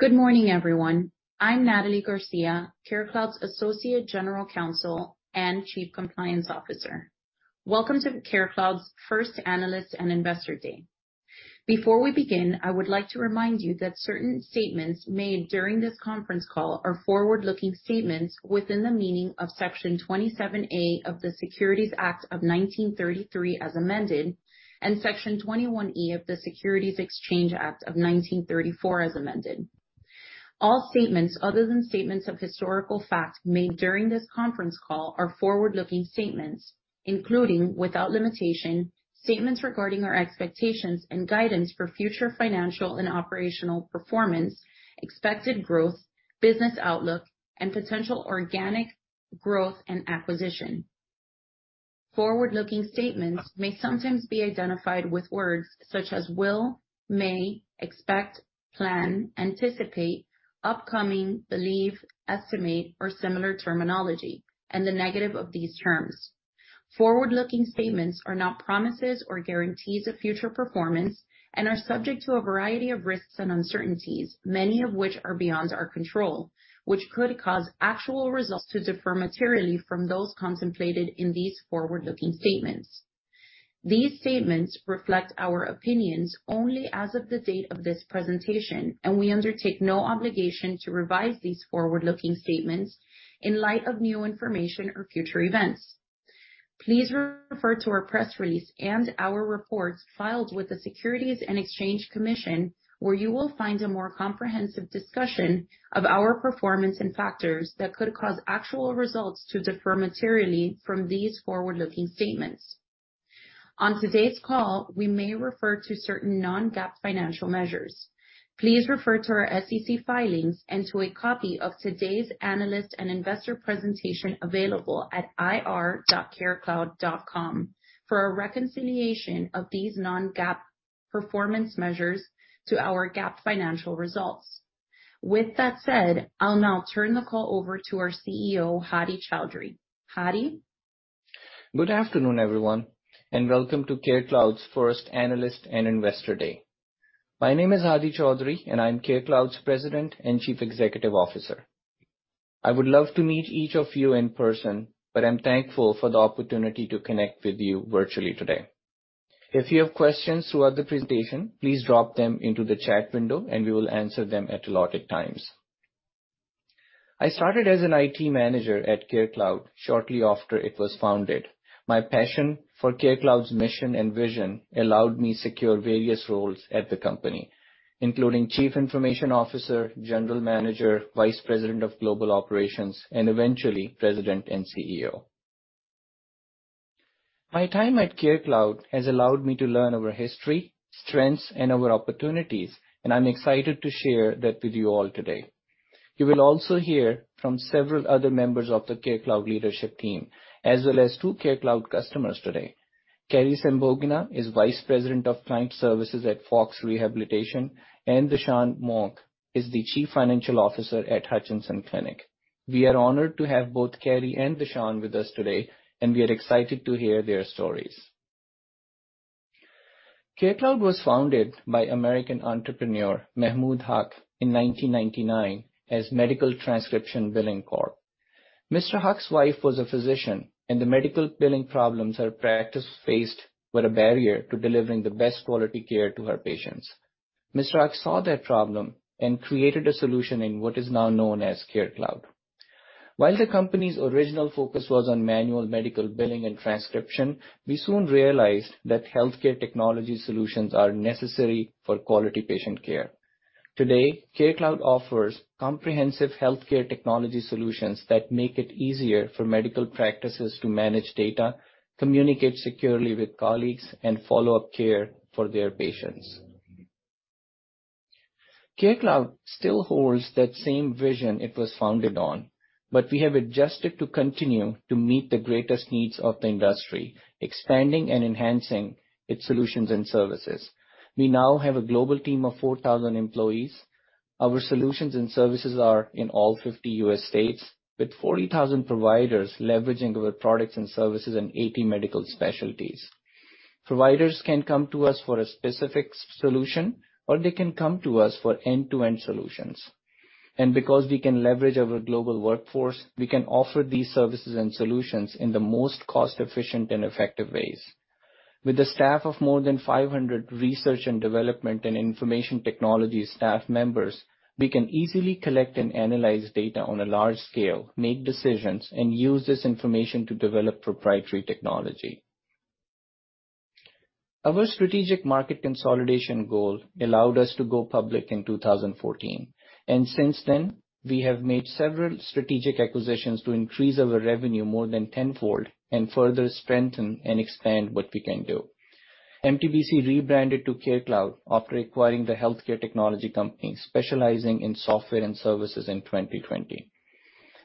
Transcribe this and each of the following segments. Good morning, everyone. I'm Nathalie Garcia, CareCloud's Associate General Counsel and Chief Compliance Officer. Welcome to CareCloud's first Analyst and Investor Day. Before we begin, I would like to remind you that certain statements made during this conference call are forward-looking statements within the meaning of Section 27A of the Securities Act of 1933 as amended, and Section 21E of the Securities Exchange Act of 1934 as amended. All statements other than statements of historical fact made during this conference call are forward-looking statements, including, without limitation, statements regarding our expectations and guidance for future financial and operational performance, expected growth, business outlook, and potential organic growth and acquisition. Forward-looking statements may sometimes be identified with words such as will, may, expect, plan, anticipate, upcoming, believe, estimate, or similar terminology and the negative of these terms. Forward-looking statements are not promises or guarantees of future performance and are subject to a variety of risks and uncertainties, many of which are beyond our control, which could cause actual results to differ materially from those contemplated in these forward-looking statements. These statements reflect our opinions only as of the date of this presentation. We undertake no obligation to revise these forward-looking statements in light of new information or future events. Please refer to our press release and our reports filed with the Securities and Exchange Commission, where you will find a more comprehensive discussion of our performance and factors that could cause actual results to differ materially from these forward-looking statements. On today's call, we may refer to certain non-GAAP financial measures. Please refer to our SEC filings and to a copy of today's analyst and investor presentation available at ir.carecloud.com for a reconciliation of these non-GAAP performance measures to our GAAP financial results. With that said, I'll now turn the call over to our CEO, Hadi Chaudhry. Hadi. Good afternoon, everyone, welcome to CareCloud's first Analyst and Investor Day. My name is Hadi Chaudhry, I'm CareCloud's President and Chief Executive Officer. I would love to meet each of you in person, I'm thankful for the opportunity to connect with you virtually today. If you have questions throughout the presentation, please drop them into the chat window we will answer them at allotted times. I started as an IT manager at CareCloud shortly after it was founded. My passion for CareCloud's mission and vision allowed me secure various roles at the company, including Chief Information Officer, General Manager, Vice President of Global Operations, and eventually President and CEO. My time at CareCloud has allowed me to learn our history, strengths, and our opportunities, I'm excited to share that with you all today. You will also hear from several other members of the CareCloud leadership team, as well as two CareCloud customers today. Carey Sambogna is Vice President of Client Services at FOX Rehabilitation, and Dashun Monk is the Chief Financial Officer at Hutchinson Clinic. We are honored to have both Carey and Dashun with us today, and we are excited to hear their stories. CareCloud was founded by American entrepreneur, Mahmud Haq, in 1999 as Medical Transcription Billing Corporation. Mr. Haq's wife was a physician, and the medical billing problems her practice faced were a barrier to delivering the best quality care to her patients. Mr. Haq saw that problem and created a solution in what is now known as CareCloud. While the company's original focus was on manual medical billing and transcription, we soon realized that healthcare technology solutions are necessary for quality patient care. Today, CareCloud offers comprehensive healthcare technology solutions that make it easier for medical practices to manage data, communicate securely with colleagues, and follow-up care for their patients. CareCloud still holds that same vision it was founded on. We have adjusted to continue to meet the greatest needs of the industry, expanding and enhancing its solutions and services. We now have a global team of 4,000 employees. Our solutions and services are in all 50 U.S. states, with 40,000 providers leveraging our products and services in 80 medical specialties. Providers can come to us for a specific solution, or they can come to us for end-to-end solutions. Because we can leverage our global workforce, we can offer these services and solutions in the most cost-efficient and effective ways. With a staff of more than 500 research and development and information technology staff members, we can easily collect and analyze data on a large scale, make decisions, and use this information to develop proprietary technology. Our strategic market consolidation goal allowed us to go public in 2014. Since then, we have made several strategic acquisitions to increase our revenue more than tenfold and further strengthen and expand what we can do. MTBC rebranded to CareCloud after acquiring the healthcare technology company specializing in software and services in 2020.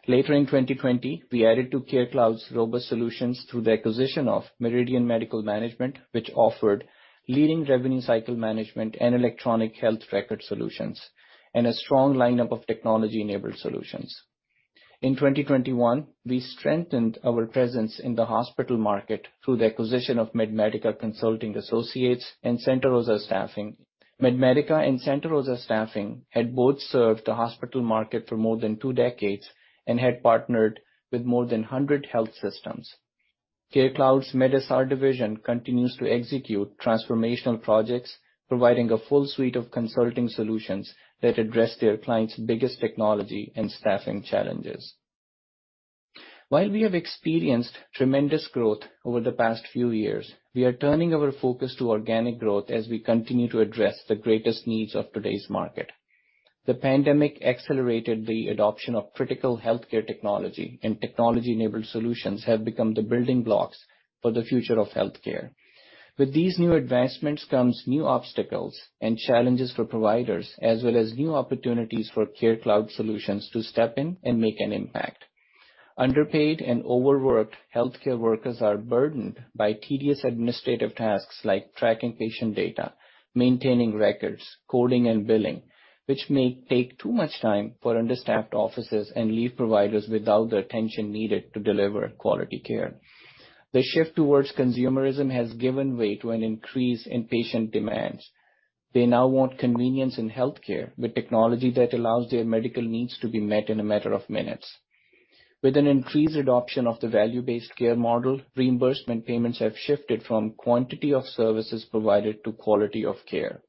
Later in 2020, we added to CareCloud's robust solutions through the acquisition of Meridian Medical Management, which offered leading revenue cycle management and electronic health record solutions, and a strong lineup of technology-enabled solutions. In 2021, we strengthened our presence in the hospital market through the acquisition of MedMatica Consulting Associates and Santa Rosa Staffing. MedMatica and Santa Rosa Staffing had both served the hospital market for more than two decades and had partnered with more than 100 health systems. CareCloud's medSR division continues to execute transformational projects, providing a full suite of consulting solutions that address their clients' biggest technology and staffing challenges. While we have experienced tremendous growth over the past few years, we are turning our focus to organic growth as we continue to address the greatest needs of today's market. The pandemic accelerated the adoption of critical healthcare technology, and technology-enabled solutions have become the building blocks for the future of healthcare. With these new advancements comes new obstacles and challenges for providers, as well as new opportunities for CareCloud solutions to step in and make an impact. Underpaid and overworked healthcare workers are burdened by tedious administrative tasks like tracking patient data, maintaining records, coding, and billing, which may take too much time for understaffed offices and leave providers without the attention needed to deliver quality care. The shift towards consumerism has given way to an increase in patient demands. They now want convenience in healthcare with technology that allows their medical needs to be met in a matter of minutes. With an increased adoption of the value-based care model, reimbursement payments have shifted from quantity of services provided to quality of care.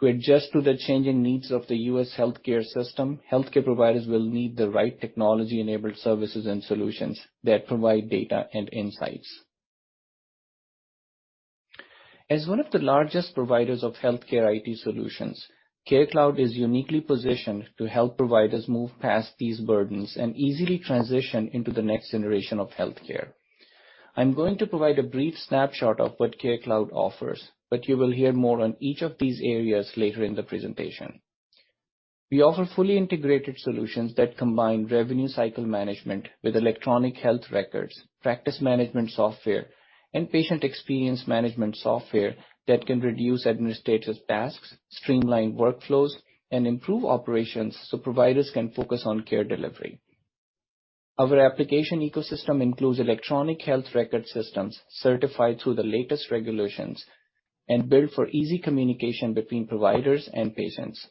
To adjust to the changing needs of the U.S. healthcare system, healthcare providers will need the right technology-enabled services and solutions that provide data and insights. As one of the largest providers of healthcare IT solutions, CareCloud is uniquely positioned to help providers move past these burdens and easily transition into the next generation of healthcare. I'm going to provide a brief snapshot of what CareCloud offers, but you will hear more on each of these areas later in the presentation. We offer fully integrated solutions that combine revenue cycle management with electronic health records, practice management software, and patient experience management software that can reduce administrative tasks, streamline workflows, and improve operations so providers can focus on care delivery. Our application ecosystem includes electronic health record systems certified through the latest regulations and built for easy communication between providers and patients.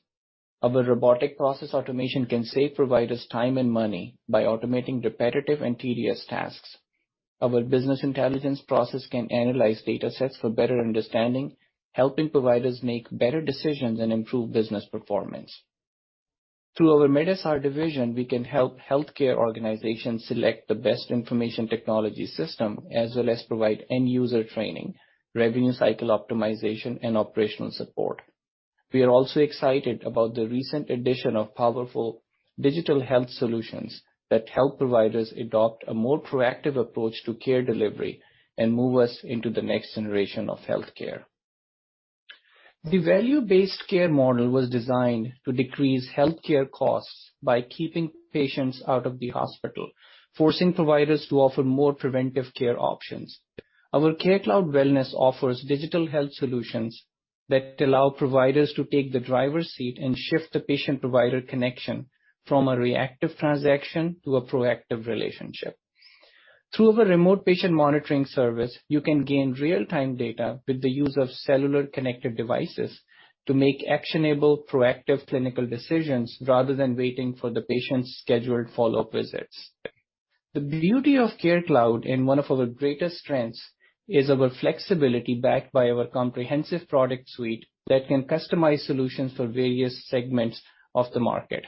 Our robotic process automation can save providers time and money by automating repetitive and tedious tasks. Our business intelligence process can analyze datasets for better understanding, helping providers make better decisions and improve business performance. Through our medSR division, we can help healthcare organizations select the best information technology system, as well as provide end-user training, revenue cycle optimization, and operational support. We are also excited about the recent addition of powerful digital health solutions that help providers adopt a more proactive approach to care delivery and move us into the next generation of healthcare. The value-based care model was designed to decrease healthcare costs by keeping patients out of the hospital, forcing providers to offer more preventive care options. Our CareCloud Wellness offers digital health solutions that allow providers to take the driver's seat and shift the patient-provider connection from a reactive transaction to a proactive relationship. Through our remote patient monitoring service, you can gain real-time data with the use of cellular-connected devices to make actionable, proactive clinical decisions rather than waiting for the patient's scheduled follow-up visits. The beauty of CareCloud and one of our greatest strengths is our flexibility backed by our comprehensive product suite that can customize solutions for various segments of the market.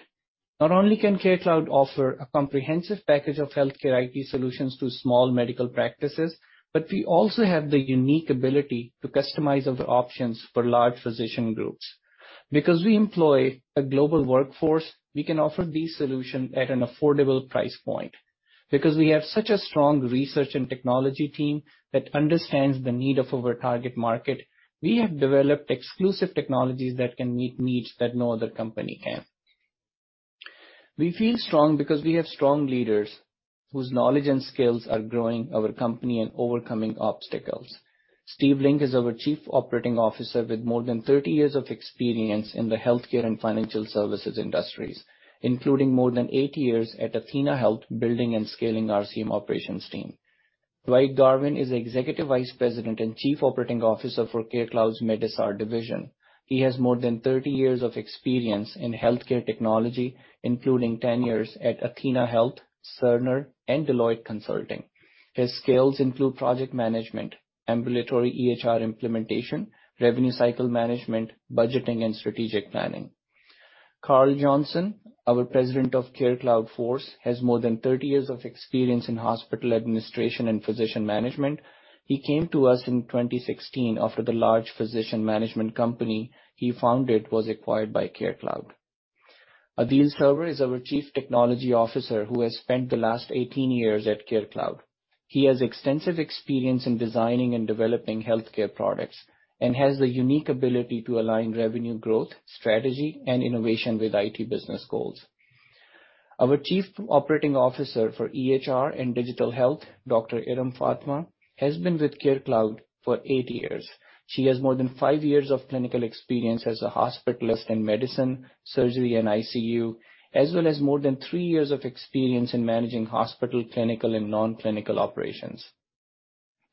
Not only can CareCloud offer a comprehensive package of healthcare IT solutions to small medical practices, but we also have the unique ability to customize our options for large physician groups. Because we employ a global workforce, we can offer these solutions at an affordable price point. Because we have such a strong research and technology team that understands the need of our target market, we have developed exclusive technologies that can meet needs that no other company can. We feel strong because we have strong leaders whose knowledge and skills are growing our company and overcoming obstacles. Steve Link is our chief operating officer with more than 30 years of experience in the healthcare and financial services industries, including more than 8 years at athenahealth building and scaling RCM operations team. Dwight Garvin is executive vice president and chief operating officer for CareCloud's medSR division. He has more than 30 years of experience in healthcare technology, including 10 years at athenahealth, Cerner, and Deloitte Consulting. His skills include project management, ambulatory EHR implementation, revenue cycle management, budgeting, and strategic planning. Karl Johnson, our president of CareCloud Force, has more than 30 years of experience in hospital administration and physician management. He came to us in 2016 after the large physician management company he founded was acquired by CareCloud. Adeel Sarwar is our Chief Technology Officer, who has spent the last 18 years at CareCloud. He has extensive experience in designing and developing healthcare products and has the unique ability to align revenue growth, strategy, and innovation with IT business goals. Our Chief Operating Officer for EHR and Digital Health, Dr. Iram Fatima, has been with CareCloud for 8 years. She has more than five years of clinical experience as a hospitalist in medicine, surgery, and ICU, as well as more than three years of experience in managing hospital, clinical and non-clinical operations.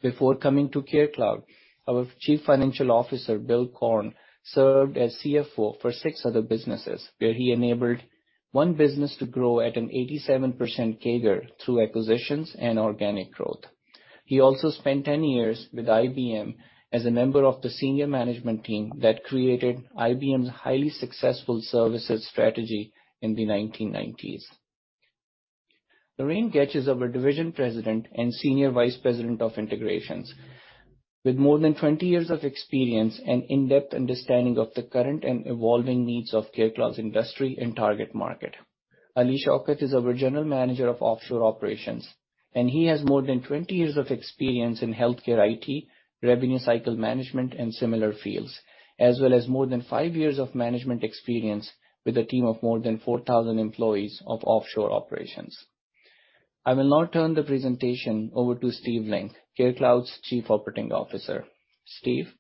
Before coming to CareCloud, our Chief Financial Officer, Bill Korn, served as CFO for six other businesses where he enabled one business to grow at an 87% CAGR through acquisitions and organic growth. He also spent 10 years with IBM as a member of the senior management team that created IBM's highly successful services strategy in the 1990s. Loraine Goetsch is our Division President and Senior Vice President of Integrations. With more than 20 years of experience and in-depth understanding of the current and evolving needs of CareCloud's industry and target market. Ali Shaukat is our General Manager of Offshore Operations, and he has more than 20 years of experience in healthcare IT, revenue cycle management and similar fields, as well as more than five years of management experience with a team of more than 4,000 employees of offshore operations. I will now turn the presentation over to Steve Link, CareCloud's Chief Operating Officer. Steve.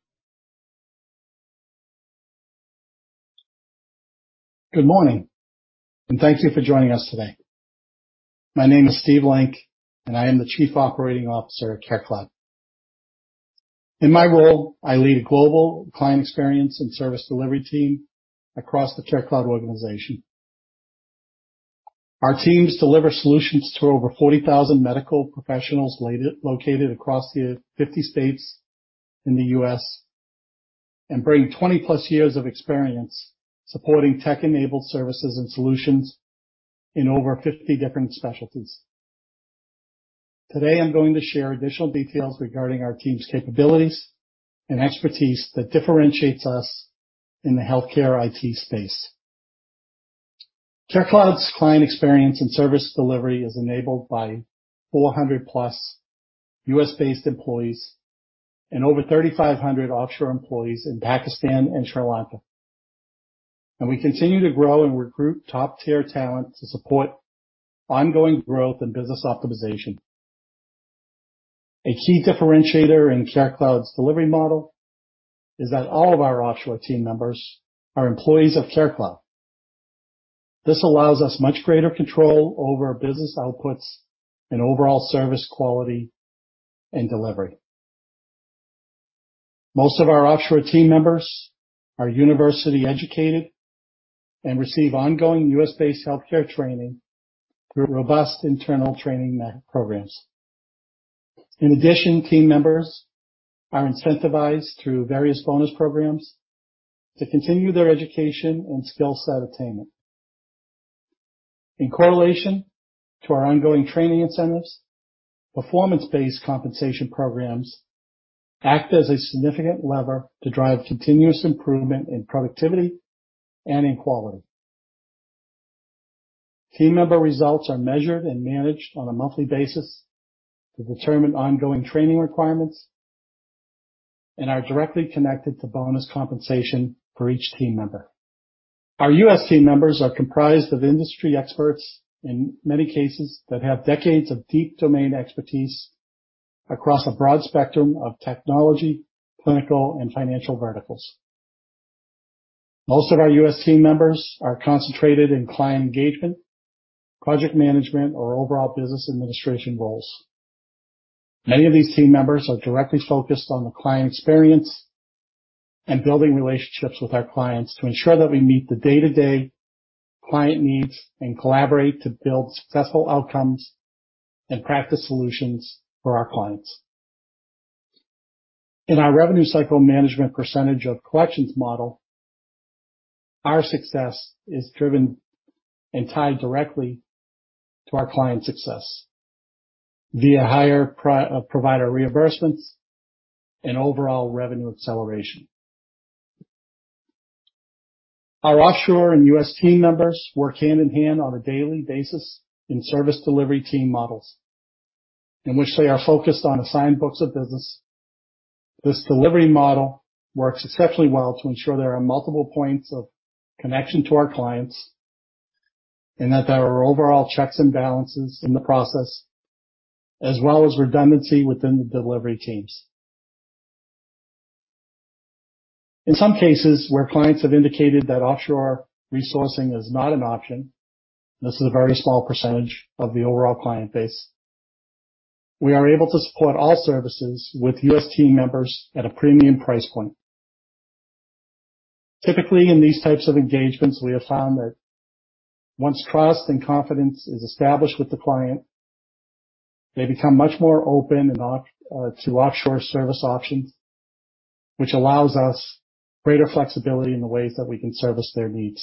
Good morning, and thank you for joining us today. My name is Steve Link and I am the Chief Operating Officer at CareCloud. In my role, I lead a global client experience and service delivery team across the CareCloud organization. Our teams deliver solutions to over 40,000 medical professionals located across the 50 states in the U.S. and bring 20+ years of experience supporting tech-enabled services and solutions in over 50 different specialties. Today, I'm going to share additional details regarding our team's capabilities and expertise that differentiates us in the healthcare IT space. CareCloud's client experience and service delivery is enabled by 400+ U.S.-based employees and over 3,500 offshore employees in Pakistan and Sri Lanka. We continue to grow and recruit top-tier talent to support ongoing growth and business optimization. A key differentiator in CareCloud's delivery model is that all of our offshore team members are employees of CareCloud. This allows us much greater control over our business outputs and overall service quality and delivery. Most of our offshore team members are university-educated and receive ongoing U.S.-based healthcare training through robust internal training programs. In addition, team members are incentivized through various bonus programs to continue their education and skill set attainment. In correlation to our ongoing training incentives, performance-based compensation programs act as a significant lever to drive continuous improvement in productivity and in quality. Team member results are measured and managed on a monthly basis to determine ongoing training requirements and are directly connected to bonus compensation for each team member. Our U.S. team members are comprised of industry experts in many cases that have decades of deep domain expertise across a broad spectrum of technology, clinical, and financial verticals. Most of our U.S. team members are concentrated in client engagement, project management, or overall business administration roles. Many of these team members are directly focused on the client experience and building relationships with our clients to ensure that we meet the day-to-day client needs and collaborate to build successful outcomes and practice solutions for our clients. In our revenue cycle management percentage of collections model, our success is driven and tied directly to our clients' success via higher provider reimbursements and overall revenue acceleration. Our offshore and U.S. team members work hand in hand on a daily basis in service delivery team models in which they are focused on assigned books of business. This delivery model works exceptionally well to ensure there are multiple points of connection to our clients, and that there are overall checks and balances in the process, as well as redundancy within the delivery teams. In some cases where clients have indicated that offshore resourcing is not an option, this is a very small percentage of the overall client base, we are able to support all services with U.S. team members at a premium price point. Typically, in these types of engagements, we have found that once trust and confidence is established with the client, they become much more open to offshore service options, which allows us greater flexibility in the ways that we can service their needs.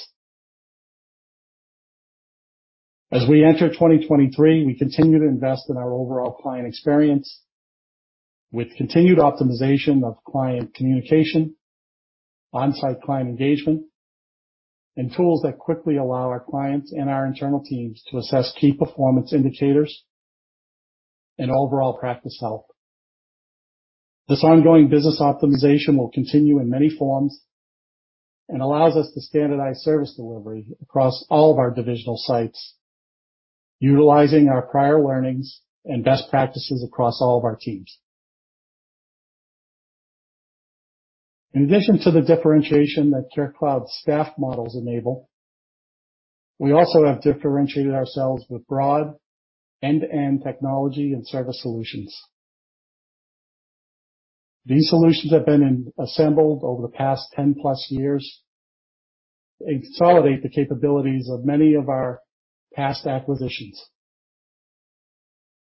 As we enter 2023, we continue to invest in our overall client experience. With continued optimization of client communication, on-site client engagement, and tools that quickly allow our clients and our internal teams to assess key performance indicators and overall practice health. This ongoing business optimization will continue in many forms and allows us to standardize service delivery across all of our divisional sites, utilizing our prior learnings and best practices across all of our teams. In addition to the differentiation that CareCloud staff models enable, we also have differentiated ourselves with broad end-to-end technology and service solutions. These solutions have been assembled over the past 10+ years and consolidate the capabilities of many of our past acquisitions.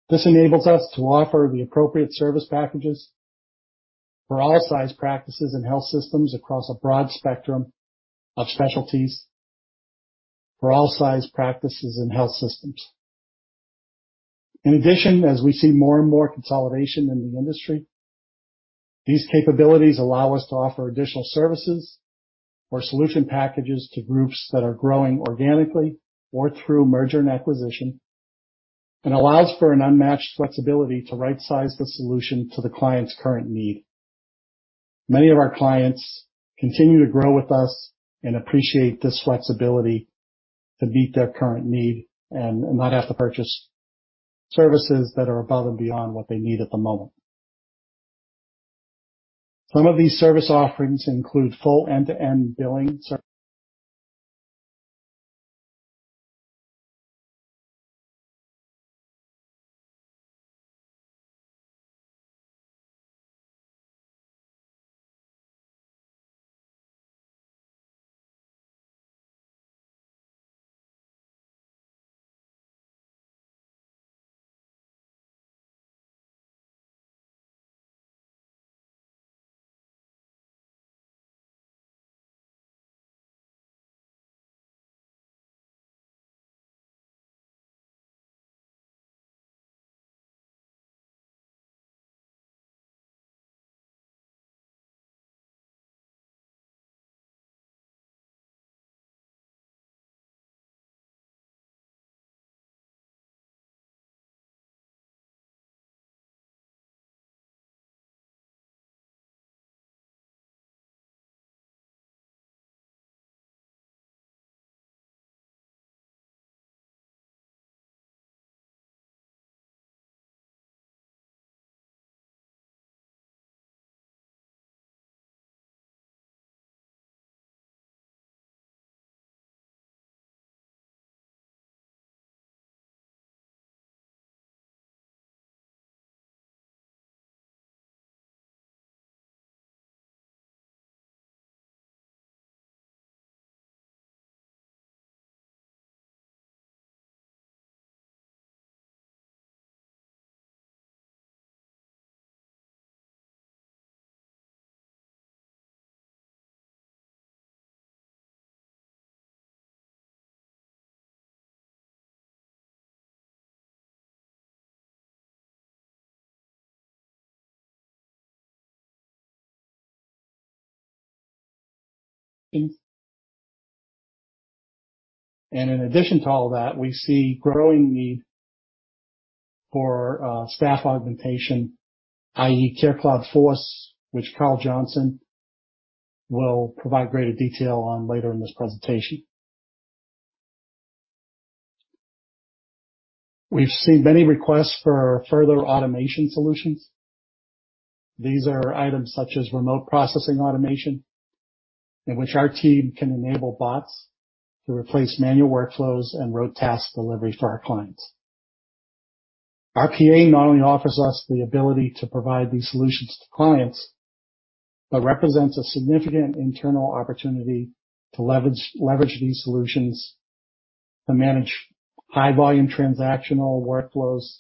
This enables us to offer the appropriate service packages for all size practices and health systems across a broad spectrum of specialties for all size practices and health systems. As we see more and more consolidation in the industry, these capabilities allow us to offer additional services or solution packages to groups that are growing organically or through merger and acquisition, and allows for an unmatched flexibility to right-size the solution to the client's current need. Many of our clients continue to grow with us and appreciate this flexibility to meet their current need and not have to purchase services that are above and beyond what they need at the moment. Some of these service offerings include full end-to-end billing. In addition to all of that, we see growing need for staff augmentation, i.e. CareCloud Force, which Karl Johnson will provide greater detail on later in this presentation. We've seen many requests for further automation solutions. These are items such as remote processing automation, in which our team can enable bots to replace manual workflows and rote task delivery for our clients. RPA not only offers us the ability to provide these solutions to clients, but represents a significant internal opportunity to leverage these solutions to manage high volume transactional workflows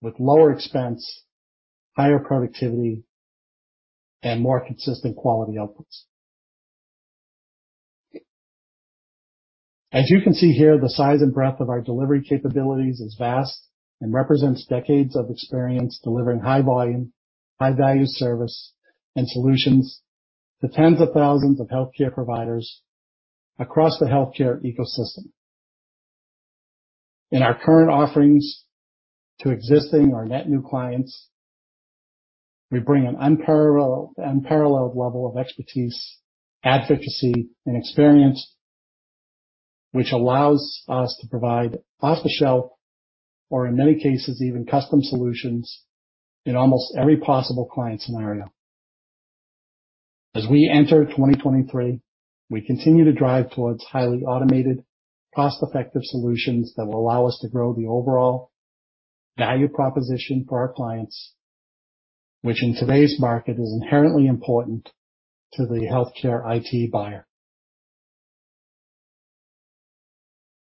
with lower expense, higher productivity, and more consistent quality outputs. As you can see here, the size and breadth of our delivery capabilities is vast and represents decades of experience delivering high volume, high value service and solutions to tens of thousands of healthcare providers across the healthcare ecosystem. In our current offerings to existing or net new clients, we bring an unparalleled level of expertise, advocacy, and experience, which allows us to provide off-the-shelf, or in many cases, even custom solutions in almost every possible client scenario. As we enter 2023, we continue to drive towards highly automated, cost-effective solutions that will allow us to grow the overall value proposition for our clients, which in today's market is inherently important to the healthcare IT buyer.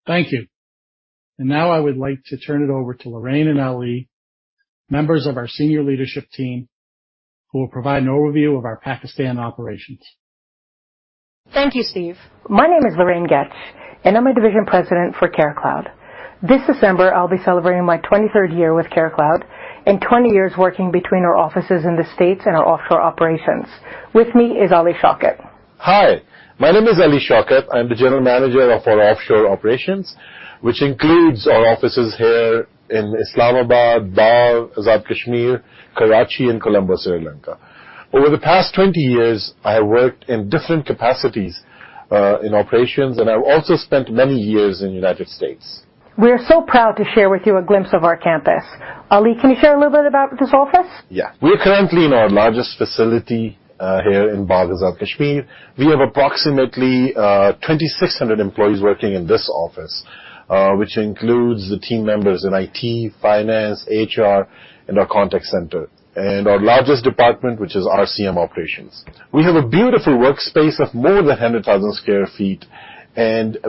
Thank you. Now I would like to turn it over to Loraine and Ali, members of our senior leadership team, who will provide an overview of our Pakistan operations. Thank you, Steve. My name is Loraine Goetsch, and I'm a Division President for CareCloud. This December, I'll be celebrating my 23rd year with CareCloud and 20 years working between our offices in the States and our Offshore Operations. With me is Ali Shaukat. Hi. My name is Ali Shaukat. I'm the general manager of our offshore operations, which includes our offices here in Islamabad, Bagh, Azad Kashmir, Karachi, and Colombo, Sri Lanka. Over the past 20 years, I have worked in different capacities in operations. I've also spent many years in United States. We are proud to share with you a glimpse of our campus. Ali, can you share a little bit about this office? Yeah. We're currently in our largest facility, here in Bagh, Azad Kashmir. We have approximately 2,600 employees working in this office, which includes the team members in IT, finance, HR, and our contact center, and our largest department, which is RCM operations. We have a beautiful workspace of more than 100,000 sq ft.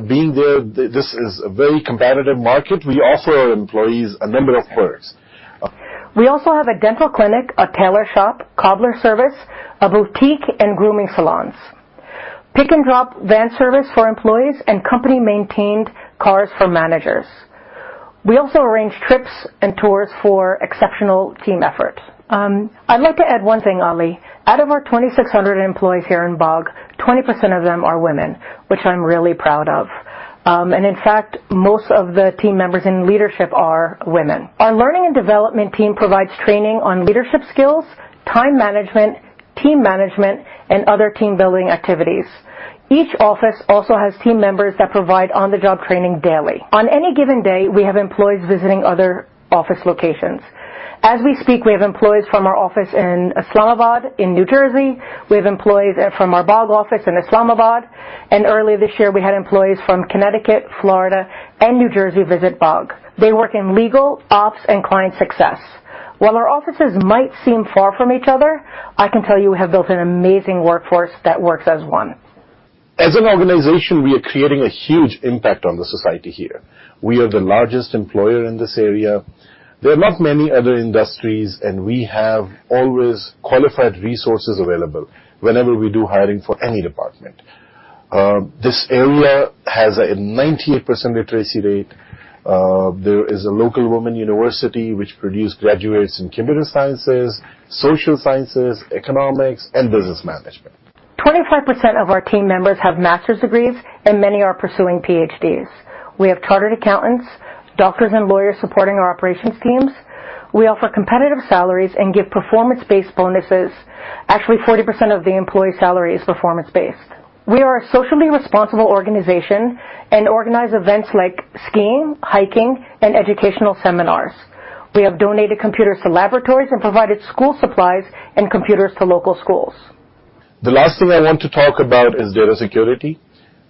Being there, this is a very competitive market. We offer our employees a number of perks. We also have a dental clinic, a tailor shop, cobbler service, a boutique, and grooming salons. Pick and drop van service for employees and company-maintained cars for managers. We also arrange trips and tours for exceptional team efforts. I'd like to add one thing, Ali. Out of our 2,600 employees here in Bagh, 20% of them are women, which I'm really proud of. In fact, most of the team members in leadership are women. Our learning and development team provides training on leadership skills, time management, team management, and other team-building activities. Each office also has team members that provide on-the-job training daily. On any given day, we have employees visiting other office locations. As we speak, we have employees from our office in Islamabad, in New Jersey. We have employees from our Bagh office in Islamabad, and earlier this year, we had employees from Connecticut, Florida, and New Jersey visit Bagh. They work in legal, ops, and client success. While our offices might seem far from each other, I can tell you we have built an amazing workforce that works as one. As an organization, we are creating a huge impact on the society here. We are the largest employer in this area. There are not many other industries, and we have always qualified resources available whenever we do hiring for any department. This area has a 98% literacy rate. There is a local woman university which produce graduates in computer sciences, social sciences, economics, and business management. 25% of our team members have master's degrees, and many are pursuing PhDs. We have chartered accountants, doctors, and lawyers supporting our operations teams. We offer competitive salaries and give performance-based bonuses. Actually, 40% of the employee salary is performance-based. We are a socially responsible organization and organize events like skiing, hiking, and educational seminars. We have donated computers to laboratories and provided school supplies and computers to local schools. The last thing I want to talk about is data security.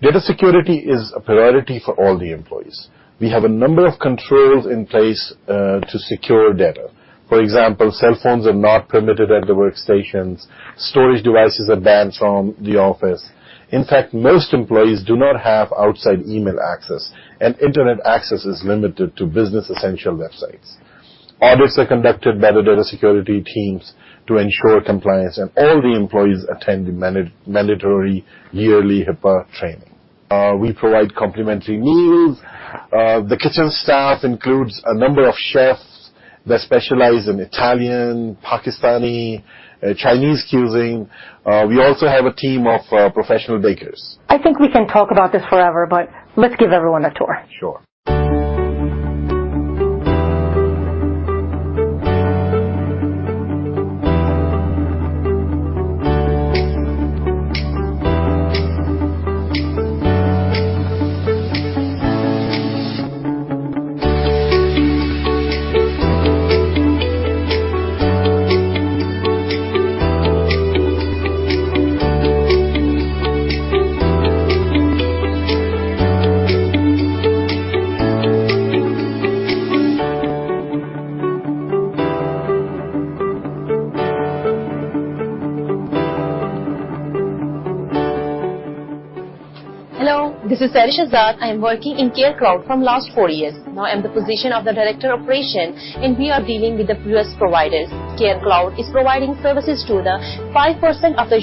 Data security is a priority for all the employees. We have a number of controls in place to secure data. For example, cell phones are not permitted at the workstations. Storage devices are banned from the office. In fact, most employees do not have outside email access, and internet access is limited to business essential websites. Audits are conducted by the data security teams to ensure compliance, and all the employees attend the mandatory yearly HIPAA training. We provide complimentary meals. The kitchen staff includes a number of chefs that specialize in Italian, Pakistani, Chinese cuisine. We also have a team of professional bakers. I think we can talk about this forever, but let's give everyone a tour. Sure. Hello. This is Alishah Zaad. I am working in CareCloud from last four years. Now I'm the position of the Director Operation. We are dealing with the U.S. providers. CareCloud is providing services to the 5% of the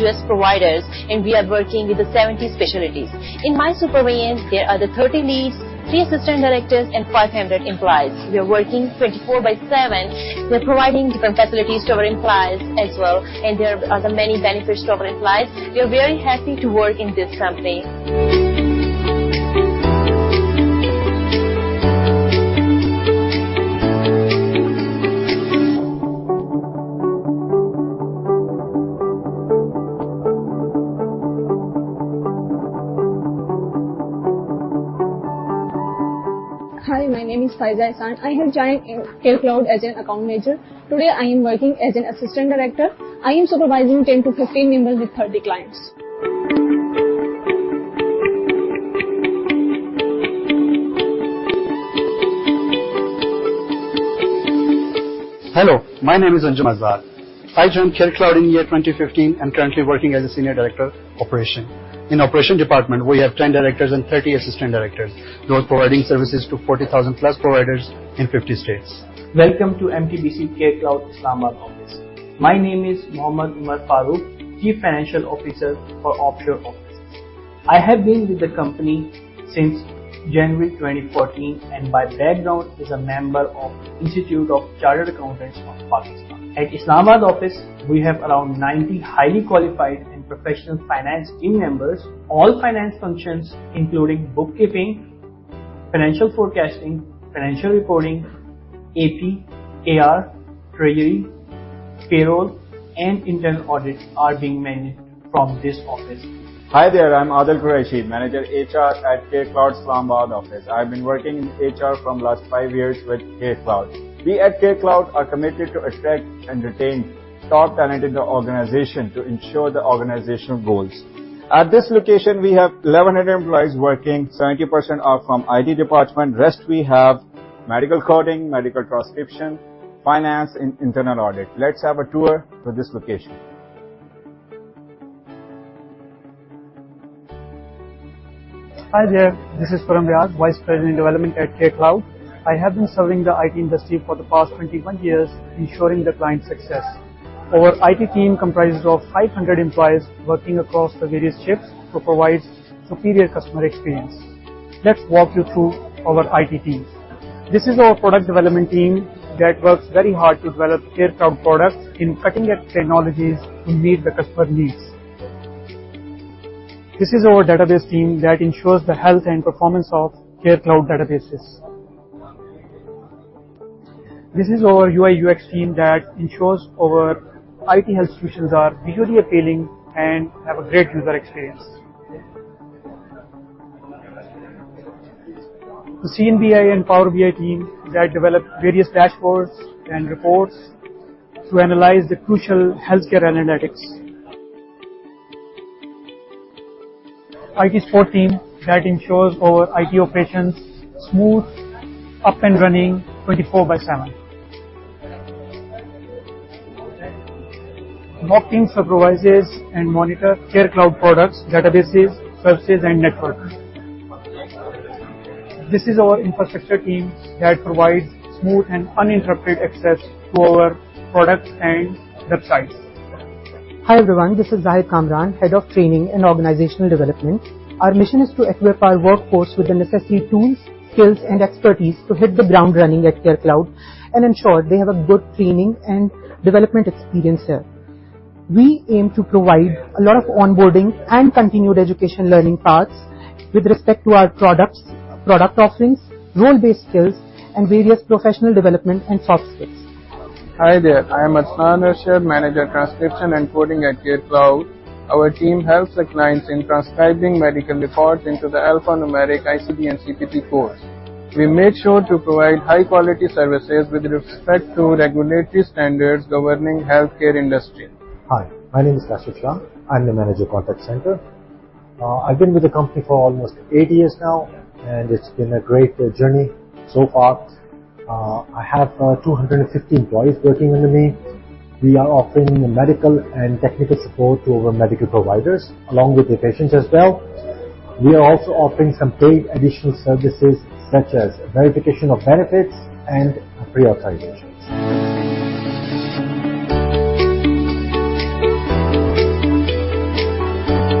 U.S. providers. We are working with the 70 specialties. In my supervision, there are the 30 leads, three assistant directors, and 500 employees. We are working 24/7. We're providing different facilities to our employees as well. There are the many benefits to our employees. We are very happy to work in this company. Hi, my name is Faiza Ehsan. I have joined in CareCloud as an account manager. Today, I am working as an assistant director. I am supervising 10 to 15 members with 30 clients. Hello. My name is Anjum Azhar. I joined CareCloud in year 2015 and currently working as a senior director, operation. In operation department, we have 10 directors and 30 assistant directors. We are providing services to 40,000 plus providers in 50 states. Welcome to MTBC CareCloud Islamabad office. My name is Muhammad Umar Farooq, chief financial officer for offshore office. I have been with the company since January 2014. My background is a member of Institute of Chartered Accountants of Pakistan. At Islamabad office, we have around 90 highly qualified and professional finance team members. All finance functions, including bookkeeping, financial forecasting, financial reporting, AP, AR, treasury, payroll, and internal audit are being managed from this office. Hi there. I'm Adil Qureshi, Manager HR at CareCloud Islamabad office. I've been working in HR from last five years with CareCloud. We at CareCloud are committed to attract and retain top talent in the organization to ensure the organizational goals. At this location, we have 1,100 employees working. 70% are from IT department. Rest we have medical coding, medical transcription, finance, and internal audit. Let's have a tour to this location. Hi there. This is Khurram Riaz, Vice President Development at CareCloud. I have been serving the IT industry for the past 21 years ensuring the client success. Our IT team comprises of 500 employees working across the various shifts to provide superior customer experience. Let's walk you through our IT team. This is our product development team that works very hard to develop CareCloud products in cutting-edge technologies to meet the customer needs. This is our database team that ensures the health and performance of CareCloud databases. This is our UI/UX team that ensures our IT health solutions are visually appealing and have a great user experience. The CMBI and Power BI team that develop various dashboards and reports to analyze the crucial healthcare analytics. IT support team that ensures our IT operations smooth, up and running 24/7. Ops team supervises and monitor CareCloud products, databases, services, and network. This is our infrastructure team that provides smooth and uninterrupted access to our products and websites. Hi everyone. This is Zahid Kamran, Head of Training and Organizational Development. Our mission is to equip our workforce with the necessary tools, skills, and expertise to hit the ground running at CareCloud and ensure they have a good training and development experience here. We aim to provide a lot of onboarding and continued education learning paths with respect to our products, product offerings, role-based skills, and various professional development and soft skills. Hi there. I am Adnan Arshad, Manager Transcription and Coding at CareCloud. Our team helps the clients in transcribing medical reports into the alphanumeric ICD and CPT codes. We make sure to provide high-quality services with respect to regulatory standards governing healthcare industry. Hi. My name is Kashif Shah. I'm the Manager Contact Center. I've been with the company for almost eight years now, and it's been a great journey so far. I have 250 employees working under me. We are offering medical and technical support to our medical providers along with the patients as well. We are also offering some paid additional services such as verification of benefits and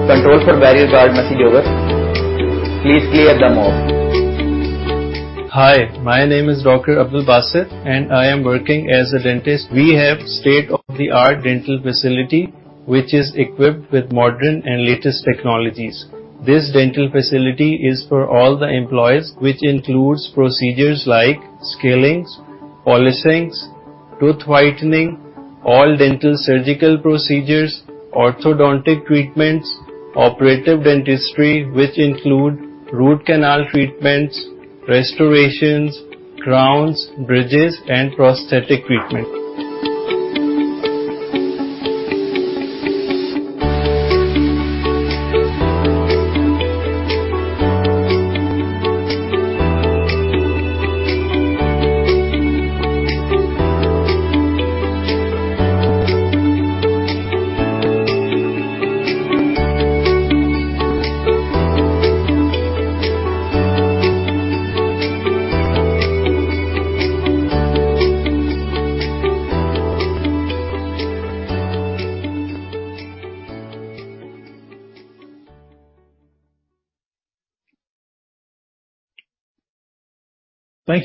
pre-authorizations. Hi. My name is Dr. Abdul Basit, and I am working as a dentist. We have state-of-the-art dental facility which is equipped with modern and latest technologies. This dental facility is for all the employees which includes procedures like scalings, polishings, tooth whitening, all dental surgical procedures, orthodontic treatments, operative dentistry which include root canal treatments, restorations, crowns, bridges, and prosthetic treatment.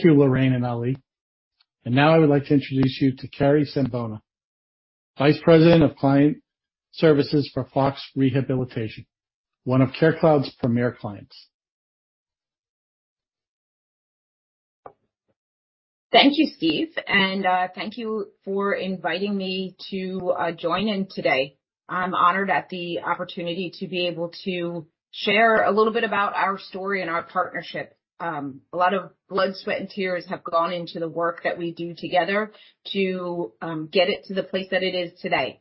Thank you, Loraine and Ali. Now I would like to introduce you to Carey Sambogna, Vice President of Client Services for FOX Rehabilitation, one of CareCloud's premier clients. Thank you, Steve, and thank you for inviting me to join in today. I'm honored at the opportunity to be able to share a little bit about our story and our partnership. A lot of blood, sweat, and tears have gone into the work that we do together to get it to the place that it is today.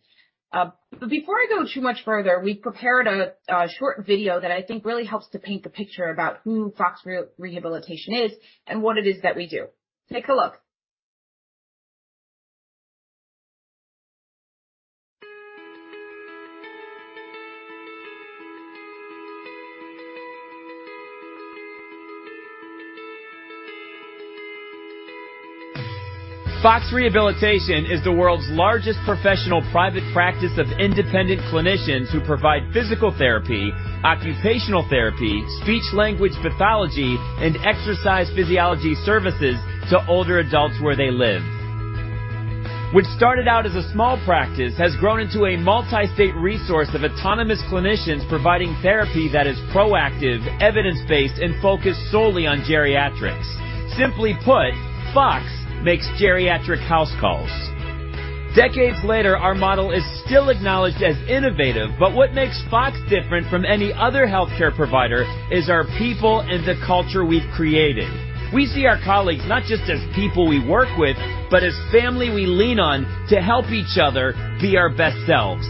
Before I go too much further, we've prepared a short video that I think really helps to paint the picture about who FOX Rehabilitation is and what it is that we do. Take a look. Fox Rehabilitation is the world's largest professional private practice of independent clinicians who provide physical therapy, occupational therapy, speech language pathology, and exercise physiology services to older adults where they live. What started out as a small practice has grown into a multi-state resource of autonomous clinicians providing therapy that is proactive, evidence-based, and focused solely on geriatrics. Simply put, FOX makes geriatric house calls. Decades later, our model is still acknowledged as innovative. What makes FOX different from any other healthcare provider is our people and the culture we've created. We see our colleagues not just as people we work with, but as family we lean on to help each other be our best selves.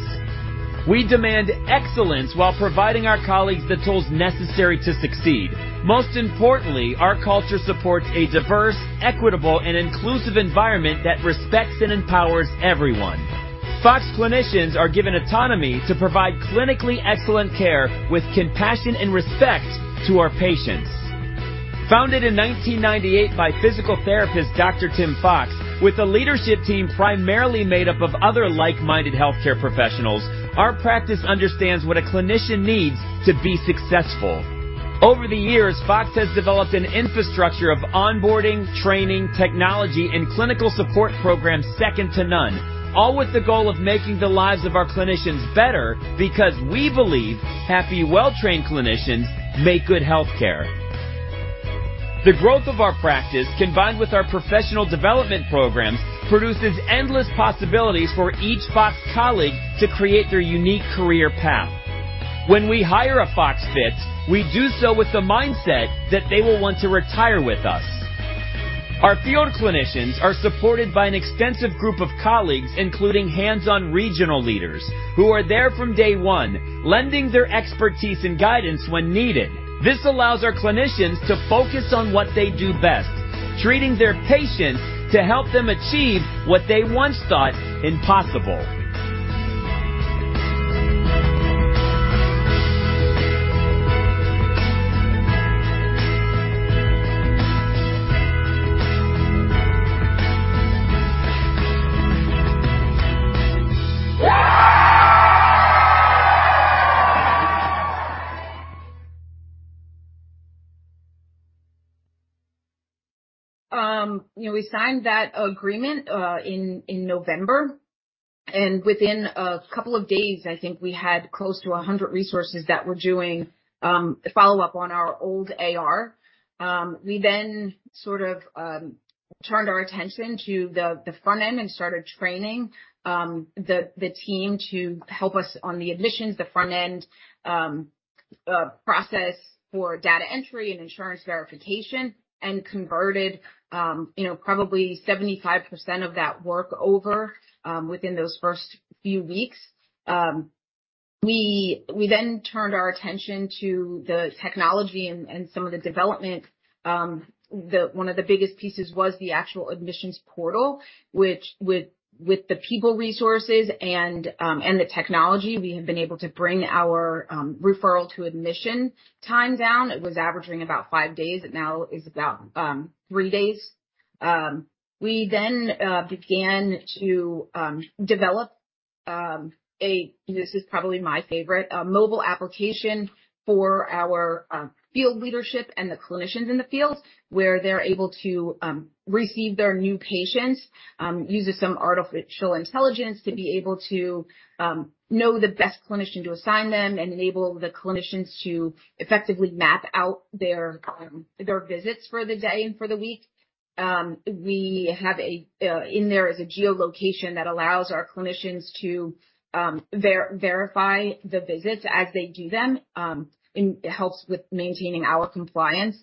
We demand excellence while providing our colleagues the tools necessary to succeed. Most importantly, our culture supports a diverse, equitable, and inclusive environment that respects and empowers everyone. FOX clinicians are given autonomy to provide clinically excellent care with compassion and respect to our patients. Founded in 1998 by physical therapist Dr. Tim Fox, with a leadership team primarily made up of other like-minded healthcare professionals, our practice understands what a clinician needs to be successful. Over the years, FOX has developed an infrastructure of onboarding, training, technology, and clinical support programs second to none. With the goal of making the lives of our clinicians better because we believe happy, well-trained clinicians make good healthcare. The growth of our practice, combined with our professional development programs, produces endless possibilities for each FOX colleague to create their unique career path. When we hire a FOX fit, we do so with the mindset that they will want to retire with us. Our field clinicians are supported by an extensive group of colleagues, including hands-on regional leaders who are there from day one, lending their expertise and guidance when needed. This allows our clinicians to focus on what they do best, treating their patients to help them achieve what they once thought impossible. You know, we signed that agreement in November, and within a couple of days, I think we had close to 100 resources that were doing follow-up on our old AR. We then sort of turned our attention to the front end and started training the team to help us on the admissions, the front end process for data entry and insurance verification, and converted, you know, probably 75% of that work over within those first few weeks. We then turned our attention to the technology and some of the development. One of the biggest pieces was the actual admissions portal, which with the people resources and the technology, we have been able to bring our referral to admission time down. It was averaging about five days. It now is about three days. We then began to develop, this is probably my favorite, a mobile application for our field leadership and the clinicians in the field, where they're able to receive their new patients, uses some artificial intelligence to be able to know the best clinician to assign them and enable the clinicians to effectively map out their visits for the day and for the week. We have a in there is a geolocation that allows our clinicians to verify the visits as they do them and helps with maintaining our compliance.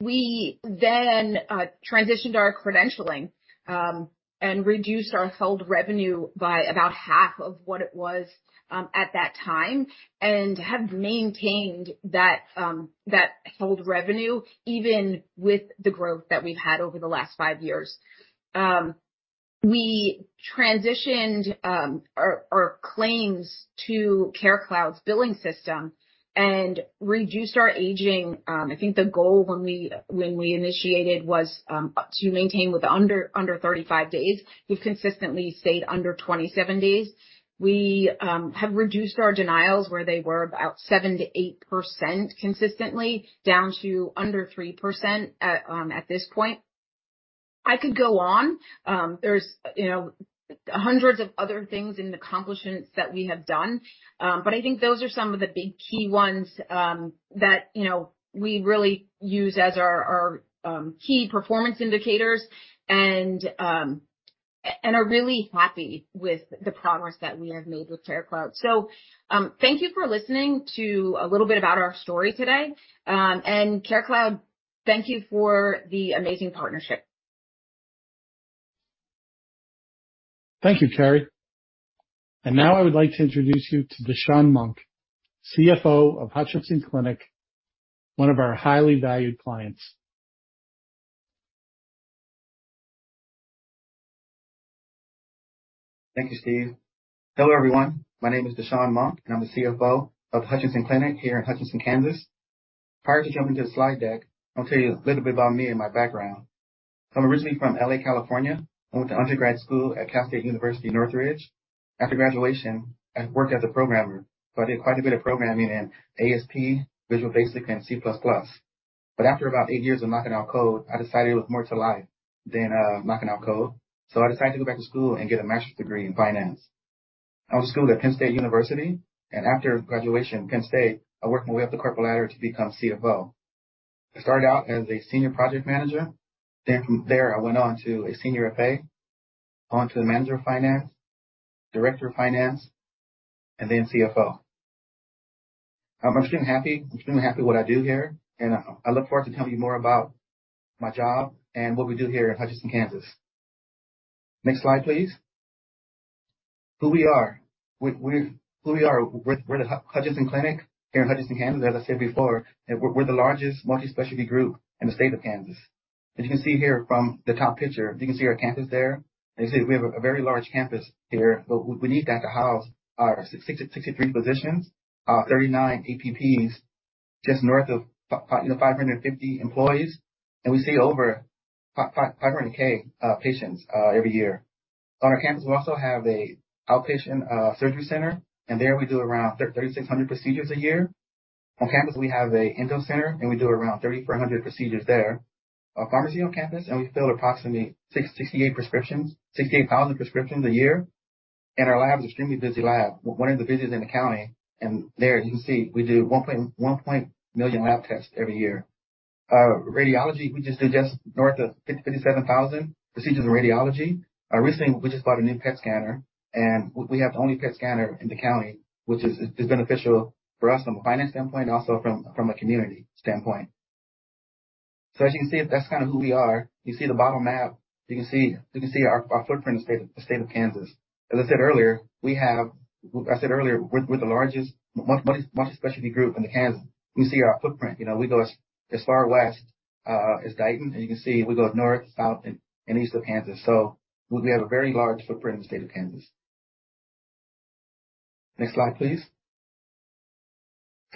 We transitioned our credentialing and reduced our held revenue by about half of what it was at that time, and have maintained that held revenue even with the growth that we've had over the last five years. We transitioned our claims to CareCloud's billing system and reduced our aging. I think the goal when we initiated was to maintain with under 35 days. We've consistently stayed under 27 days. We have reduced our denials, where they were about 7%-8% consistently down to under 3% at this point. I could go on. There's, you know, hundreds of other things and accomplishments that we have done. I think those are some of the big key ones, that, you know, we really use as our, key performance indicators and are really happy with the progress that we have made with CareCloud. Thank you for listening to a little bit about our story today. CareCloud, thank you for the amazing partnership. Thank you, Carey. Now I would like to introduce you to Dashun Monk, CFO of Hutchinson Clinic, one of our highly valued clients. Thank you, Steve. Hello, everyone. My name is Dashun Monk, and I'm the CFO of Hutchinson Clinic here in Hutchinson, Kansas. Prior to jumping to the slide deck, I'll tell you a little bit about me and my background. I'm originally from L.A., California. I went to undergrad school at California State University, Northridge. After graduation, I worked as a programmer. I did quite a bit of programming in ASP, Visual Basic, and C++. After about eight years of knocking out code, I decided there was more to life than knocking out code. I decided to go back to school and get a master's degree in finance. I went to school at Penn State University, and after graduation at Penn State, I worked my way up the corporate ladder to become CFO. I started out as a senior project manager. From there, I went on to a senior FA, on to the manager of finance, director of finance, and then CFO. I'm extremely happy. I'm extremely happy with what I do here, and I look forward to telling you more about my job and what we do here at Hutchinson, Kansas. Next slide, please. Who we are. We're the Hutchinson Clinic here in Hutchinson, Kansas, as I said before. We're the largest multi-specialty group in the state of Kansas. As you can see here from the top picture, you can see our campus there. As you can see, we have a very large campus here, but we need that to house our 63 physicians, 39 APPs, just north of 550 employees. We see over 500K patients every year. On our campus, we also have a outpatient surgery center. There we do around 3,600 procedures a year. On campus, we have a endo center. We do around 3,400 procedures there. A pharmacy on campus. We fill approximately 68,000 prescriptions a year. Our lab is an extremely busy lab, one of the busiest in the county. There you can see we do 1.1 million lab tests every year. Radiology, we just do just north of 57,000 procedures in radiology. Recently, we just bought a new PET scanner. We have the only PET scanner in the county, which is beneficial for us from a finance standpoint, also from a community standpoint. As you can see, that's kind of who we are. You see the bottom map. You can see our footprint in the state of Kansas. As I said earlier, we're the largest multi-specialty group in Kansas. You can see our footprint. You know, we go as far west as Dighton, and you can see we go north, south, and east of Kansas. We have a very large footprint in the state of Kansas. Next slide, please.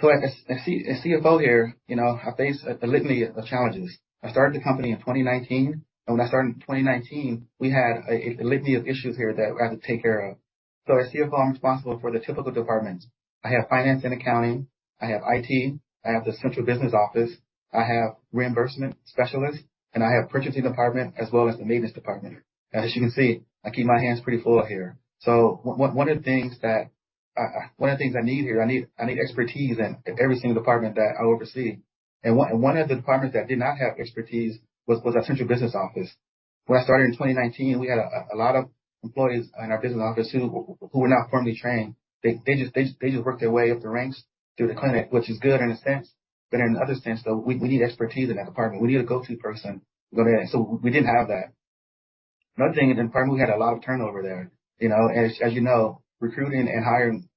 As CFO here, you know, I face a litany of challenges. I started the company in 2019, when I started in 2019, we had a litany of issues here that we had to take care of. As CFO, I'm responsible for the typical departments. I have finance and accounting, I have IT, I have the central business office, I have reimbursement specialists, and I have purchasing department, as well as the maintenance department. As you can see, I keep my hands pretty full here. One of the things I need here, I need expertise in every single department that I oversee. One of the departments that did not have expertise was our central business office. When I started in 2019, we had a lot of employees in our business office who were not formally trained. They just worked their way up the ranks through the clinic, which is good in a sense, but in another sense, though, we need expertise in that department. We need a go-to person to go there. We didn't have that. Another thing is in primary, we had a lot of turnover there. You know, as you know, recruiting and hiring,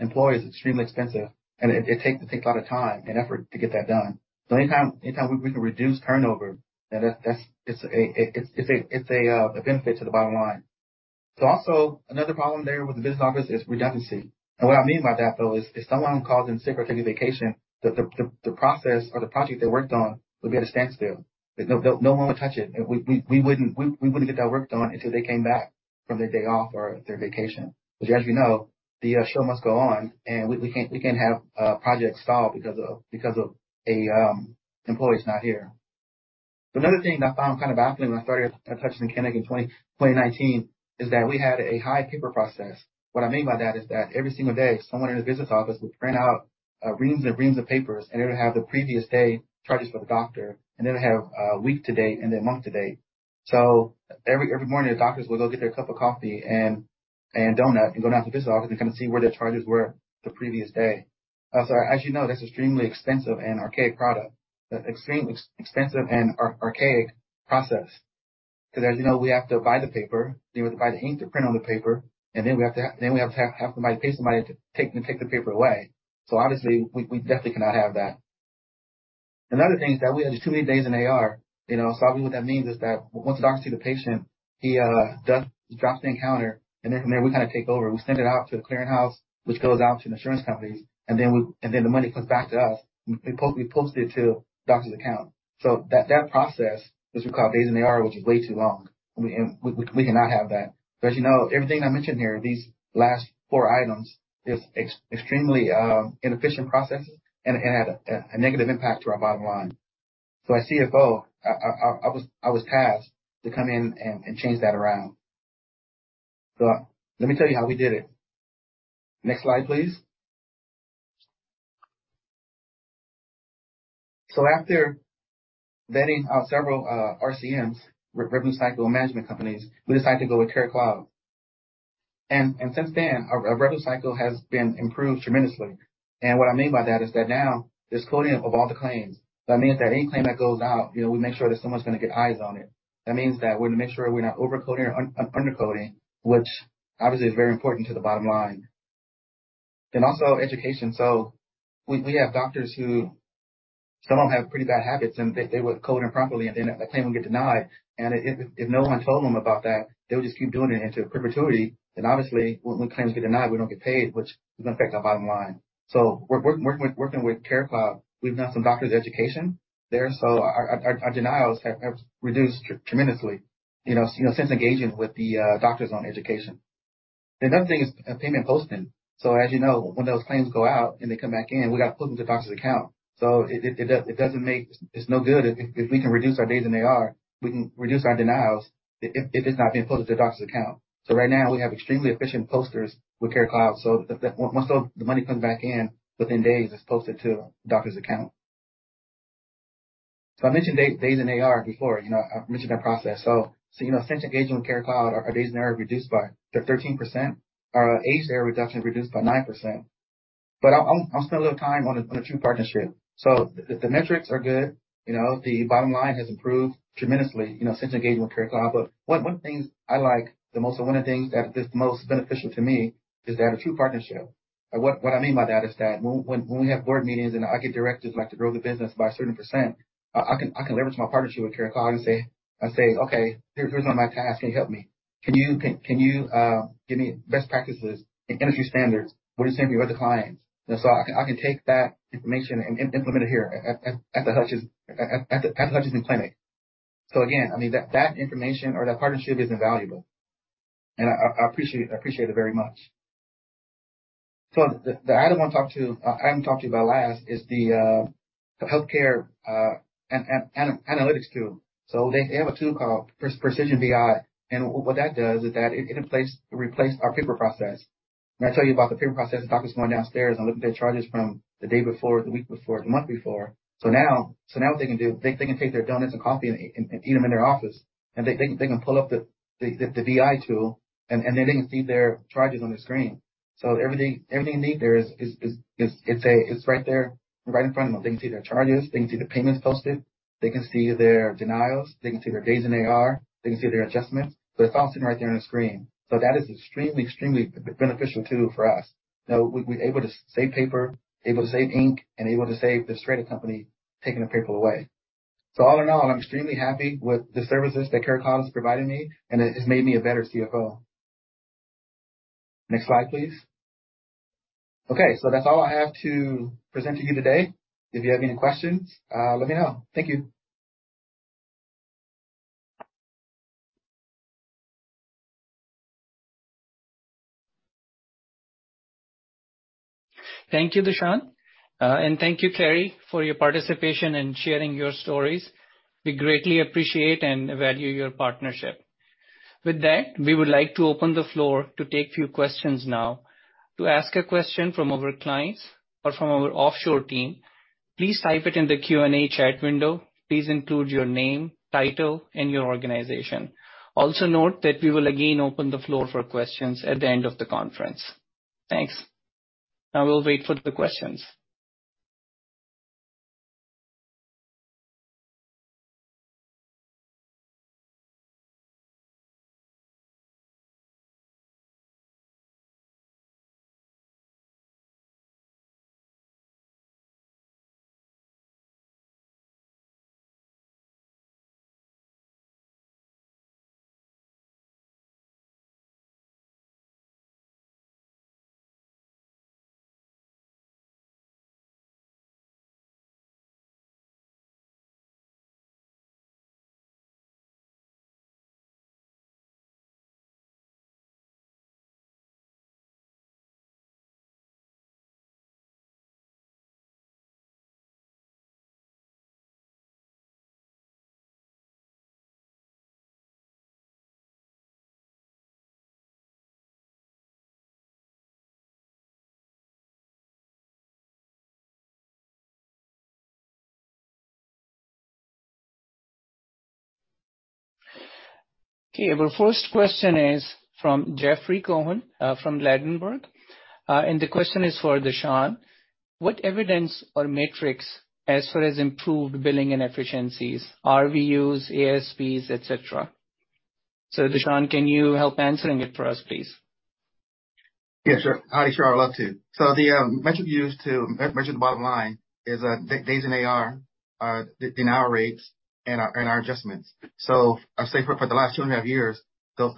employees is extremely expensive, and it takes a lot of time and effort to get that done. Anytime we can reduce turnover, then that's, it's a benefit to the bottom line. Also another problem there with the business office is redundancy. What I mean by that, though, is if someone calls in sick or taking vacation, the process or the project they worked on would be at a standstill. There's no one would touch it. We wouldn't get that work done until they came back from their day off or their vacation. As you know, the show must go on, and we can't have projects stalled because of a employee's not here. Another thing that I found kind of baffling when I started at Hutchinson Clinic in 2019 is that we had a high paper process. I mean by that is that every single day, someone in the business office would print out reams and reams of papers, and it would have the previous day charges for the doctor, and it would have week to date and then month to date. Every morning, the doctors would go get their cup of coffee and donut and go down to the business office and come and see where their charges were the previous day. As you know, that's extremely expensive and archaic product. That extremely expensive and archaic process. As you know, we have to buy the paper, then we have to buy the ink to print on the paper, and then we have to have somebody, pay somebody to take the paper away. Obviously, we definitely cannot have that. Another thing is that we had just too many days in AR. You know, so obviously what that means is that once a doctor see the patient, he draws the encounter, and then from there, we kind of take over. We send it out to the clearinghouse, which goes out to the insurance companies, and then the money comes back to us. We post it to doctor's account. That process, which we call days in AR, which is way too long. We cannot have that. As you know, everything I mentioned here, these last four items, is extremely inefficient processes and had a negative impact to our bottom line. As CFO, I was tasked to come in and change that around. Let me tell you how we did it. Next slide, please. After vetting out several RCMs, revenue cycle management companies, we decided to go with CareCloud. Since then, our revenue cycle has been improved tremendously. What I mean by that is that now there's coding of all the claims. That means that any claim that goes out, you know, we make sure that someone's going to get eyes on it. That means that we're gonna make sure we're not over-coding or un-under-coding, which obviously is very important to the bottom line. Also education. We have doctors who some of them have pretty bad habits, and they would code improperly and then a claim would get denied. If no one told them about that, they would just keep doing it into perpetuity. Obviously, when claims get denied, we don't get paid, which is gonna affect our bottom line. Working with CareCloud, we've done some doctor education there, so our denials have reduced tremendously, you know, since engaging with the doctors on education. Another thing is payment posting. As you know, when those claims go out and they come back in, we gotta post them to doctor's account. It's no good if we can reduce our days in AR, we can reduce our denials if it's not being posted to doctor's account. Right now we have extremely efficient posters with CareCloud. Once the money comes back in, within days it's posted to doctor's account. I mentioned days in AR before, you know, I mentioned that process. You know, since engaging with CareCloud, our days in AR reduced by 13%. Our age AR reduction reduced by 9%. I'll spend a little time on the true partnership. The metrics are good. You know, the bottom line has improved tremendously, you know, since engaging with CareCloud. One of the things I like the most and one of the things that is most beneficial to me is they have a true partnership. What I mean by that is that when we have board meetings and our key directors like to grow the business by a certain percent, I can leverage my partnership with CareCloud and say, "Okay, here's one of my tasks. Can you help me? Can you give me best practices and industry standards? What are you seeing with other clients?" You know, I can take that information and implement it here at the Hutchinson Clinic. Again, I mean, that information or that partnership has been valuable. I appreciate it very much. The item I wanna talk to you about last is the healthcare analytics tool. They have a tool called PrecisionBI. What that does is that it replaced our paper process. When I tell you about the paper process, the doctor's going downstairs and looking at their charges from the day before, the week before, the month before. Now what they can do, they can take their donuts and coffee and eat them in their office. They can pull up the BI tool, and they can see their charges on their screen. Everything they need there is, it's right there right in front of them. They can see their charges, they can see the payments posted, they can see their denials, they can see their days in AR, they can see their adjustments. It's all sitting right there on the screen. That is extremely beneficial tool for us. You know, we're able to save paper, able to save ink, and able to save the shredded company taking the paper away. All in all, I'm extremely happy with the services that CareCloud has provided me, and it has made me a better CFO. Next slide, please. That's all I have to present to you today. If you have any questions, let me know. Thank you. Thank you, Dashun. Thank you, Carey, for your participation and sharing your stories. We greatly appreciate and value your partnership. With that, we would like to open the floor to take few questions now. To ask a question from our clients or from our offshore team, please type it in the Q&A chat window. Please include your name, title, and your organization. Also note that we will again open the floor for questions at the end of the conference. Thanks. I will wait for the questions. Okay. Our first question is from Jeffrey Cohen, from Ladenburg. The question is for Dashun. What evidence or metrics as far as improved billing and efficiencies, RVUs, ASPs, et cetera? Dashun, can you help answering it for us, please? Yeah, sure. Sure, I would love to. The metric we use to measure the bottom line is days in AR, the denial rates, and our adjustments. I'll say for the last 2.5 years, those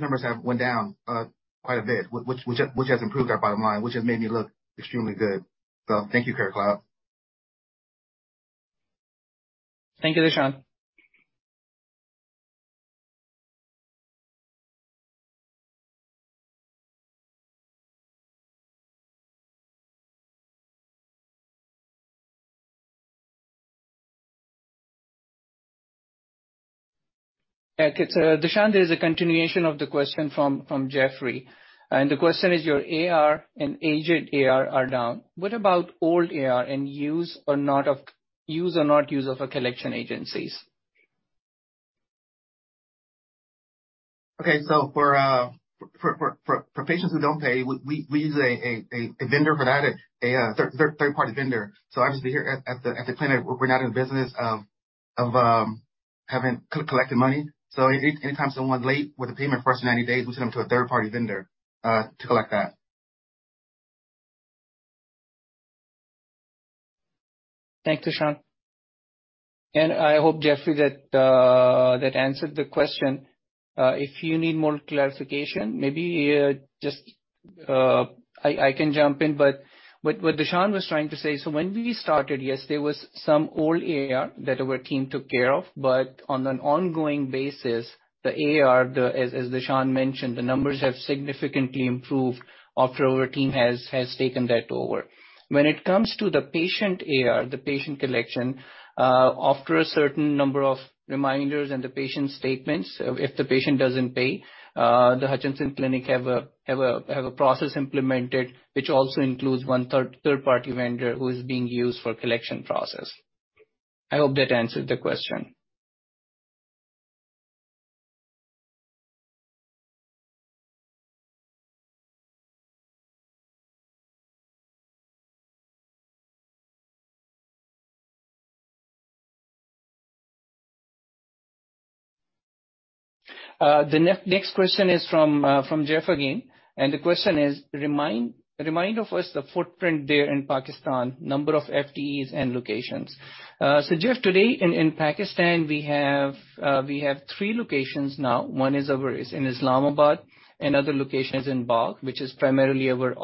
numbers have went down quite a bit, which has improved our bottom line, which has made me look extremely good. Thank you, CareCloud. Thank you, Dashun. Dashun, there is a continuation of the question from Jeffrey. The question is, your AR and aged AR are down. What about old AR and use or not use of collection agencies? Okay. For patients who don't pay, we use a vendor for that, a third-party vendor. Obviously here at the clinic, we're not in the business of, having to collect the money. Anytime someone's late with a payment for us in 90 days, we send them to a third-party vendor to collect that. Thanks, Dashun. I hope, Jeffrey, that answered the question. If you need more clarification, maybe, just, I can jump in, but Dashun was trying to say, when we started, yes, there was some old AR that our team took care of, but on an ongoing basis, the AR, as Dashun mentioned, the numbers have significantly improved after our team has taken that over. When it comes to the patient AR, the patient collection, after a certain number of reminders and the patient statements, if the patient doesn't pay, the Hutchinson Clinic have a process implemented which also includes one third-party vendor who is being used for collection process. I hope that answered the question. The next question is from Jeff again, and the question is: Remind of us the footprint there in Pakistan, number of FTEs and locations. Jeff, today in Pakistan we have three locations now. One is over, is in Islamabad, another location is in Bagh, which is primarily our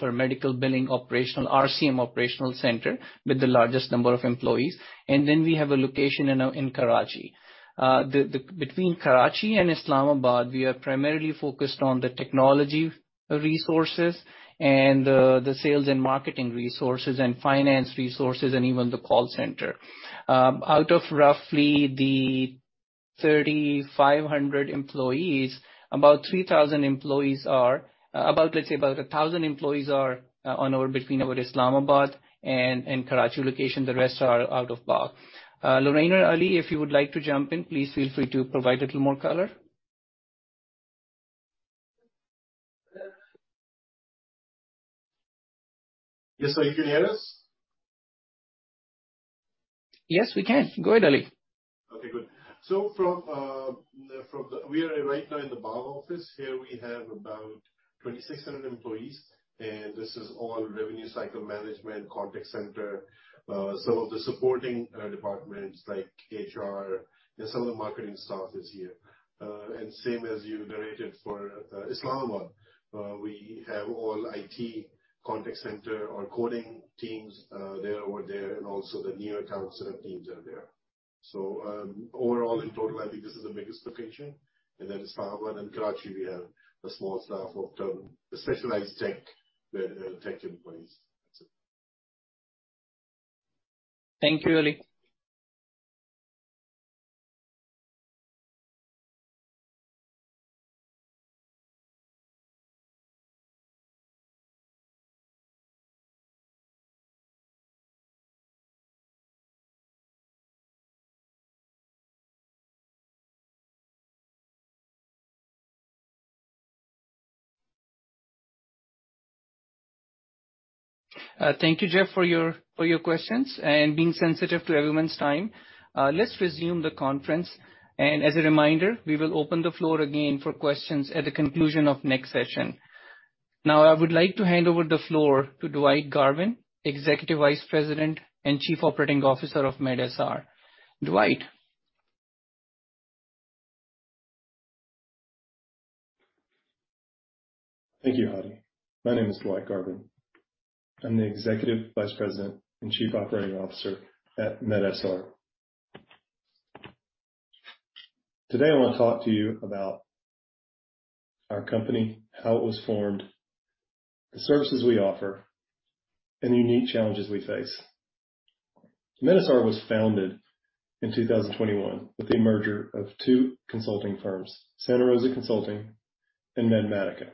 for medical billing operational, RCM operational center with the largest number of employees. Then we have a location in Karachi. Between Karachi and Islamabad, we are primarily focused on the technology resources and the sales and marketing resources and finance resources, and even the call center. Out of roughly the 3,500 employees, about 3,000 employees are about, let's say about 1,000 employees are on our between our Islamabad and Karachi location. The rest are out of Bagh. Loraine, Ali, if you would like to jump in, please feel free to provide a little more color. Yes, Hadi. You can hear us? Yes, we can. Go ahead, Ali. Okay, good. We are right now in the Bagh office. Here we have about 2,600 employees, and this is all revenue cycle management, contact center, some of the supporting departments like HR and some of the marketing staff is here. Same as you narrated for Islamabad, we have all IT contact center, our coding teams there over there and also the new account set-up teams are there. Overall in total, I think this is the biggest location. Islamabad and Karachi, we have a small staff of specialized tech employees. That's it. Thank you, Ali. Thank you, Jeff, for your questions and being sensitive to everyone's time. Let's resume the conference. As a reminder, we will open the floor again for questions at the conclusion of next session. I would like to hand over the floor to Dwight Garvin, Executive Vice President and Chief Operating Officer of medSR. Dwight. Thank you, Hadi. My name is Dwight Garvin. I'm the Executive Vice President and Chief Operating Officer at medSR. Today, I wanna talk to you about our company, how it was formed, the services we offer, and unique challenges we face. medSR was founded in 2021 with a merger of two consulting firms, Santa Rosa Consulting and MedMatica.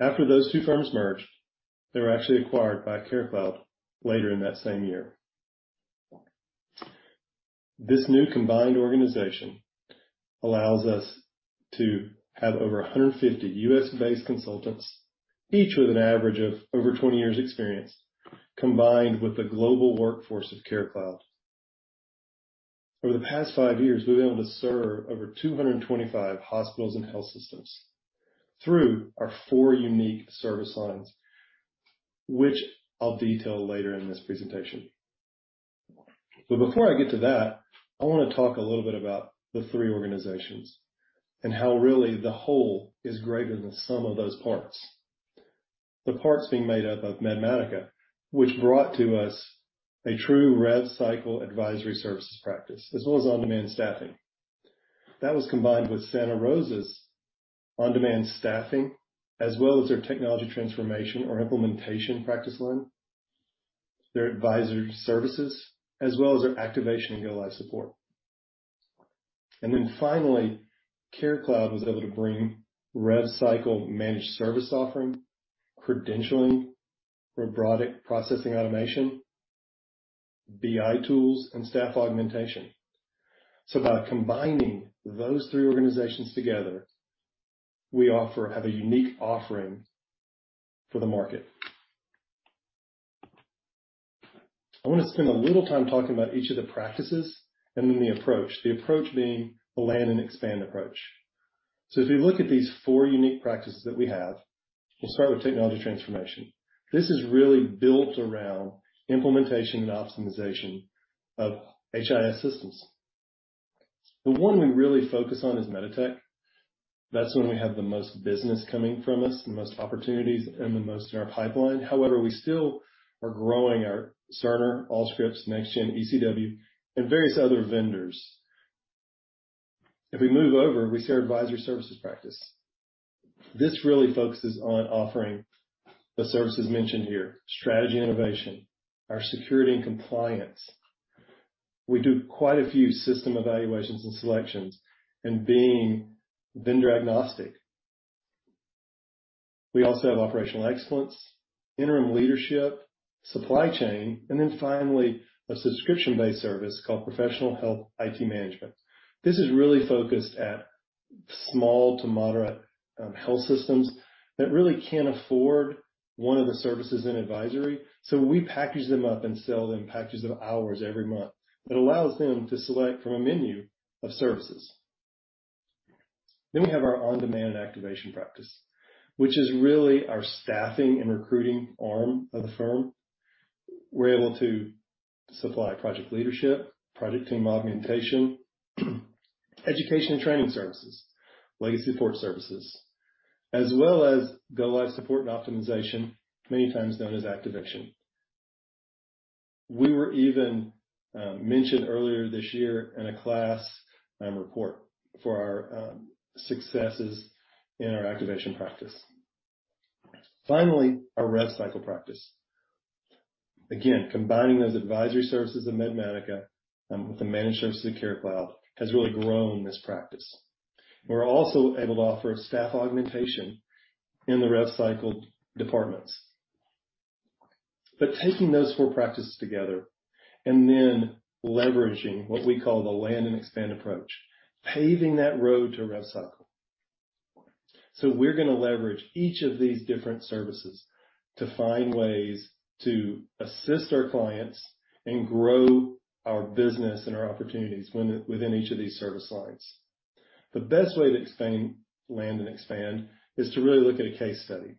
After those two firms merged, they were actually acquired by CareCloud later in that same year. This new combined organization allows us to have over 150 U.S.-based consultants, each with an average of over 20 years experience, combined with the global workforce of CareCloud. Over the past five years, we've been able to serve over 225 hospitals and health systems through our four unique service lines, which I'll detail later in this presentation. Before I get to that, I wanna talk a little bit about the three organizations and how really the whole is greater than the sum of those parts. The parts being made up of MedMatica, which brought to us a true rev cycle advisory services practice as well as on-demand staffing. That was combined with Santa Rosa's on-demand staffing as well as their technology transformation or implementation practice line, their advisory services, as well as their activation and go-live support. Finally, CareCloud was able to bring rev cycle managed service offering, credentialing, robotic processing automation, BI tools, and staff augmentation. By combining those three organizations together, have a unique offering for the market. I want to spend a little time talking about each of the practices and then the approach, the approach being the land and expand approach. If we look at these four unique practices that we have, we'll start with technology transformation. This is really built around implementation and optimization of HIS systems. The one we really focus on is MEDITECH. That's when we have the most business coming from us, the most opportunities and the most in our pipeline. However, we still are growing our Cerner, Allscripts, NextGen, ECW, and various other vendors. If we move over, we see our advisory services practice. This really focuses on offering the services mentioned here, strategy innovation, our security and compliance. We do quite a few system evaluations and selections and being vendor-agnostic. We also have operational excellence, interim leadership, supply chain, and then finally, a subscription-based service called Professional Health IT Management. This is really focused at small to moderate health systems that really can't afford one of the services in advisory. We package them up and sell them packages of hours every month that allows them to select from a menu of services. We have our on-demand and activation practice, which is really our staffing and recruiting arm of the firm. We're able to supply project leadership, project team augmentation, education and training services, legacy support services, as well as go-live support and optimization, many times known as activation. We were even mentioned earlier this year in a KLAS Report for our successes in our activation practice. Finally, our rev cycle practice. Again, combining those advisory services of MedMatica with the managed services of CareCloud has really grown this practice. We're also able to offer staff augmentation in the rev cycle departments. Taking those four practices together and then leveraging what we call the land and expand approach, paving that road to rev cycle. We're gonna leverage each of these different services to find ways to assist our clients and grow our business and our opportunities within each of these service lines. The best way to explain land and expand is to really look at a case study.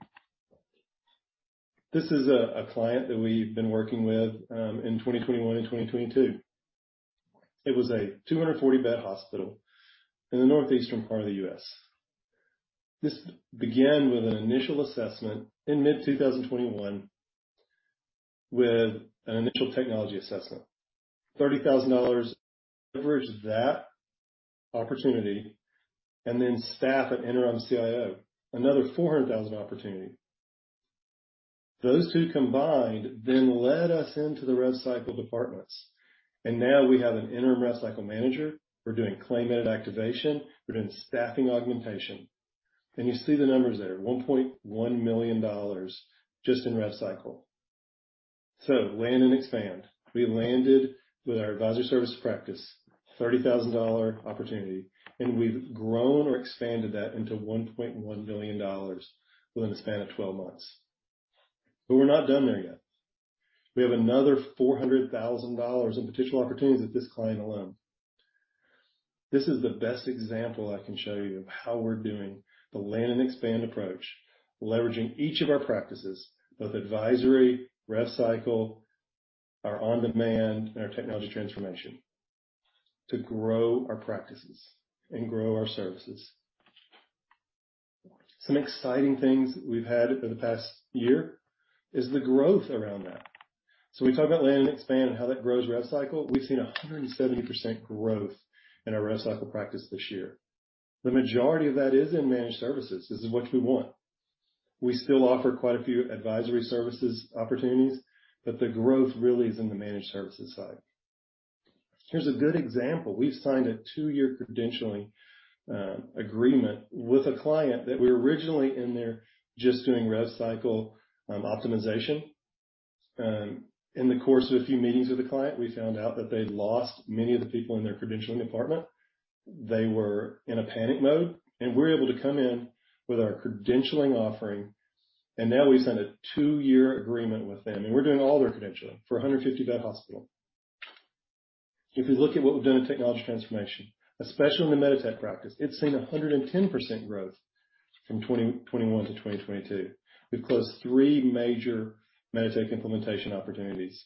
This is a client that we've been working with, in 2021 and 2022. It was a 240-bed hospital in the northeastern part of the U.S. This began with an initial assessment in mid-2021 with an initial technology assessment. $30,000 leveraged that opportunity and then staff an interim CIO, another $400,000 opportunity. Those two combined then led us into the rev cycle departments. Now we have an interim rev cycle manager. We're doing claim edit activation. We're doing staffing augmentation. You see the numbers there, $1.1 million just in rev cycle. Land and expand. We landed with our advisory service practice, $30,000 opportunity, and we've grown or expanded that into $1.1 million within the span of 12 months. We're not done there yet. We have another $400,000 in potential opportunities with this client alone. This is the best example I can show you of how we're doing the land and expand approach, leveraging each of our practices, both advisory, rev cycle, our on-demand, and our technology transformation, to grow our practices and grow our services. Some exciting things we've had over the past year is the growth around that. We talk about land and expand and how that grows rev cycle. We've seen 170% growth in our rev cycle practice this year. The majority of that is in managed services. This is what we want. We still offer quite a few advisory services opportunities, but the growth really is in the managed services side. Here's a good example. We've signed a two-year credentialing agreement with a client that we were originally in there just doing rev cycle optimization. In the course of a few meetings with the client, we found out that they'd lost many of the people in their credentialing department. They were in a panic mode, and we're able to come in with our credentialing offering, and now we've signed a two-year agreement with them, and we're doing all their credentialing for a 150-bed hospital. If you look at what we've done in technology transformation, especially in the MEDITECH practice, it's seen 110% growth from 2021 to 2022. We've closed three major MEDITECH implementation opportunities.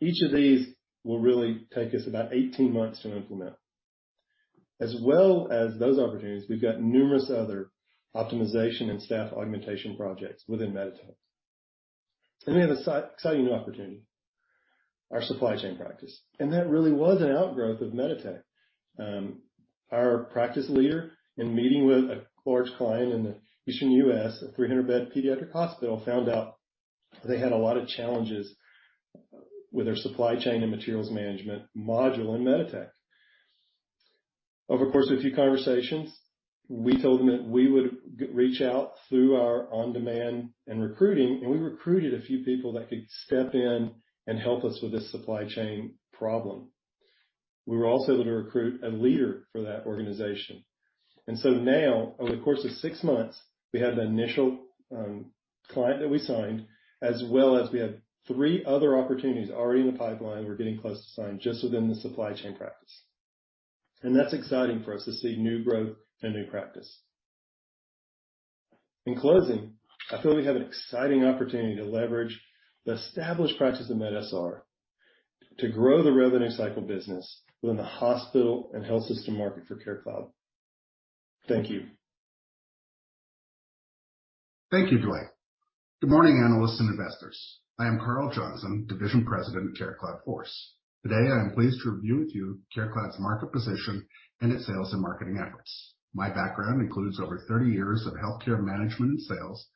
Each of these will really take us about 18 months to implement. As well as those opportunities, we've got numerous other optimization and staff augmentation projects within MEDITECH. We have an exciting new opportunity, our supply chain practice, and that really was an outgrowth of MEDITECH. Our practice leader in meeting with a large client in the eastern U.S., a 300-bed pediatric hospital, found out they had a lot of challenges with their supply chain and materials management module in MEDITECH. Over the course of a few conversations, we told them that we would reach out through our on-demand and recruiting, we recruited a few people that could step in and help us with this supply chain problem. We were also able to recruit a leader for that organization. Now, over the course of six months, we had the initial client that we signed, as well as we have three other opportunities already in the pipeline we're getting close to signed just within the supply chain practice. That's exciting for us to see new growth and new practice. In closing, I feel we have an exciting opportunity to leverage the established practice of medSR to grow the revenue cycle business within the hospital and health system market for CareCloud. Thank you. Thank you, Dwight. Good morning, analysts and investors. I am Karl Johnson, Division President of CareCloud Force. Today, I am pleased to review with you CareCloud's market position and its sales and marketing efforts. My background includes over 30 years of healthcare management and sales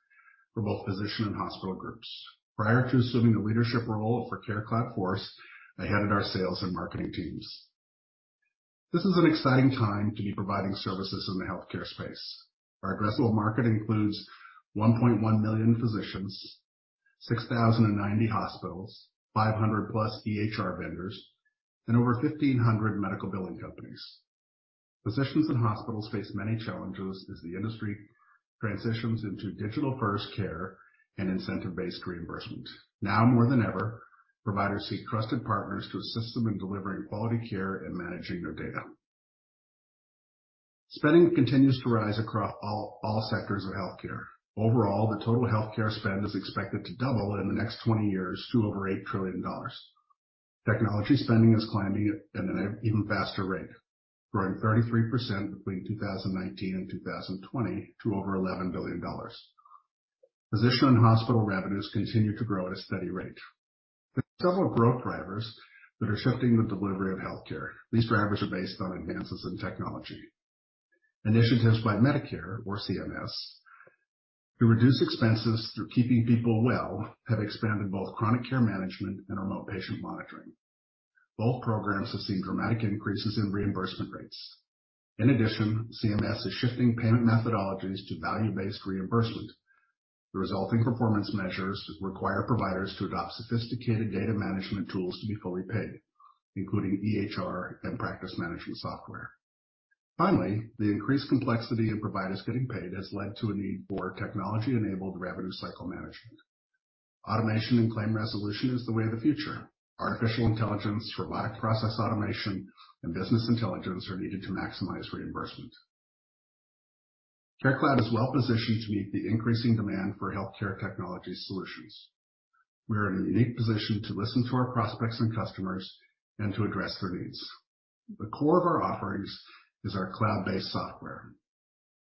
for both physician and hospital groups. Prior to assuming the leadership role for CareCloud Force, I headed our sales and marketing teams. This is an exciting time to be providing services in the healthcare space. Our addressable market includes 1.1 million physicians, 6,090 hospitals, 500+ EHR vendors, and over 1,500 medical billing companies. Physicians and hospitals face many challenges as the industry transitions into digital-first care and incentive-based reimbursement. Now more than ever, providers seek trusted partners to assist them in delivering quality care and managing their data. Spending continues to rise across all sectors of healthcare. Overall, the total healthcare spend is expected to double in the next 20 years to over $8 trillion. Technology spending is climbing at an even faster rate, growing 33% between 2019 and 2020 to over $11 billion. Physician and hospital revenues continue to grow at a steady rate. There are several growth drivers that are shifting the delivery of healthcare. These drivers are based on advances in technology. Initiatives by Medicare or CMS to reduce expenses through keeping people well have expanded both chronic care management and remote patient monitoring. Both programs have seen dramatic increases in reimbursement rates. CMS is shifting payment methodologies to value-based reimbursement. The resulting performance measures require providers to adopt sophisticated data management tools to be fully paid, including EHR and practice management software. Finally, the increased complexity in providers getting paid has led to a need for technology-enabled revenue cycle management. Automation and claim resolution is the way of the future. Artificial intelligence, robotic process automation, and business intelligence are needed to maximize reimbursement. CareCloud is well positioned to meet the increasing demand for healthcare technology solutions. We are in a unique position to listen to our prospects and customers and to address their needs. The core of our offerings is our cloud-based software.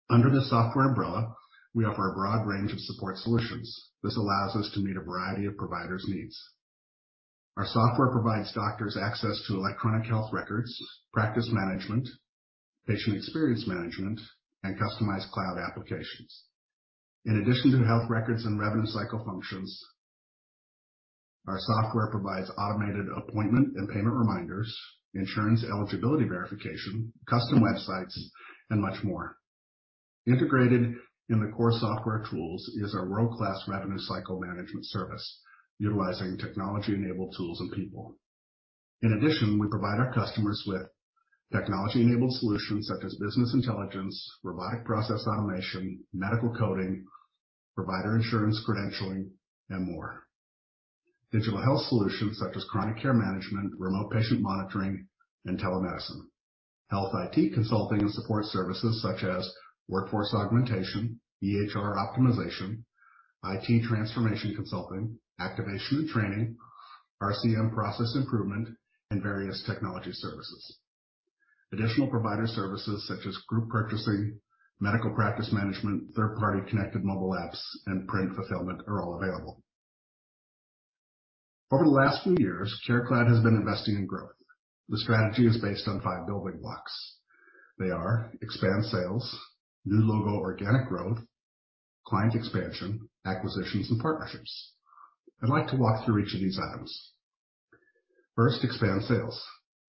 Under the software umbrella, we offer a broad range of support solutions. This allows us to meet a variety of providers' needs. Our software provides doctors access to electronic health records, practice management, patient experience management, and customized cloud applications. In addition to health records and revenue cycle functions, our software provides automated appointment and payment reminders, insurance eligibility verification, custom websites, and much more. Integrated in the core software tools is our world-class revenue cycle management service, utilizing technology-enabled tools and people. In addition, we provide our customers with technology-enabled solutions such as business intelligence, robotic process automation, medical coding, provider insurance credentialing, and more. Digital health solutions such as chronic care management, remote patient monitoring, and telemedicine. Health IT consulting and support services such as workforce augmentation, EHR optimization, IT transformation consulting, activation and training, RCM process improvement, and various technology services. Additional provider services such as group purchasing, medical practice management, third-party connected mobile apps, and print fulfillment are all available. Over the last few years, CareCloud has been investing in growth. The strategy is based on five building blocks. They are expand sales, new logo organic growth, client expansion, acquisitions, and partnerships. I'd like to walk through each of these items. First, expand sales.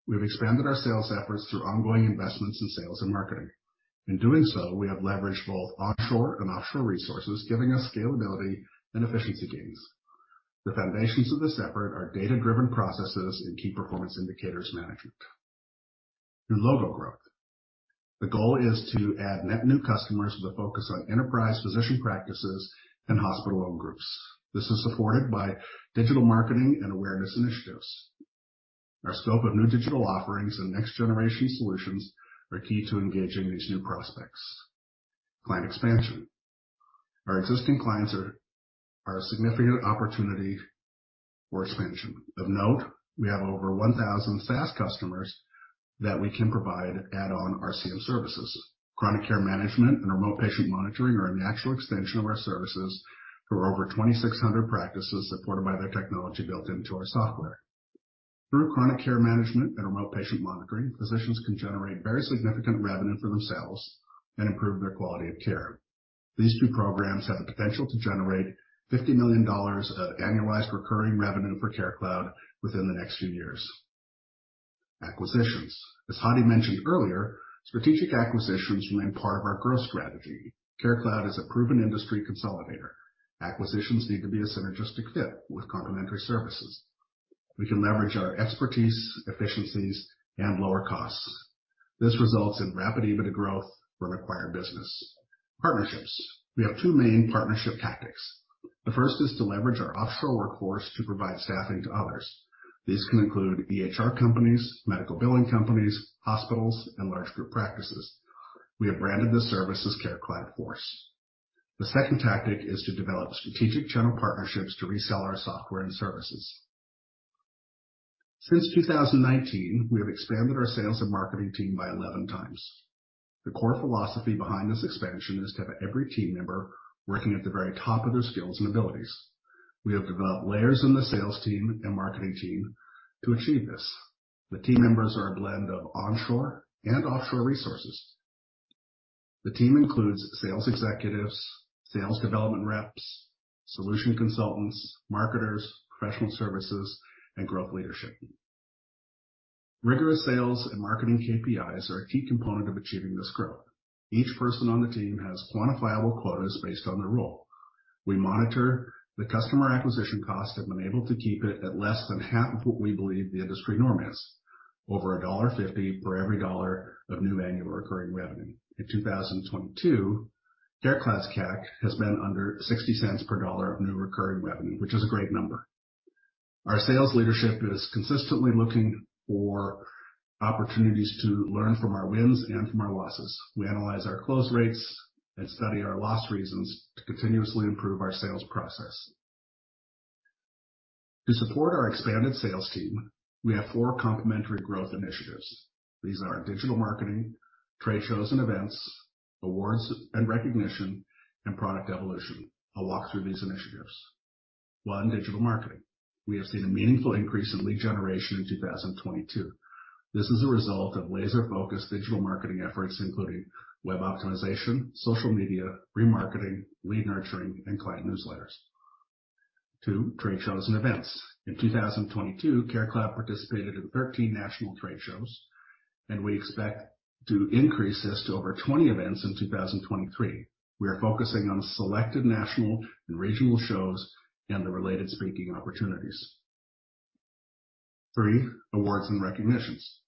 We've expanded our sales efforts through ongoing investments in sales and marketing. In doing so, we have leveraged both onshore and offshore resources, giving us scalability and efficiency gains. The foundations of this effort are data-driven processes and key performance indicators management. New logo growth. The goal is to add net new customers with a focus on enterprise physician practices and hospital-owned groups. This is supported by digital marketing and awareness initiatives. Our scope of new digital offerings and next-generation solutions are key to engaging these new prospects. Client expansion. Our existing clients are a significant opportunity for expansion. Of note, we have over 1,000 SaaS customers that we can provide add-on RCM services. Chronic care management and remote patient monitoring are a natural extension of our services for over 2,600 practices supported by their technology built into our software. Through chronic care management and remote patient monitoring, physicians can generate very significant revenue for themselves and improve their quality of care. These two programs have the potential to generate $50 million of annualized recurring revenue for CareCloud within the next few years. Acquisitions. As Hadi mentioned earlier, strategic acquisitions remain part of our growth strategy. CareCloud is a proven industry consolidator. Acquisitions need to be a synergistic fit with complementary services. We can leverage our expertise, efficiencies, and lower costs. This results in rapid EBITDA growth for an acquired business. Partnerships. We have two main partnership tactics. The first is to leverage our offshore workforce to provide staffing to others. These can include EHR companies, medical billing companies, hospitals, and large group practices. We have branded this service as CareCloud Force. The second tactic is to develop strategic channel partnerships to resell our software and services. Since 2019, we have expanded our sales and marketing team by 11 times. The core philosophy behind this expansion is to have every team member working at the very top of their skills and abilities. We have developed layers in the sales team and marketing team to achieve this. The team members are a blend of onshore and offshore resources. The team includes sales executives, sales development reps, solution consultants, marketers, professional services, and growth leadership. Rigorous sales and marketing KPIs are a key component of achieving this growth. Each person on the team has quantifiable quotas based on their role. We monitor the customer acquisition cost and been able to keep it at less than half of what we believe the industry norm is, over $1.50 for every dollar of new annual recurring revenue. In 2022, CareCloud's CAC has been under $0.60 per dollar of new recurring revenue, which is a great number. Our sales leadership is consistently looking for opportunities to learn from our wins and from our losses. We analyze our close rates and study our loss reasons to continuously improve our sales process. To support our expanded sales team, we have four complimentary growth initiatives. These are digital marketing, trade shows and events, awards and recognition, and product evolution. I'll walk through these initiatives. One, digital marketing. We have seen a meaningful increase in lead generation in 2022. This is a result of laser-focused digital marketing efforts, including web optimization, social media, remarketing, lead nurturing, and client newsletters. Two, trade shows and events. In 2022, CareCloud participated in 13 national trade shows, we expect to increase this to over 20 events in 2023. We are focusing on selected national and regional shows and the related speaking opportunities. Three, awards and recognitions.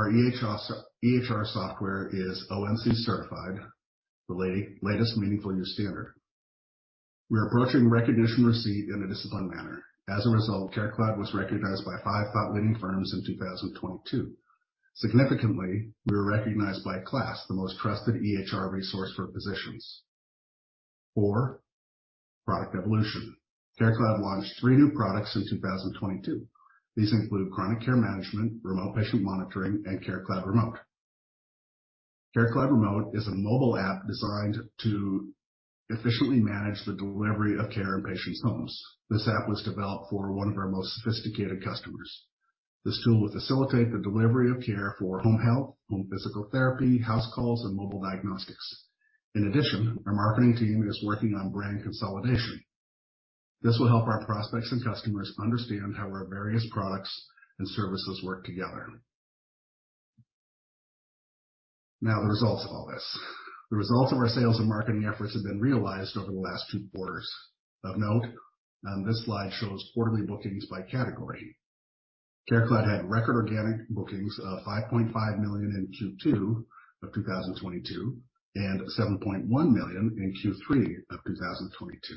Our EHR software is ONC certified, the latest meaningful use standard. We're approaching recognition receipt in a disciplined manner. As a result, CareCloud was recognized by five thought leading firms in 2022. Significantly, we were recognized by KLAS, the most trusted EHR resource for physicians. Four, product evolution. CareCloud launched three new products in 2022. These include chronic care management, remote patient monitoring, and CareCloud Remote. CareCloud Remote is a mobile app designed to efficiently manage the delivery of care in patients' homes. This app was developed for one of our most sophisticated customers. This tool will facilitate the delivery of care for home health, home physical therapy, house calls, and mobile diagnostics. Our marketing team is working on brand consolidation. This will help our prospects and customers understand how our various products and services work together. The results of all this. The results of our sales and marketing efforts have been realized over the last two quarters. This slide shows quarterly bookings by category. CareCloud had record organic bookings of $5.5 million in Q2 of 2022, and $7.1 million in Q3 of 2022.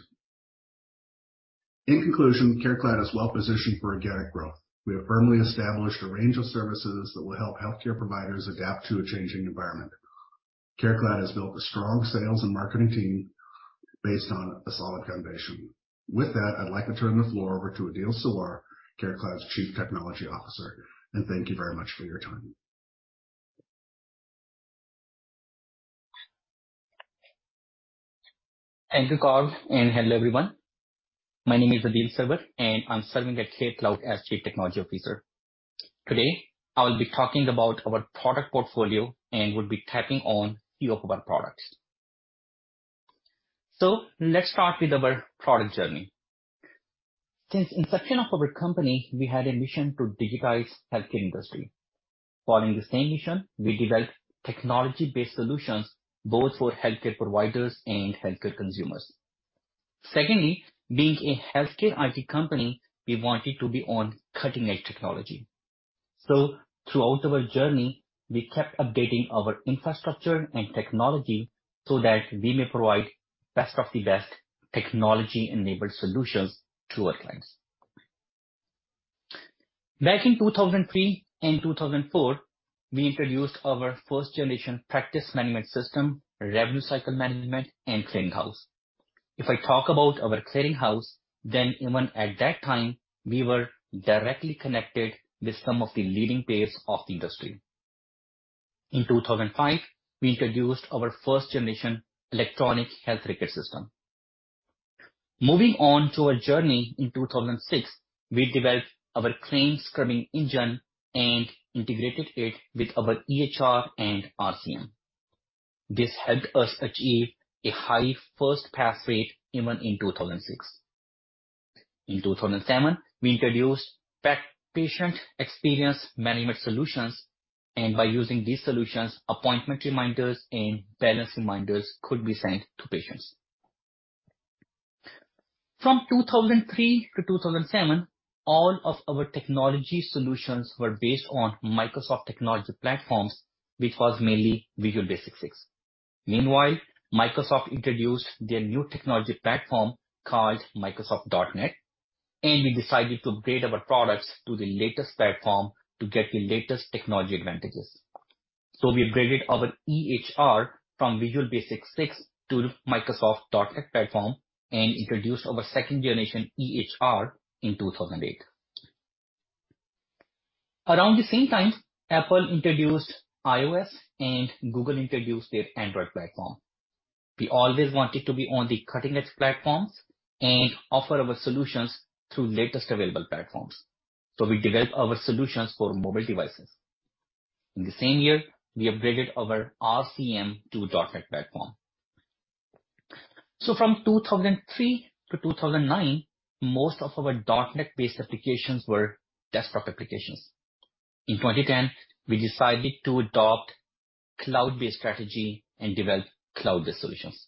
CareCloud is well-positioned for organic growth. We have firmly established a range of services that will help healthcare providers adapt to a changing environment. CareCloud has built a strong sales and marketing team based on a solid foundation. With that, I'd like to turn the floor over to Adeel Sarwar, CareCloud's Chief Technology Officer, and thank you very much for your time. Thank you, Karl, and hello, everyone. My name is Adeel Sarwar, and I'm serving at CareCloud as Chief Technology Officer. Today, I will be talking about our product portfolio and will be tapping on few of our products. Let's start with our product journey. Since inception of our company, we had a mission to digitize healthcare industry. Following the same mission, we developed technology-based solutions both for healthcare providers and healthcare consumers. Secondly, being a healthcare IT company, we wanted to be on cutting-edge technology. Throughout our journey, we kept updating our infrastructure and technology so that we may provide best of the best technology-enabled solutions to our clients. Back in 2003 and 2004, we introduced our first generation practice management system, revenue cycle management, and clearing house. If I talk about our clearinghouse, then even at that time, we were directly connected with some of the leading players of the industry. In 2005, we introduced our first generation electronic health record system. Moving on to our journey in 2006, we developed our claims scrubbing engine and integrated it with our EHR and RCM. This helped us achieve a high first pass rate even in 2006. In 2007, we introduced patient experience management solutions, and by using these solutions, appointment reminders and balance reminders could be sent to patients. From 2003 to 2007, all of our technology solutions were based on Microsoft technology platforms, which was mainly Visual Basic 6.0. Microsoft introduced their new technology platform called Microsoft .NET. We decided to upgrade our products to the latest platform to get the latest technology advantages. We upgraded our EHR from Visual Basic 6.0 to Microsoft .NET platform and introduced our second generation EHR in 2008. Around the same time, Apple introduced iOS and Google introduced their Android platform. We always wanted to be on the cutting-edge platforms and offer our solutions through latest available platforms. We developed our solutions for mobile devices. In the same year, we upgraded our RCM to .NET platform. From 2003 to 2009, most of our .NET-based applications were desktop applications. In 2010, we decided to adopt cloud-based strategy and develop cloud-based solutions.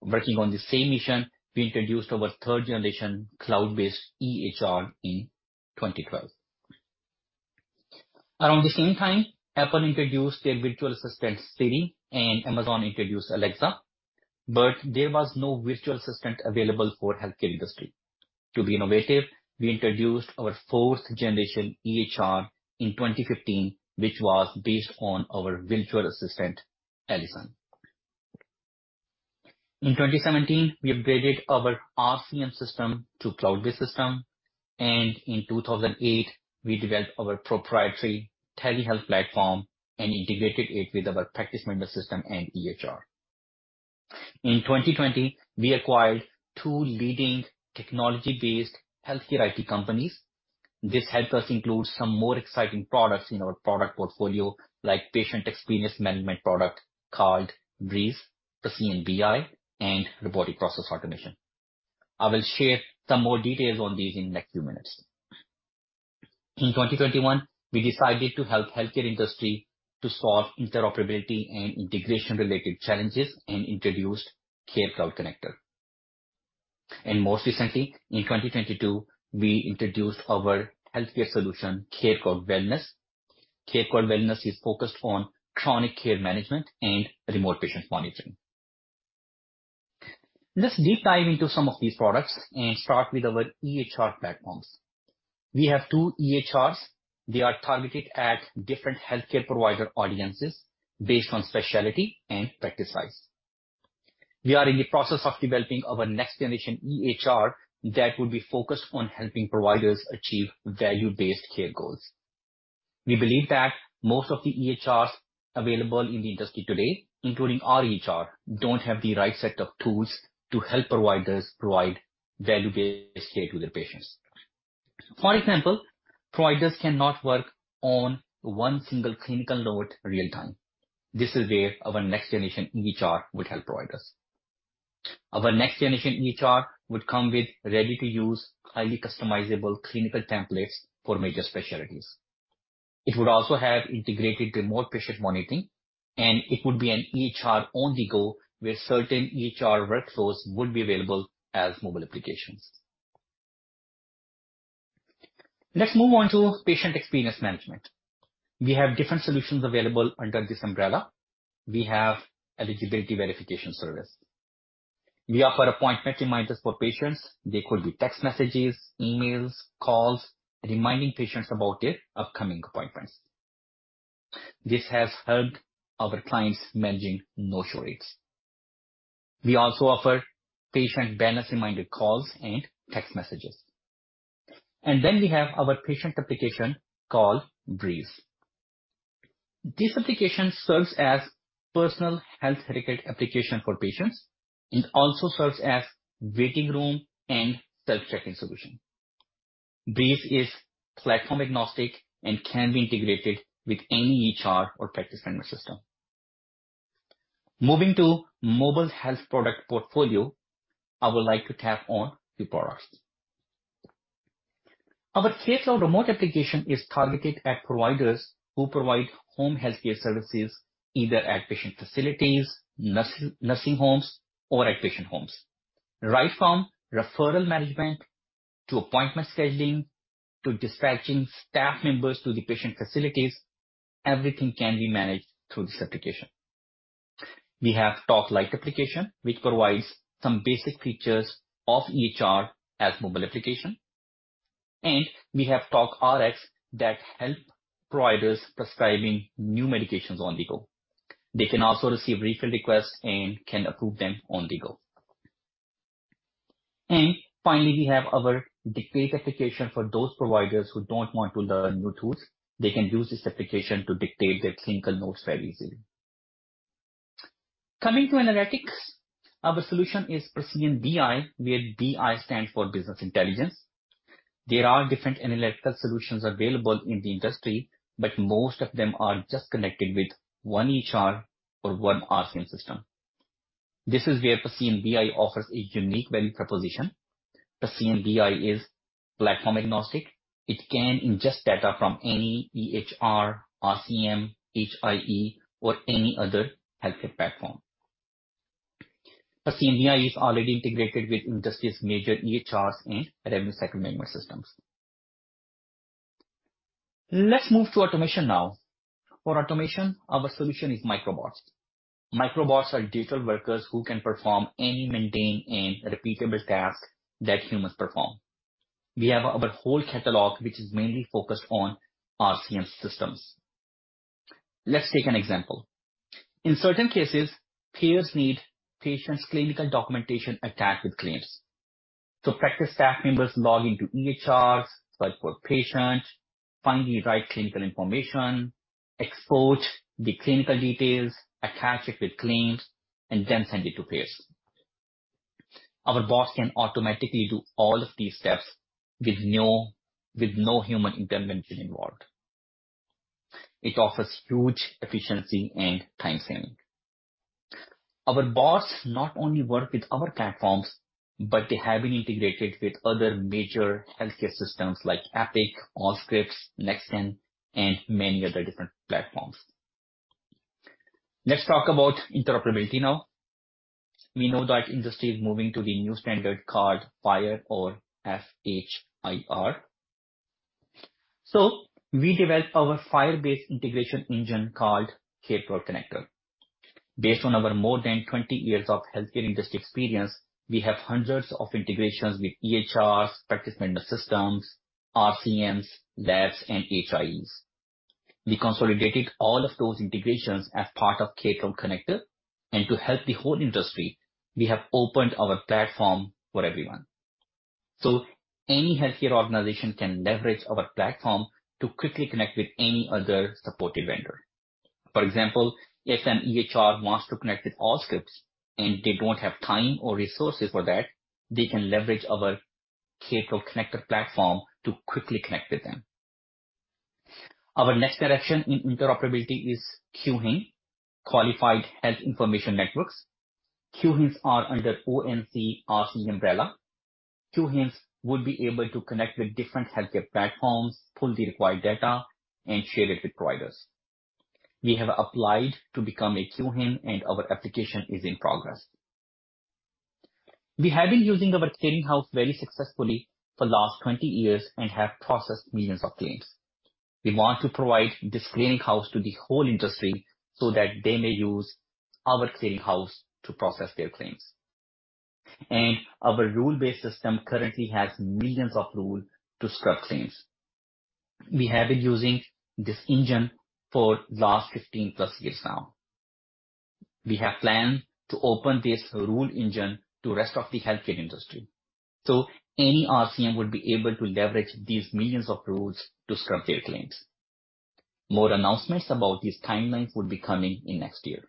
Working on the same mission, we introduced our third generation cloud-based EHR in 2012. Around the same time, Apple introduced their virtual assistant, Siri, and Amazon introduced Alexa. There was no virtual assistant available for healthcare industry. To be innovative, we introduced our fourth generation EHR in 2015, which was based on our virtual assistant, Allison. In 2017, we upgraded our RCM system to cloud-based system. In 2008, we developed our proprietary telehealth platform and integrated it with our practice member system and EHR. In 2020, we acquired two leading technology-based healthcare IT companies. This helped us include some more exciting products `in our product portfolio, like patient experience management product called Breeze, PrecisionBI, and robotic process automation. I will share some more details on these in the next few minutes. In 2021, we decided to help healthcare industry to solve interoperability and integration-related challenges and introduced CareCloud Connector. Most recently, in 2022, we introduced our healthcare solution, CareCloud Wellness. CareCloud Wellness is focused on chronic care management and remote patient monitoring. Let's deep dive into some of these products and start with our EHR platforms. We have two EHRs. They are targeted at different healthcare provider audiences based on specialty and practice size. We are in the process of developing our next-generation EHR that will be focused on helping providers achieve value-based care goals. We believe that most of the EHRs available in the industry today, including our EHR, don't have the right set of tools to help providers provide value-based care to their patients. For example, providers cannot work on one single clinical load real-time. This is where our next-generation EHR would help providers. Our next-generation EHR would come with ready-to-use, highly customizable clinical templates for major specialties. It would also have integrated remote patient monitoring, and it would be an EHR on-the-go, where certain EHR workflows would be available as mobile applications. Let's move on to patient experience management. We have different solutions available under this umbrella. We have eligibility verification service. We offer appointment reminders for patients. They could be text messages, emails, calls, reminding patients about their upcoming appointments. This has helped our clients managing no-show rates. We also offer patient balance reminder calls and text messages. We have our patient application called Breeze. This application serves as personal health record application for patients. It also serves as waiting room and self-checking solution. Breeze is platform-agnostic and can be integrated with any EHR or practice management system. Moving to mobile health product portfolio, I would like to tap on few products. Our CareCloud Remote application is targeted at providers who provide home healthcare services either at patient facilities, nursing homes or at patient homes. Right from referral management to appointment scheduling to dispatching staff members to the patient facilities, everything can be managed through this application. We have talkLITE application, which provides some basic features of EHR as mobile application. We have talkRx that help providers prescribing new medications on-the-go. They can also receive refill requests and can approve them on-the-go. Finally, we have our Dictate application for those providers who don't want to learn new tools. They can use this application to dictate their clinical notes very easily. Coming to analytics, our solution is PrecisionBI, where BI stands for business intelligence. There are different analytical solutions available in the industry, but most of them are just connected with one EHR or one RCM system. This is where PrecisionBI offers a unique value proposition. PrecisionBI is platform agnostic. It can ingest data from any EHR, RCM, HIE, or any other healthcare platform. PrecisionBI is already integrated with industry's major EHRs and revenue cycle management systems. Let's move to automation now. For automation, our solution is Microbots. Microbots are digital workers who can perform any mundane and repeatable task that humans perform. We have our whole catalog, which is mainly focused on RCM systems. Let's take an example. In certain cases, payers need patients' clinical documentation attached with claims. Practice staff members log into EHRs, search for patient, find the right clinical information, export the clinical details, attach it with claims, and then send it to payer. Our bots can automatically do all of these steps with no human intervention involved. It offers huge efficiency and time saving. Our bots not only work with our platforms, but they have been integrated with other major healthcare systems like Epic, Allscripts, NextGen, and many other different platforms. Let's talk about interoperability now. We know that industry is moving to the new standard called FHIR or F-H-I-R. We developed our FHIR-based integration engine called CareCloud Connector. Based on our more than 20 years of healthcare industry experience, we have hundreds of integrations with EHRs, practice member systems, RCMs, labs, and HIEs. We consolidated all of those integrations as part of CareCloud Connector. To help the whole industry, we have opened our platform for everyone. Any healthcare organization can leverage our platform to quickly connect with any other supported vendor. For example, if an EHR wants to connect with Allscripts, and they don't have time or resources for that, they can leverage our CareCloud Connector platform to quickly connect with them. Our next direction in interoperability is QHIN, Qualified Health Information Networks. QHINs are under ONC/RCE umbrella. QHINs would be able to connect with different healthcare platforms, pull the required data, and share it with providers. We have applied to become a QHIN, and our application is in progress. We have been using our clearing house very successfully for the last 20 years and have processed millions of claims. We want to provide this clearing house to the whole industry so that they may use our clearing house to process their claims. Our rule-based system currently has millions of rule to scrub claims. We have been using this engine for last 15+ years now. We have plans to open this rule engine to rest of the healthcare industry. Any RCM would be able to leverage these millions of rules to scrub their claims. More announcements about these timelines will be coming in next year.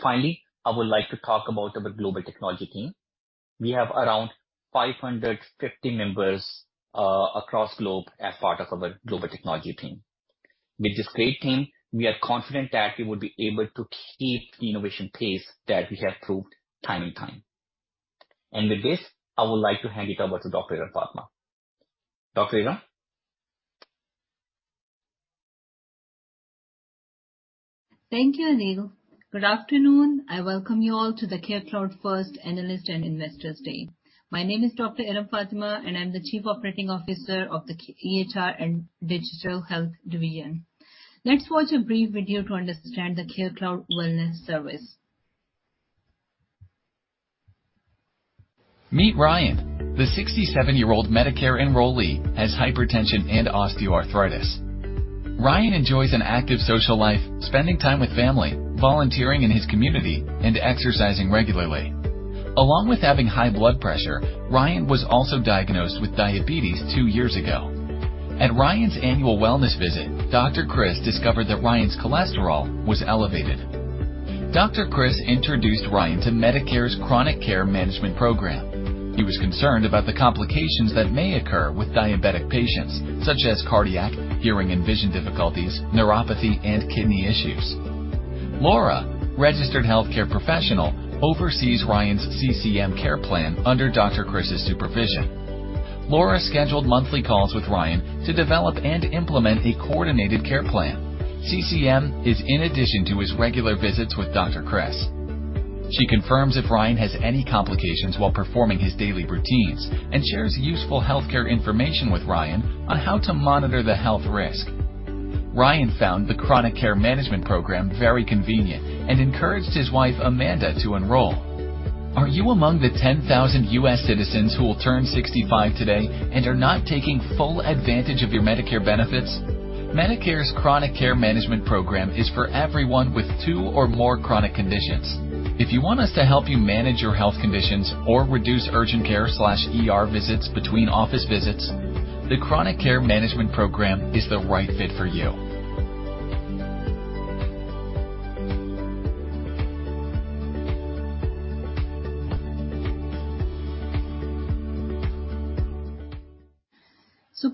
Finally, I would like to talk about our global technology team. We have around 550 members across globe as part of our global technology team. With this great team, we are confident that we will be able to keep the innovation pace that we have proved time and time. With this, I would like to hand it over to Dr. Iram Fatima. Dr. Iram? Thank you, Adeel. Good afternoon. I welcome you all to the CareCloud first analyst and investors' day. My name is Dr. Iram Fatima, and I'm the chief operating officer of the EHR and Digital Health Division. Let's watch a brief video to understand the CareCloud Wellness service. Meet Ryan. The 67-year-old Medicare enrollee has hypertension and osteoarthritis. Ryan enjoys an active social life, spending time with family, volunteering in his community, and exercising regularly. Along with having high blood pressure, Ryan was also diagnosed with diabetes two years ago. At Ryan's annual wellness visit, Dr. Chris discovered that Ryan's cholesterol was elevated. Dr. Chris introduced Ryan to Medicare's Chronic Care Management program. He was concerned about the complications that may occur with diabetic patients, such as cardiac, hearing and vision difficulties, neuropathy and kidney issues. Laura, registered healthcare professional, oversees Ryan's CCM care plan under Dr. Chris' supervision. Laura scheduled monthly calls with Ryan to develop and implement a coordinated care plan. CCM is in addition to his regular visits with Dr. Chris. She confirms if Ryan has any complications while performing his daily routines and shares useful healthcare information with Ryan on how to monitor the health risk. Ryan found the Chronic Care Management program very convenient and encouraged his wife, Amanda, to enroll. Are you among the 10,000 U.S. citizens who will turn 65 today and are not taking full advantage of your Medicare benefits? Medicare's Chronic Care Management program is for everyone with two or more chronic conditions. If you want us to help you manage your health conditions or reduce urgent care/ER visits between office visits, the Chronic Care Management program is the right fit for you.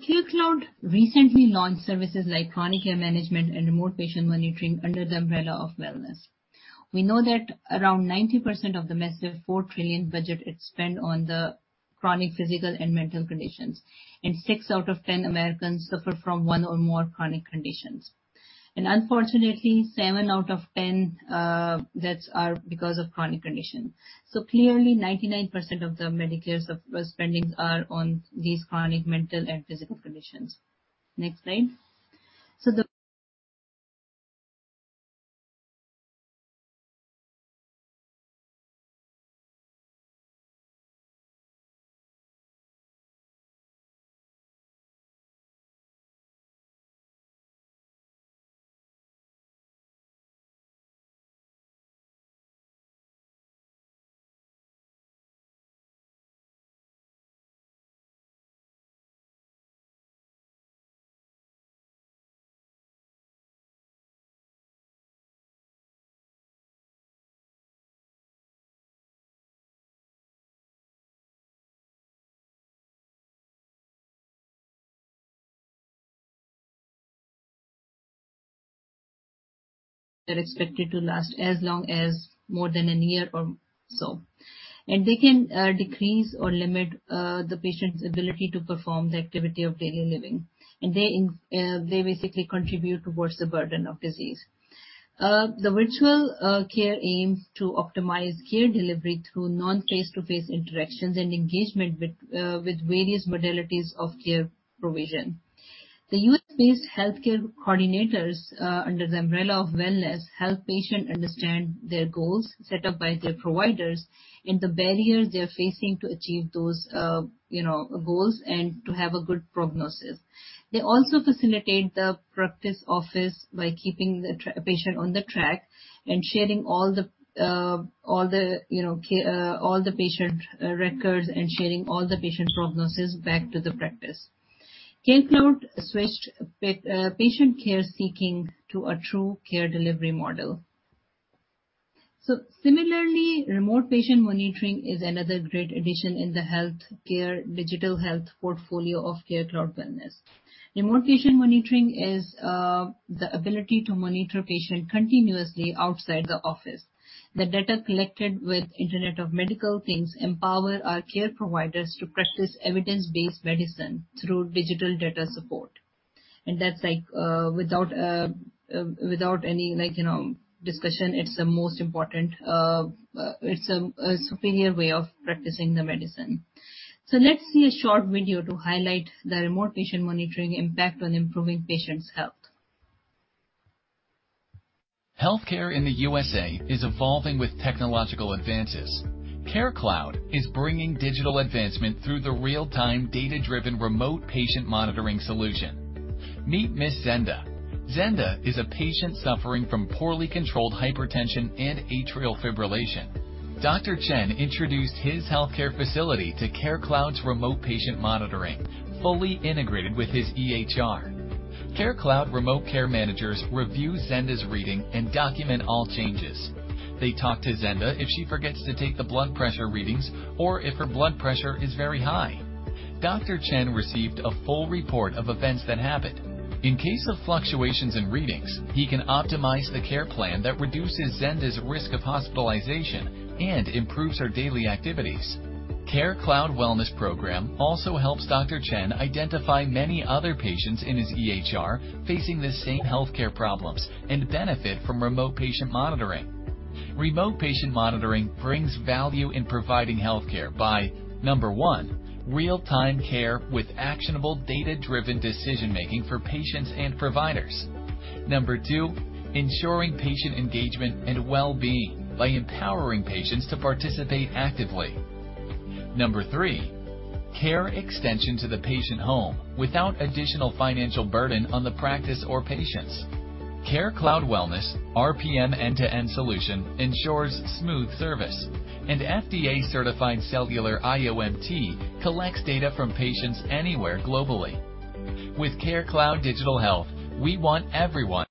CareCloud recently launched services like chronic care management and remote patient monitoring under the umbrella of Wellness. We know that around 90% of the massive $4 trillion budget is spent on the chronic physical and mental conditions. 6 out of 10 Americans suffer from one or more chronic conditions. Unfortunately, 7 out of 10 deaths are because of chronic condition. Clearly 99% of the Medicare spendings are on these chronic mental and physical conditions. Next slide. They're expected to last as long as more than a year or so. They can decrease or limit the patient's ability to perform the activity of daily living. They basically contribute towards the burden of disease. The virtual care aims to optimize care delivery through non-face-to-face interactions and engagement with various modalities of care provision. The U.S.-based healthcare coordinators under the umbrella of CareCloud Wellness help patient understand their goals set up by their providers and the barriers they are facing to achieve those, you know, goals and to have a good prognosis. They also facilitate the practice office by keeping the patient on the track and sharing all the, you know, patient records and sharing all the patient prognoses back to the practice. CareCloud switched patient care seeking to a true care delivery model. Similarly, remote patient monitoring is another great addition in the healthcare digital health portfolio of CareCloud Wellness. Remote patient monitoring is the ability to monitor patient continuously outside the office. The data collected with Internet of Medical Things empower our care providers to practice evidence-based medicine through digital data support. That's like, without any, like, you know, discussion, it's the most important, it's a superior way of practicing the medicine. Let's see a short video to highlight the remote patient monitoring impact on improving patients' health. Healthcare in the USA is evolving with technological advances. CareCloud is bringing digital advancement through the real-time data-driven remote patient monitoring solution. Meet Miss Zenda. Zenda is a patient suffering from poorly controlled hypertension and atrial fibrillation. Dr. Chen introduced his healthcare facility to CareCloud's remote patient monitoring, fully integrated with his EHR. CareCloud remote care managers review Zenda's reading and document all changes. They talk to Zenda if she forgets to take the blood pressure readings or if her blood pressure is very high. Dr. Chen received a full report of events that happened. In case of fluctuations in readings, he can optimize the care plan that reduces Zenda's risk of hospitalization and improves her daily activities. CareCloud Wellness program also helps Dr. Chen identify many other patients in his EHR facing the same healthcare problems and benefit from remote patient monitoring. Remote patient monitoring brings value in providing healthcare by: number 1, real-time care with actionable data-driven decision-making for patients and providers. Number 2, ensuring patient engagement and well-being by empowering patients to participate actively. Number 3, care extension to the patient home without additional financial burden on the practice or patients. CareCloud Wellness RPM end-to-end solution ensures smooth service. FDA-certified cellular IoMT collects data from patients anywhere globally. With CareCloud Digital Health, we want everyone.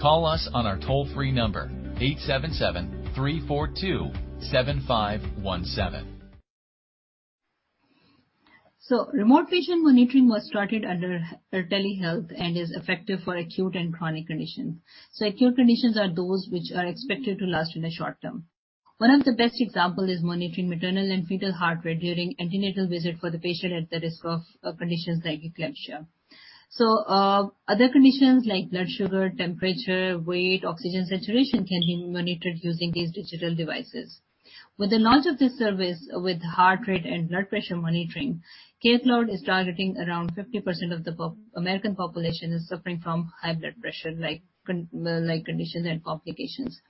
Call us on our toll-free number, 877-342-7517. Remote patient monitoring was started under telehealth and is effective for acute and chronic conditions. Acute conditions are those which are expected to last in the short term. One of the best example is monitoring maternal and fetal heart rate during antenatal visit for the patient at the risk of conditions like eclampsia. Other conditions like blood sugar, temperature, weight, oxygen saturation can be monitored using these digital devices. With the launch of this service with heart rate and blood pressure monitoring, CareCloud is targeting around 50% of the American population is suffering from high blood pressure like condition and complications.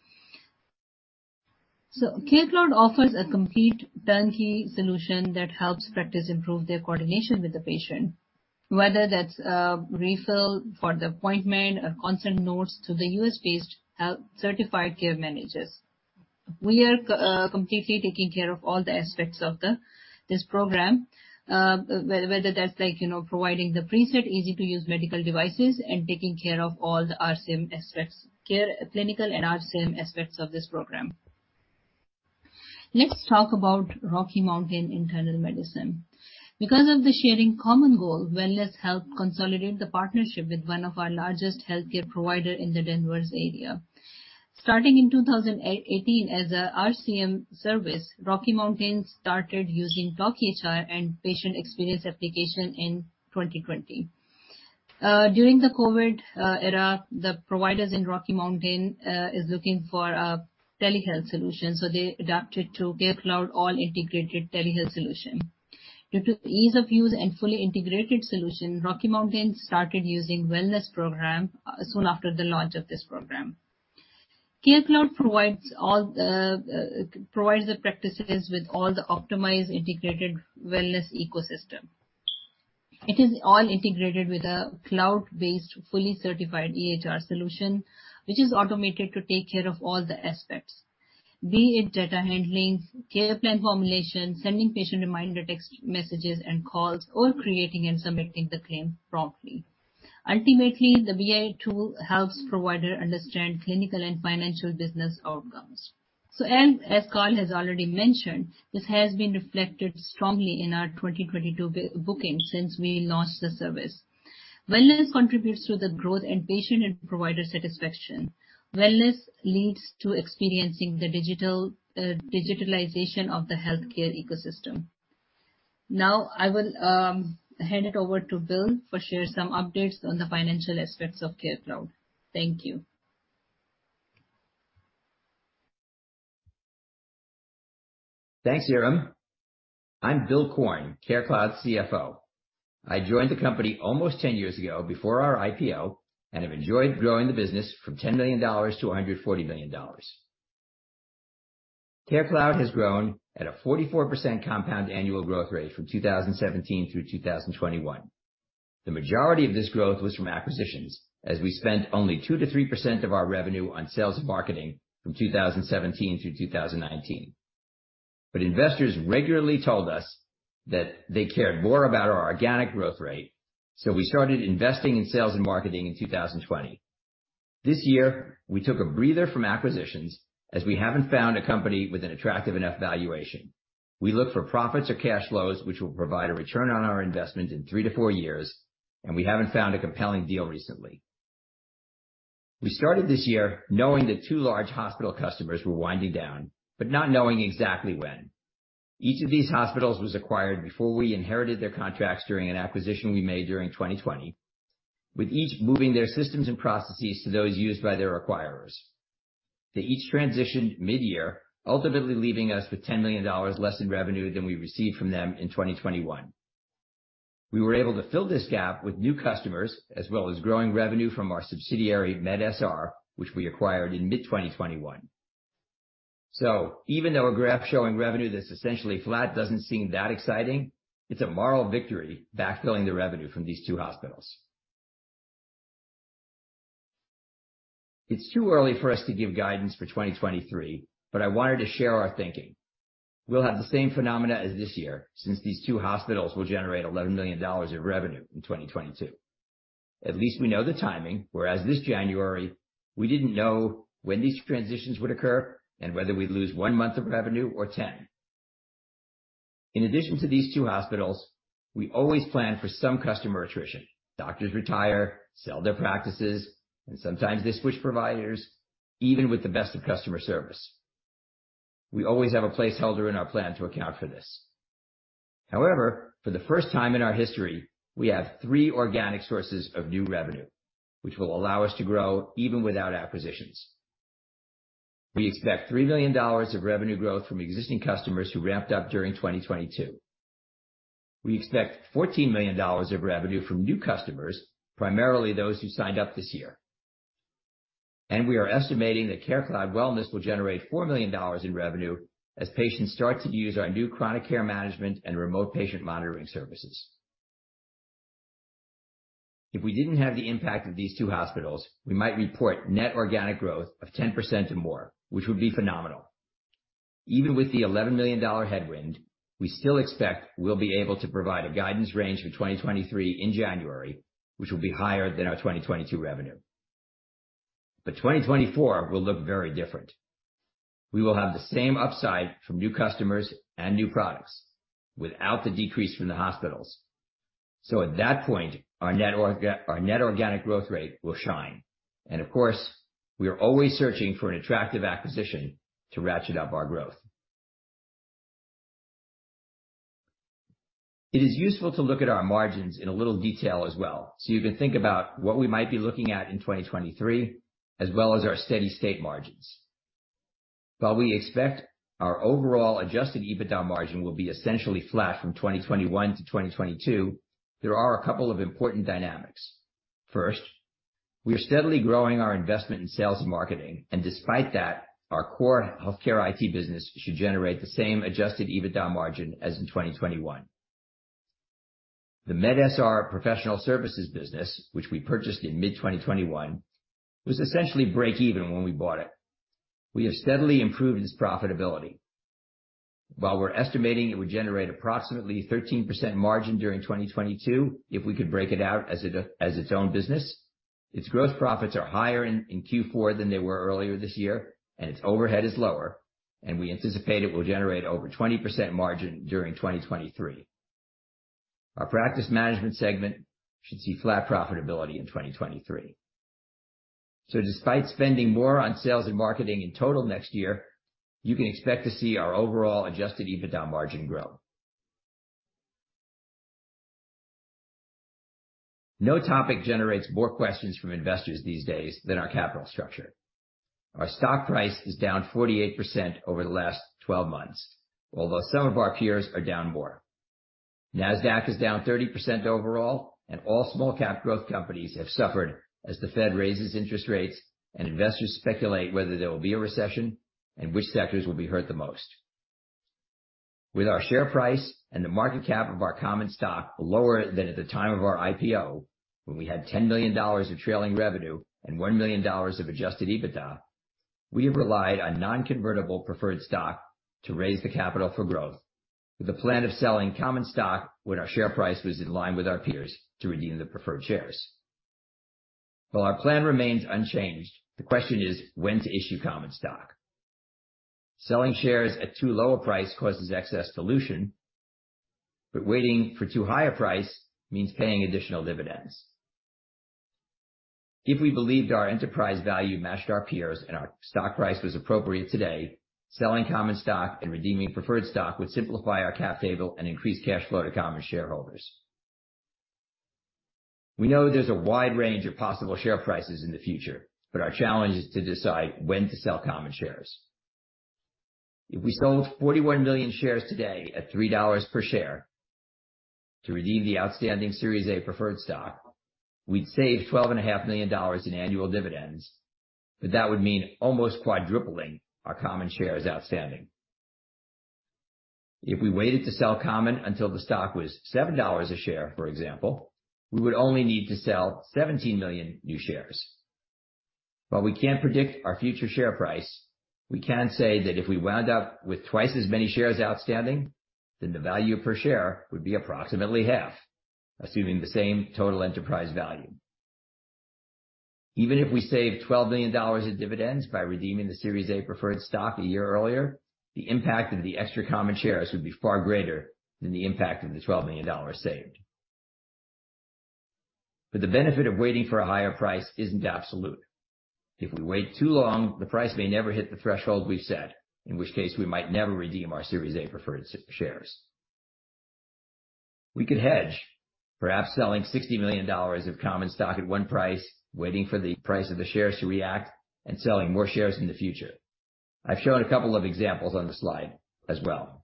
CareCloud offers a complete turnkey solution that helps practice improve their coordination with the patient, whether that's a refill for the appointment or consent notes to the U.S.-based health certified care managers. We are completely taking care of all the aspects of this program, whether that's like, you know, providing the preset easy-to-use medical devices and taking care of all the RCM aspects, care, clinical and RCM aspects of this program. Let's talk about Rocky Mountain Internal Medicine. Because of the sharing common goal, Wellness helped consolidate the partnership with one of our largest healthcare provider in the Denver's area. Starting in 2018 as a RCM service, Rocky Mountain started using talkEHR and patient experience application in 2020. During the COVID era, the providers in Rocky Mountain is looking for a telehealth solution, they adapted to CareCloud all integrated telehealth solution. Due to ease of use and fully integrated solution, Rocky Mountain started using Wellness program soon after the launch of this program. CareCloud provides the practices with all the optimized, integrated Wellness ecosystem. It is all integrated with a cloud-based, fully certified EHR solution, which is automated to take care of all the aspects, be it data handling, care plan formulation, sending patient reminder text messages and calls, or creating and submitting the claim promptly. Ultimately, the BI tool helps provider understand clinical and financial business outcomes. As Karl has already mentioned, this has been reflected strongly in our 2022 booking since we launched the service. Wellness contributes to the growth and patient and provider satisfaction. Wellness leads to experiencing the digitalization of the healthcare ecosystem. Now I will hand it over to Bill for share some updates on the financial aspects of CareCloud. Thank you. Thanks, Iram. I'm Bill Korn, CareCloud CFO. I joined the company almost 10 years ago before our IPO and have enjoyed growing the business from $10 million to $140 million. CareCloud has grown at a 44% compound annual growth rate from 2017 through 2021. The majority of this growth was from acquisitions as we spent only 2%-3% of our revenue on sales and marketing from 2017 through 2019. Investors regularly told us that they cared more about our organic growth rate, we started investing in sales and marketing in 2020. This year, we took a breather from acquisitions as we haven't found a company with an attractive enough valuation. We look for profits or cash flows which will provide a return on our investment in three to four years. We haven't found a compelling deal recently. We started this year knowing that two large hospital customers were winding down, not knowing exactly when. Each of these hospitals was acquired before we inherited their contracts during an acquisition we made during 2020, with each moving their systems and processes to those used by their acquirers. They each transitioned mid-year, ultimately leaving us with $10 million less in revenue than we received from them in 2021. We were able to fill this gap with new customers, as well as growing revenue from our subsidiary, MedSR, which we acquired in mid-2021. Even though a graph showing revenue that's essentially flat doesn't seem that exciting, it's a moral victory backfilling the revenue from these two hospitals. It's too early for us to give guidance for 2023. I wanted to share our thinking. We'll have the same phenomena as this year since these two hospitals will generate $11 million of revenue in 2022. At least we know the timing, whereas this January, we didn't know when these transitions would occur and whether we'd lose one month of revenue or 10. In addition to these two hospitals, we always plan for some customer attrition. Doctors retire, sell their practices, and sometimes they switch providers, even with the best of customer service. We always have a placeholder in our plan to account for this. For the first time in our history, we have three organic sources of new revenue, which will allow us to grow even without acquisitions. We expect $3 million of revenue growth from existing customers who ramped up during 2022. We expect $14 million of revenue from new customers, primarily those who signed up this year. We are estimating that CareCloud Wellness will generate $4 million in revenue as patients start to use our new chronic care management and remote patient monitoring services. If we didn't have the impact of these two hospitals, we might report net organic growth of 10% or more, which would be phenomenal. Even with the $11 million headwind, we still expect we'll be able to provide a guidance range for 2023 in January, which will be higher than our 2022 revenue. 2024 will look very different. We will have the same upside from new customers and new products without the decrease from the hospitals. At that point, our net organic growth rate will shine. Of course, we are always searching for an attractive acquisition to ratchet up our growth. It is useful to look at our margins in a little detail as well, so you can think about what we might be looking at in 2023, as well as our steady-state margins. While we expect our overall adjusted EBITDA margin will be essentially flat from 2021 to 2022, there are a couple of important dynamics. First, we are steadily growing our investment in sales and marketing, and despite that, our core healthcare IT business should generate the same adjusted EBITDA margin as in 2021. The medSR professional services business, which we purchased in mid-2021, was essentially break even when we bought it. We have steadily improved its profitability. While we're estimating it would generate approximately 13% margin during 2022 if we could break it out as its own business. Its growth profits are higher in Q4 than they were earlier this year, and its overhead is lower, and we anticipate it will generate over 20% margin during 2023. Our practice management segment should see flat profitability in 2023. Despite spending more on sales and marketing in total next year, you can expect to see our overall adjusted EBITDA margin grow. No topic generates more questions from investors these days than our capital structure. Our stock price is down 48% over the last 12 months, although some of our peers are down more. Nasdaq is down 30% overall, and all small cap growth companies have suffered as the Fed raises interest rates and investors speculate whether there will be a recession and which sectors will be hurt the most. With our share price and the market cap of our common stock lower than at the time of our IPO when we had $10 million of trailing revenue and $1 million of adjusted EBITDA, we have relied on non-convertible preferred stock to raise the capital for growth with a plan of selling common stock when our share price was in line with our peers to redeem the preferred shares. While our plan remains unchanged, the question is when to issue common stock. Selling shares at too low a price causes excess dilution, but waiting for too high a price means paying additional dividends. If we believed our enterprise value matched our peers and our stock price was appropriate today, selling common stock and redeeming preferred stock would simplify our cap table and increase cash flow to common shareholders. We know there's a wide range of possible share prices in the future. Our challenge is to decide when to sell common shares. If we sold 41 million shares today at $3 per share to redeem the outstanding Series A preferred stock, we'd save $12.5 million in annual dividends. That would mean almost quadrupling our common shares outstanding. If we waited to sell common until the stock was $7 a share, for example, we would only need to sell 17 million new shares. While we can't predict our future share price, we can say that if we wound up with twice as many shares outstanding, then the value per share would be approximately half, assuming the same total enterprise value. Even if we saved $12 million in dividends by redeeming the Series A preferred stock a year earlier, the impact of the extra common shares would be far greater than the impact of the $12 million saved. The benefit of waiting for a higher price isn't absolute. If we wait too long, the price may never hit the threshold we've set, in which case we might never redeem our Series A preferred shares. We could hedge, perhaps selling $60 million of common stock at one price, waiting for the price of the shares to react, and selling more shares in the future. I've shown a couple of examples on the slide as well.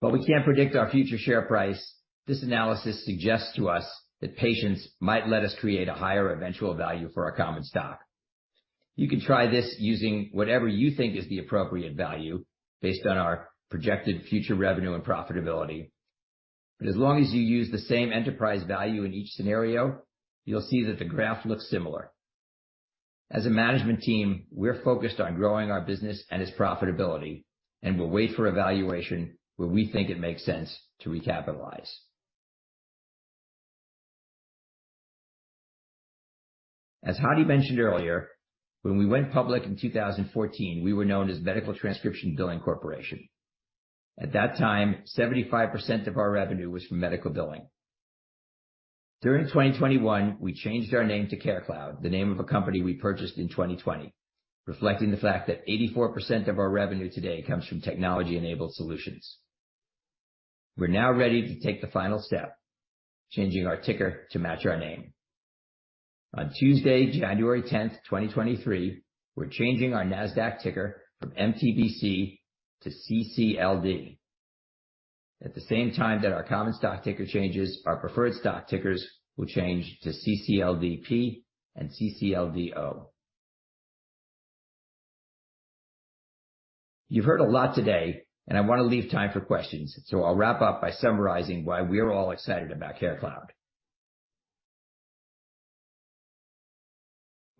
We can't predict our future share price. This analysis suggests to us that patience might let us create a higher eventual value for our common stock. You can try this using whatever you think is the appropriate value based on our projected future revenue and profitability. As long as you use the same enterprise value in each scenario, you'll see that the graph looks similar. As a management team, we're focused on growing our business and its profitability, and we'll wait for a valuation where we think it makes sense to recapitalize. As Hadi mentioned earlier, when we went public in 2014, we were known as Medical Transcription Billing, Corp. At that time, 75% of our revenue was from medical billing. During 2021, we changed our name to CareCloud, the name of a company we purchased in 2020, reflecting the fact that 84% of our revenue today comes from technology-enabled solutions. We're now ready to take the final step, changing our ticker to match our name. On Tuesday, January 10th, 2023, we're changing our Nasdaq ticker from MTBC to CCLD. At the same time that our common stock ticker changes, our preferred stock tickers will change to CCLDP and CCLDO. You've heard a lot today, and I wanna leave time for questions, so I'll wrap up by summarizing why we're all excited about CareCloud.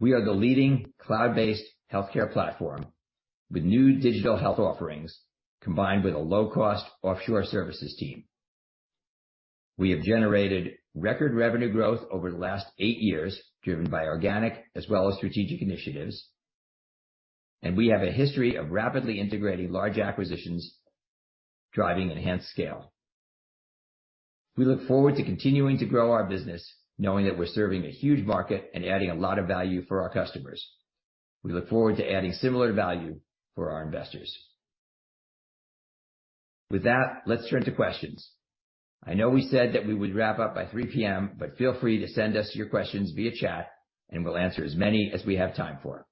We are the leading cloud-based healthcare platform with new digital health offerings combined with a low-cost offshore services team. We have generated record revenue growth over the last eight years, driven by organic as well as strategic initiatives, and we have a history of rapidly integrating large acquisitions, driving enhanced scale. We look forward to continuing to grow our business, knowing that we're serving a huge market and adding a lot of value for our customers. We look forward to adding similar value for our investors. With that, let's turn to questions. I know we said that we would wrap up by 3:00 P.M., but feel free to send us your questions via chat, and we'll answer as many as we have time for.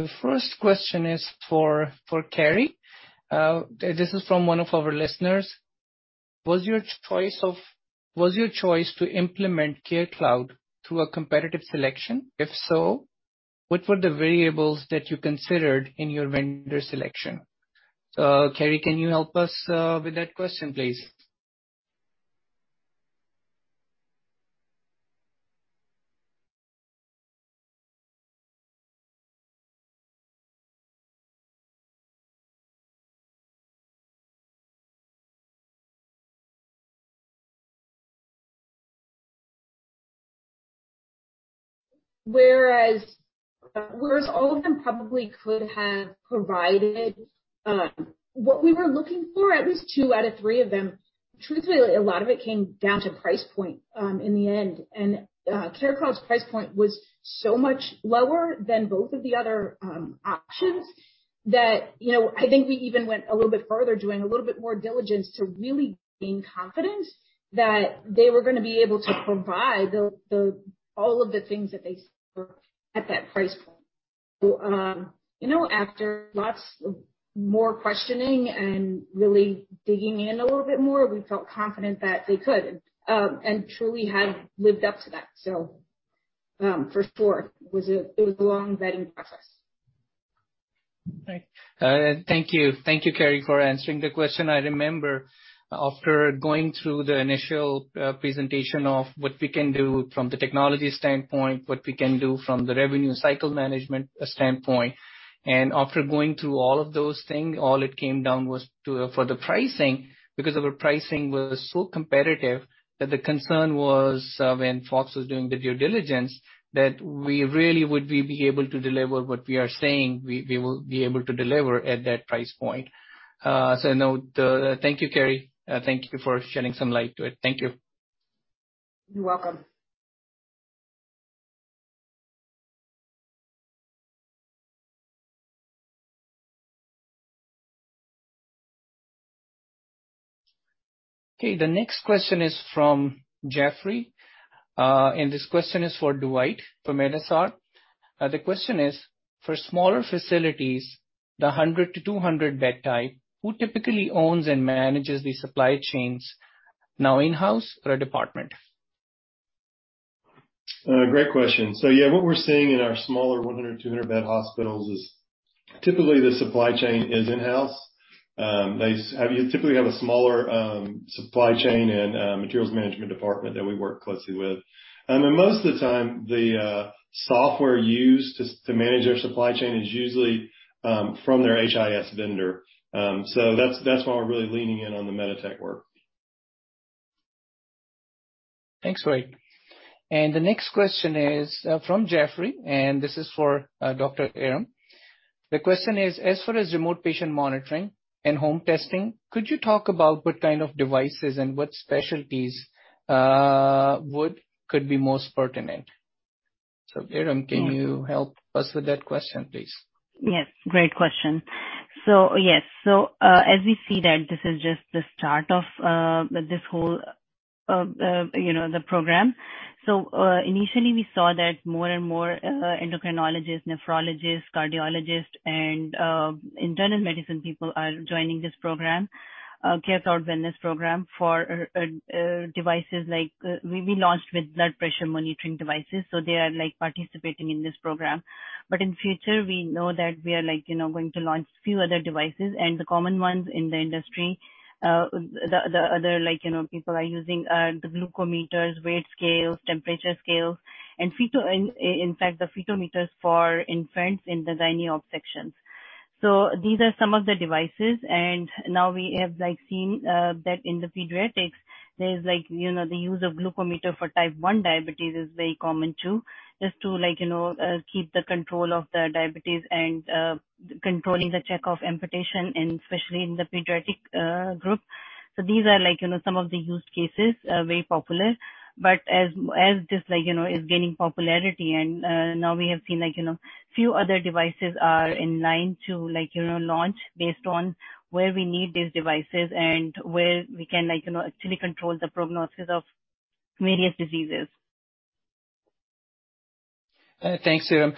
The first question is for Carey. This is from one of our listeners. Was your choice to implement CareCloud through a competitive selection? If so, what were the variables that you considered in your vendor selection? Carey, can you help us with that question, please? Whereas all of them probably could have provided what we were looking for, at least 2 out of 3 of them, truthfully, a lot of it came down to price point in the end. CareCloud's price point was so much lower than both of the other options that, you know, I think we even went a little bit further doing a little bit more diligence to really gain confidence that they were gonna be able to provide the all of the things that they said were at that price point. You know, after lots of more questioning and really digging in a little bit more, we felt confident that they could and truly have lived up to that. For sure it was a long vetting process. Right. Thank you. Thank you, Carey, for answering the question. I remember after going through the initial presentation of what we can do from the technology standpoint, what we can do from the revenue cycle management standpoint, after going through all of those things, all it came down was to for the pricing, because our pricing was so competitive that the concern was when FOX was doing the due diligence, that we really would we be able to deliver what we are saying we will be able to deliver at that price point. Thank you, Carey. Thank you for shedding some light to it. Thank you. You're welcome. Okay. The next question is from Jeffrey. This question is for Dwight from medSR. The question is: For smaller facilities, the 100 to 200 bed type, who typically owns and manages the supply chains? Now in-house or a department? Great question. Yeah, what we're seeing in our smaller 100, 200 bed hospitals is typically the supply chain is in-house. You typically have a smaller supply chain and materials management department that we work closely with. Most of the time the software used to manage their supply chain is usually from their HIS vendor. That's, that's why we're really leaning in on the MEDITECH work. Thanks, Dwight. The next question is from Jeffrey, and this is for Dr. Iram. The question is: as far as remote patient monitoring and home testing, could you talk about what kind of devices and what specialties could be most pertinent? Iram, can you help us with that question, please? Yes, great question. Yes. As we see that this is just the start of this whole, you know, the program. Initially we saw that more and more endocrinologists, nephrologists, cardiologists and internal medicine people are joining this program, CareCloud Wellness program for devices like. We launched with blood pressure monitoring devices, so they are, like, participating in this program. In future, we know that we are like, you know, going to launch few other devices and the common ones in the industry. The other like, you know, people are using the glucometers, weight scales, temperature scales and in fact the fetometers for infants in the gyne ob section. These are some of the devices. Now we have, like, seen that in the pediatrics there's like, you know, the use of glucometer for type 1 diabetes is very common, too. Just to like, you know, keep the control of the diabetes and controlling the check of amputation and especially in the pediatric group. These are like, you know, some of the use cases very popular. As, as this like, you know, is gaining popularity and now we have seen like, you know, few other devices are in line to like, you know, launch based on where we need these devices and where we can like, you know, actually control the prognosis of various diseases. Thanks, Iram.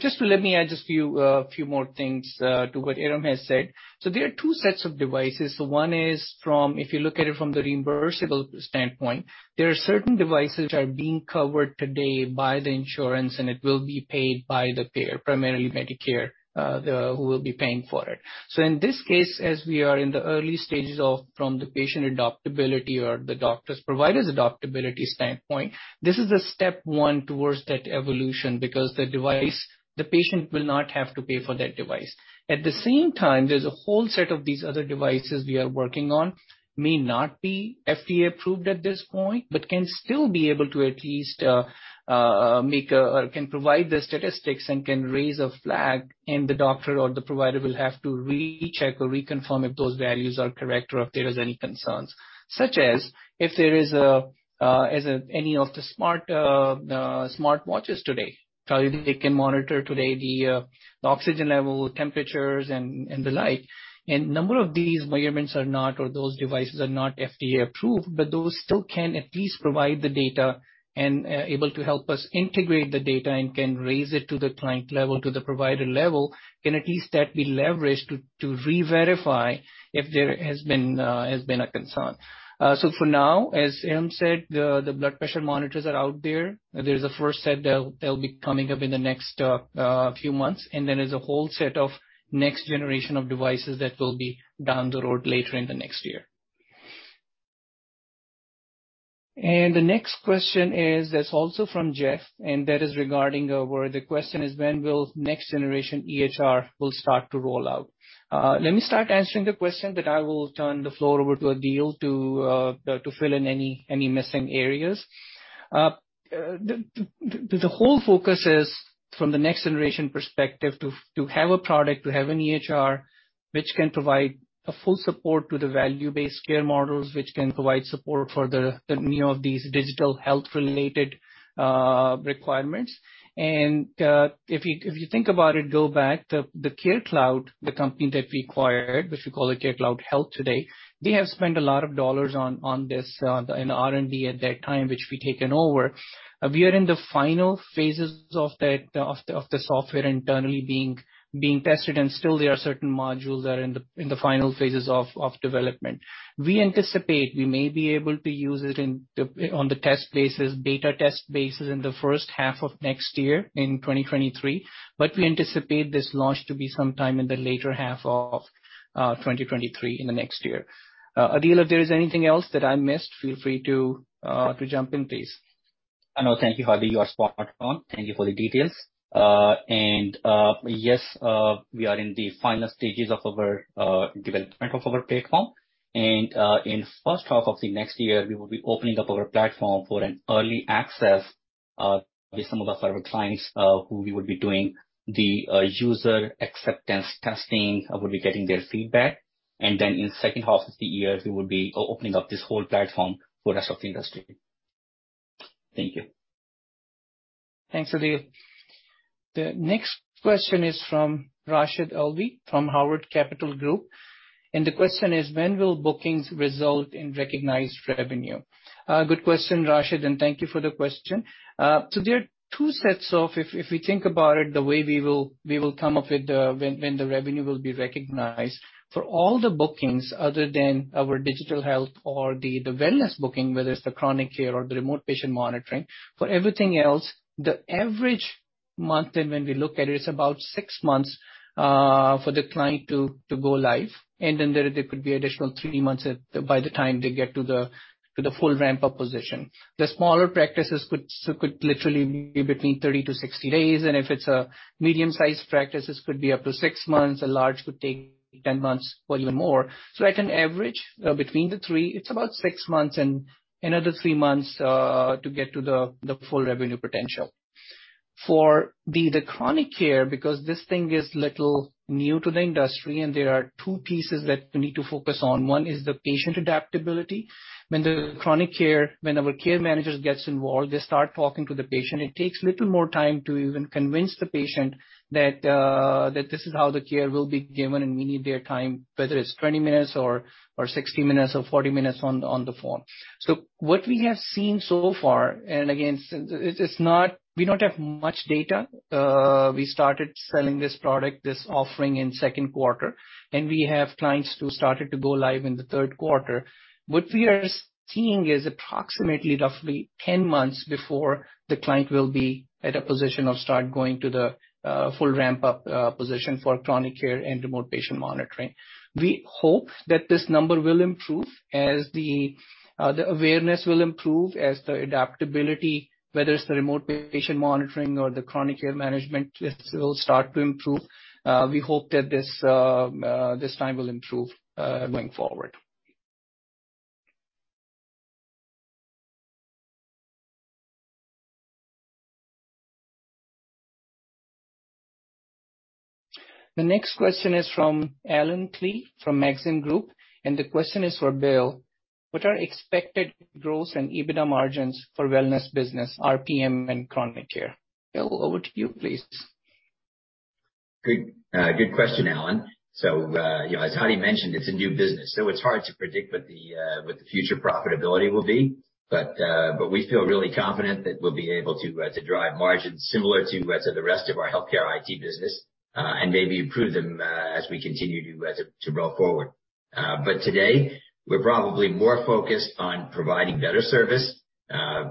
Just to let me add just few more things to what Iram has said. There are two sets of devices. One is from. If you look at it from the reimbursable standpoint, there are certain devices which are being covered today by the insurance, and it will be paid by the payer, primarily Medicare, who will be paying for it. In this case, as we are in the early stages of, from the patient adoptability or the doctor's, provider's adoptability standpoint, this is a step 1 towards that evolution because the patient will not have to pay for that device. At the same time, there's a whole set of these other devices we are working on, may not be FDA approved at this point, but can still be able to at least make or can provide the statistics and can raise a flag, and the doctor or the provider will have to recheck or reconfirm if those values are correct or if there is any concerns. Such as if there is any of the smart watches today, how they can monitor today the oxygen level, temperatures and the like. Number of these measurements are not, or those devices are not FDA approved, but those still can at least provide the data and able to help us integrate the data and can raise it to the client level, to the provider level. Can at least that be leveraged to reverify if there has been a concern. For now, as Iram said, the blood pressure monitors are out there. There's a first set that'll be coming up in the next few months. There is a whole set of next generation of devices that will be down the road later in the next year. The next question is. That's also from Jeff, that is regarding where the question is, when will next generation EHR will start to roll out? Let me start answering the question, I will turn the floor over to Adeel to fill in any missing areas. The whole focus is from the next generation perspective to have a product, to have an EHR which can provide a full support to the value-based care models, which can provide support for the many of these digital health related requirements. If you think about it, go back to the CareCloud, the company that we acquired, which we call it CareCloud Health today, they have spent a lot of dollars on this in R&D at that time, which we've taken over. We are in the final phases of that, of the software internally being tested, and still there are certain modules that are in the final phases of development. We anticipate we may be able to use it on the test basis, beta test basis in the first half of next year in 2023, but we anticipate this launch to be sometime in the later half of 2023, in the next year. Adeel, if there is anything else that I missed, feel free to jump in, please. No, thank you, Hadi. You are spot on. Thank you for the details. Yes, we are in the final stages of our development of our platform. In first half of the next year, we will be opening up our platform for an early access, with some of our clients, who we will be doing the user acceptance testing. I will be getting their feedback. Then in second half of the year, we will be opening up this whole platform for rest of the industry. Thank you. Thanks, Adeel. The next question is from Rashid Alvi, from Howard Capital Group. The question is, when will bookings result in recognized revenue? Good question, Rashid, and thank you for the question. There are two sets of, if we think about it, the way we will come up with, when the revenue will be recognized. For all the bookings other than our digital health or the wellness booking, whether it's the chronic care or the remote patient monitoring, for everything else, the average monthly when we look at it's about six months for the client to go live. There could be additional three months by the time they get to the full ramp-up position. The smaller practices could literally be between 30-60 days, and if it's a medium-sized practices could be up to six months, a large could take 10 months or even more. At an average, between the three, it's about six months and another three months to get to the full revenue potential. For the chronic care, because this thing is little new to the industry, and there are two pieces that we need to focus on. One is the patient adaptability. When the chronic care, when our care managers gets involved, they start talking to the patient, it takes little more time to even convince the patient that this is how the care will be given, and we need their time, whether it's 20 minutes or 60 minutes or 40 minutes on the phone. What we have seen so far, and again, it's not. We don't have much data. We started selling this product, this offering in second quarter, and we have clients who started to go live in the third quarter. What we are seeing is approximately roughly 10 months before the client will be at a position of start going to the full ramp-up position for chronic care and remote patient monitoring. We hope that this number will improve as the awareness will improve as the adaptability, whether it's the remote patient monitoring or the chronic care management lists will start to improve. We hope that this time will improve going forward. The next question is from Allen Klee, from Maxim Group. The question is for Bill. What are expected gross and EBITDA margins for Wellness business, RPM and chronic care? Bill, over to you, please. Good, good question, Allen. You know, as Hadi mentioned, it's a new business, so it's hard to predict what the future profitability will be. We feel really confident that we'll be able to drive margins similar to the rest of our healthcare IT business, and maybe improve them as we continue to roll forward. Today, we're probably more focused on providing better service,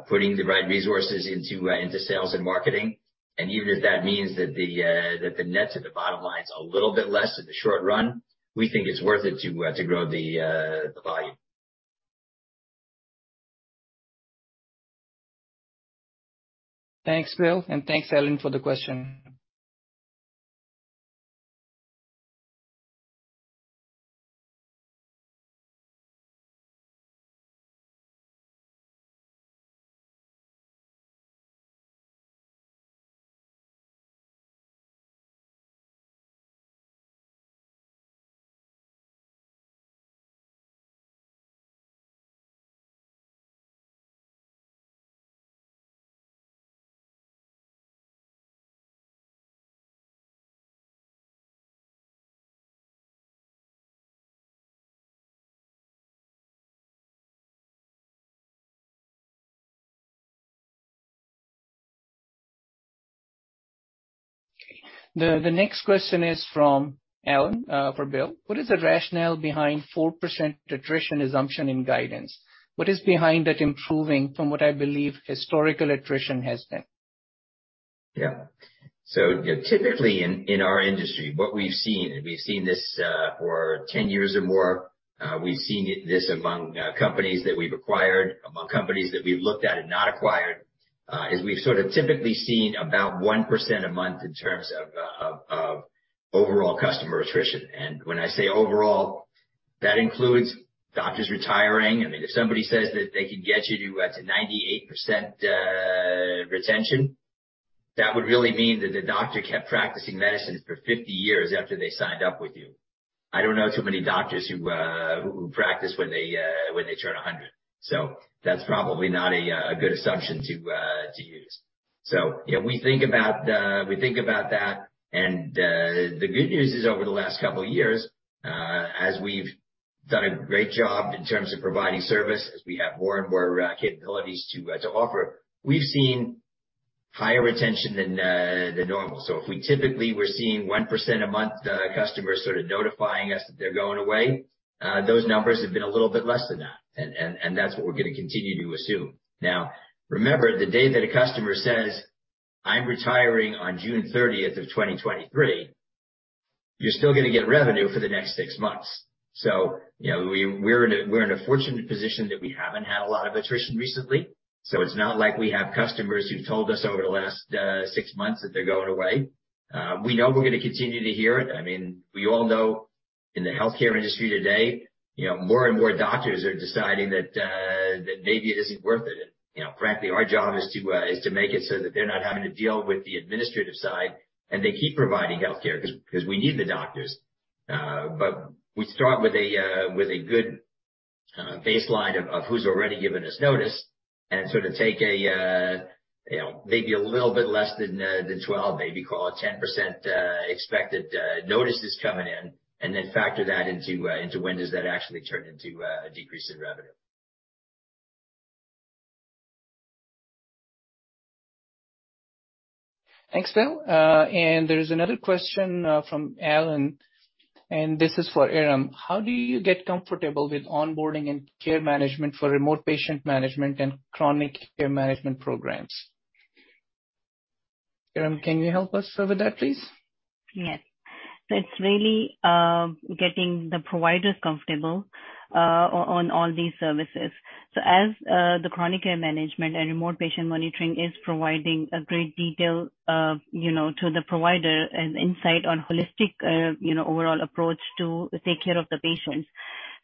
putting the right resources into sales and marketing. Even if that means that the net to the bottom line is a little bit less in the short run, we think it's worth it to grow the volume. Thanks, Bill, thanks, Allen, for the question. The next question is from Allen, for Bill. What is the rationale behind 4% attrition assumption in guidance? What is behind that improving from what I believe historical attrition has been? Yeah. You know, typically in our industry, what we've seen, and we've seen this for 10 years or more, we've seen this among companies that we've acquired, among companies that we've looked at and not acquired, is we've sort of typically seen about 1% a month in terms of overall customer attrition. When I say overall, that includes doctors retiring. I mean, if somebody says that they can get you to 98% retention, that would really mean that the doctor kept practicing medicine for 50 years after they signed up with you. I don't know too many doctors who practice when they turn 100. That's probably not a good assumption to use. You know, we think about, we think about that. The good news is over the last couple of years, as we've done a great job in terms of providing service, as we have more and more capabilities to offer, we've seen higher retention than than normal. If we typically we're seeing 1% a month, customers sort of notifying us that they're going away, those numbers have been a little bit less than that. That's what we're gonna continue to assume. Now, remember, the day that a customer says, "I'm retiring on June 30th of 2023," you're still gonna get revenue for the next six months. You know, we're in a fortunate position that we haven't had a lot of attrition recently, so it's not like we have customers who've told us over the last six months that they're going away. We know we're gonna continue to hear it. I mean, we all know in the healthcare industry today, you know, more and more doctors are deciding that maybe it isn't worth it. You know, frankly, our job is to make it so that they're not having to deal with the administrative side, and they keep providing healthcare 'cause we need the doctors. We start with a good baseline of who's already given us notice and sort of take a, you know, maybe a little bit less than 12, maybe call it 10% expected notices coming in, and then factor that into when does that actually turn into a decrease in revenue. Thanks, Bill. There's another question from Allen, this is for Iram. How do you get comfortable with onboarding and care management for remote patient management and chronic care management programs? Iram, can you help us with that, please? Yes. It's really getting the providers comfortable on all these services. As the chronic care management and remote patient monitoring is providing a great detail of, you know, to the provider and insight on holistic, you know, overall approach to take care of the patients.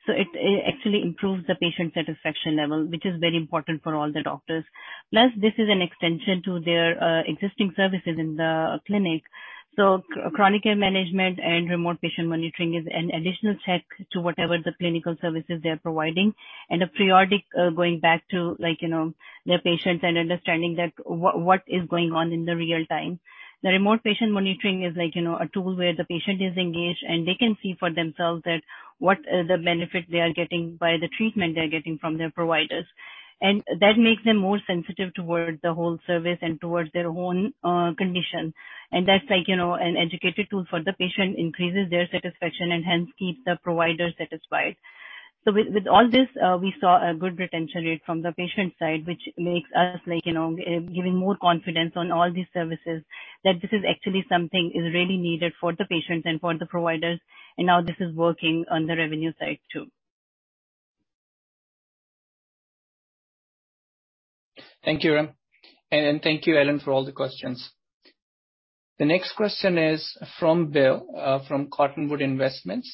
It actually improves the patient satisfaction level, which is very important for all the doctors. Plus, this is an extension to their existing services in the clinic. Chronic care management and remote patient monitoring is an additional check to whatever the clinical services they're providing and a periodic, going back to, like, you know, their patients and understanding that what is going on in the real time. The remote patient monitoring is like, you know, a tool where the patient is engaged, and they can see for themselves that what the benefit they are getting by the treatment they are getting from their providers. That makes them more sensitive towards the whole service and towards their own condition. That's like, you know, an educated tool for the patient, increases their satisfaction and hence keeps the provider satisfied. With all this, we saw a good retention rate from the patient side, which makes us, like, you know, giving more confidence on all these services, that this is actually something is really needed for the patients and for the providers. Now this is working on the revenue side too. Thank you, Iram. Thank you, Allen, for all the questions. The next question is from Bill, from Cottonwood Investments,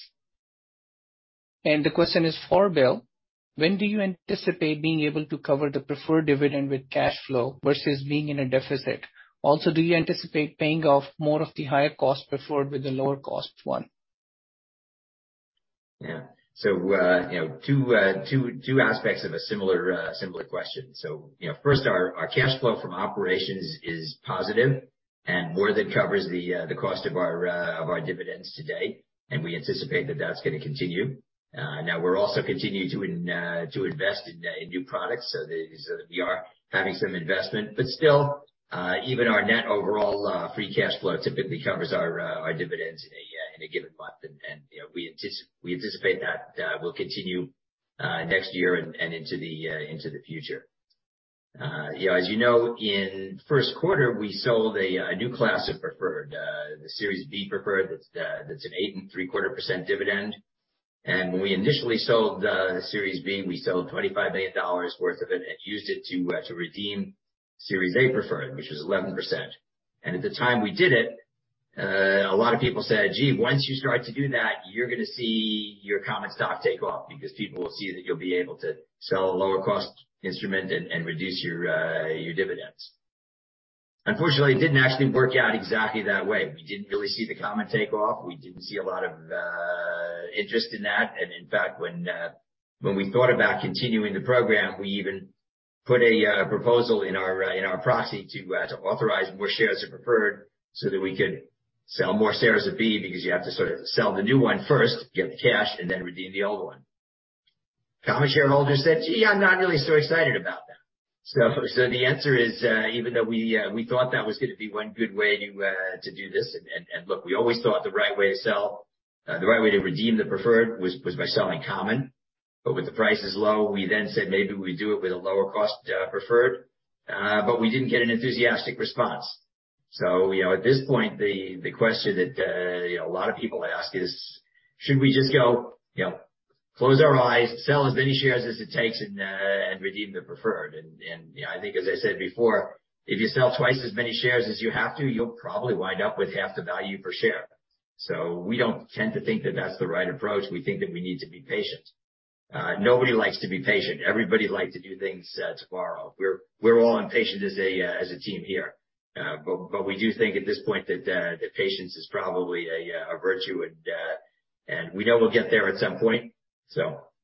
the question is for Bill. When do you anticipate being able to cover the preferred dividend with cash flow versus being in a deficit? Also, do you anticipate paying off more of the higher cost preferred with the lower cost one? Yeah. You know, two aspects of a similar question. You know, first, our cash flow from operations is positive and more than covers the cost of our dividends today. We anticipate that that's gonna continue. Now we're also continuing to invest in new products. We are having some investment. Still, even our net overall free cash flow typically covers our dividends in a given month. You know, we anticipate that will continue next year and into the future. Yeah, as you know, in first quarter, we sold a new class of preferred, the Series B preferred. That's an 8.75% dividend. When we initially sold Series B, we sold $25 million worth of it and used it to redeem Series A preferred, which is 11%. At the time we did it, a lot of people said, "Gee, once you start to do that, you're gonna see your common stock take off because people will see that you'll be able to sell a lower cost instrument and reduce your dividends." Unfortunately, it didn't actually work out exactly that way. We didn't really see the common take off. We didn't see a lot of interest in that. In fact, when we thought about continuing the program, we even put a proposal in our in our proxy to authorize more shares of preferred so that we could sell more shares of B, because you have to sort of sell the new one first to get the cash and then redeem the old one. Common shareholders said, "Gee, I'm not really so excited about that." The answer is, even though we thought that was gonna be one good way to do this, and look, we always thought the right way to sell the right way to redeem the preferred was by selling common. But with the prices low, we then said maybe we do it with a lower cost, preferred. We didn't get an enthusiastic response. You know, at this point, the question that a lot of people ask is, should we just go, you know, close our eyes, sell as many shares as it takes and redeem the preferred. You know, I think, as I said before, if you sell two as many shares as you have to, you'll probably wind up with half the value per share. We don't tend to think that that's the right approach. We think that we need to be patient. Nobody likes to be patient. Everybody likes to do things tomorrow. We're all impatient as a team here. We do think at this point that patience is probably a virtue. We know we'll get there at some point.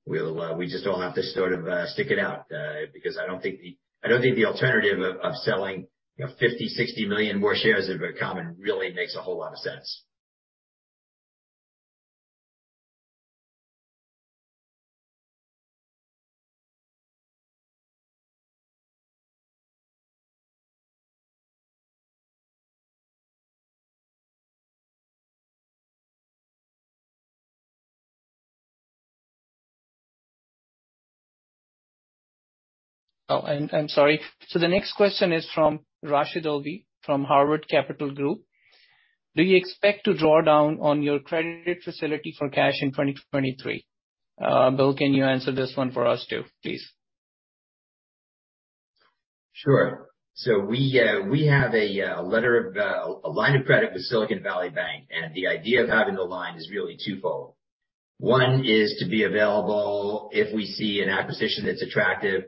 We'll, we just all have to sort of, stick it out, because I don't think the alternative of selling, you know, 50 million, 60 million more shares of a common really makes a whole lot of sense. I'm sorry. The next question is from Rashid Alvi from Howard Capital Group. Do you expect to draw down on your credit facility for cash in 2023? Bill, can you answer this one for us too, please? Sure. We have a line of credit with Silicon Valley Bank, and the idea of having the line is really twofold. One is to be available if we see an acquisition that's attractive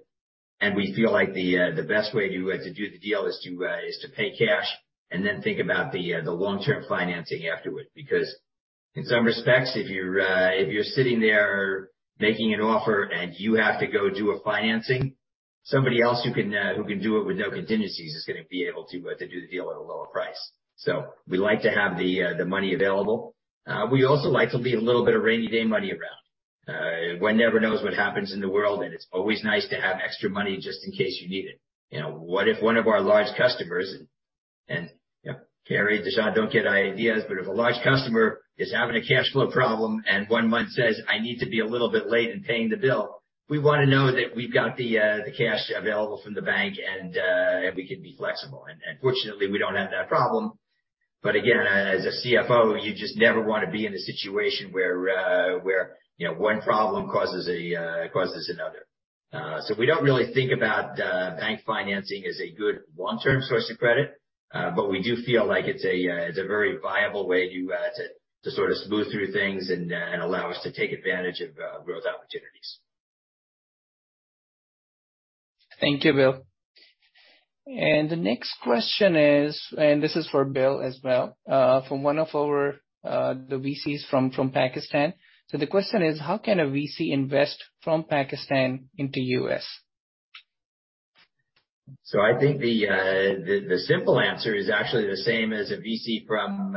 and we feel like the best way to do the deal is to pay cash and then think about the long-term financing afterward. In some respects, if you're sitting there making an offer and you have to go do a financing, somebody else who can do it with no contingencies is gonna be able to do the deal at a lower price. We like to have the money available. We also like to leave a little bit of rainy day money around. One never knows what happens in the world, and it's always nice to have extra money just in case you need it. You know, what if one of our large customers, and, you know, Carey, Dashun, don't get ideas, but if a large customer is having a cash flow problem and one month says, "I need to be a little bit late in paying the bill," we wanna know that we've got the cash available from the bank and we can be flexible. Fortunately, we don't have that problem. Again, as a CFO, you just never wanna be in a situation where, you know, one problem causes another. We don't really think about bank financing as a good long-term source of credit, but we do feel like it's a very viable way to sort of smooth through things and allow us to take advantage of growth opportunities. Thank you, Bill. The next question is, and this is for Bill as well, from one of our, the VCs from Pakistan. The question is, how can a VC invest from Pakistan into U.S.? I think the simple answer is actually the same as a VC from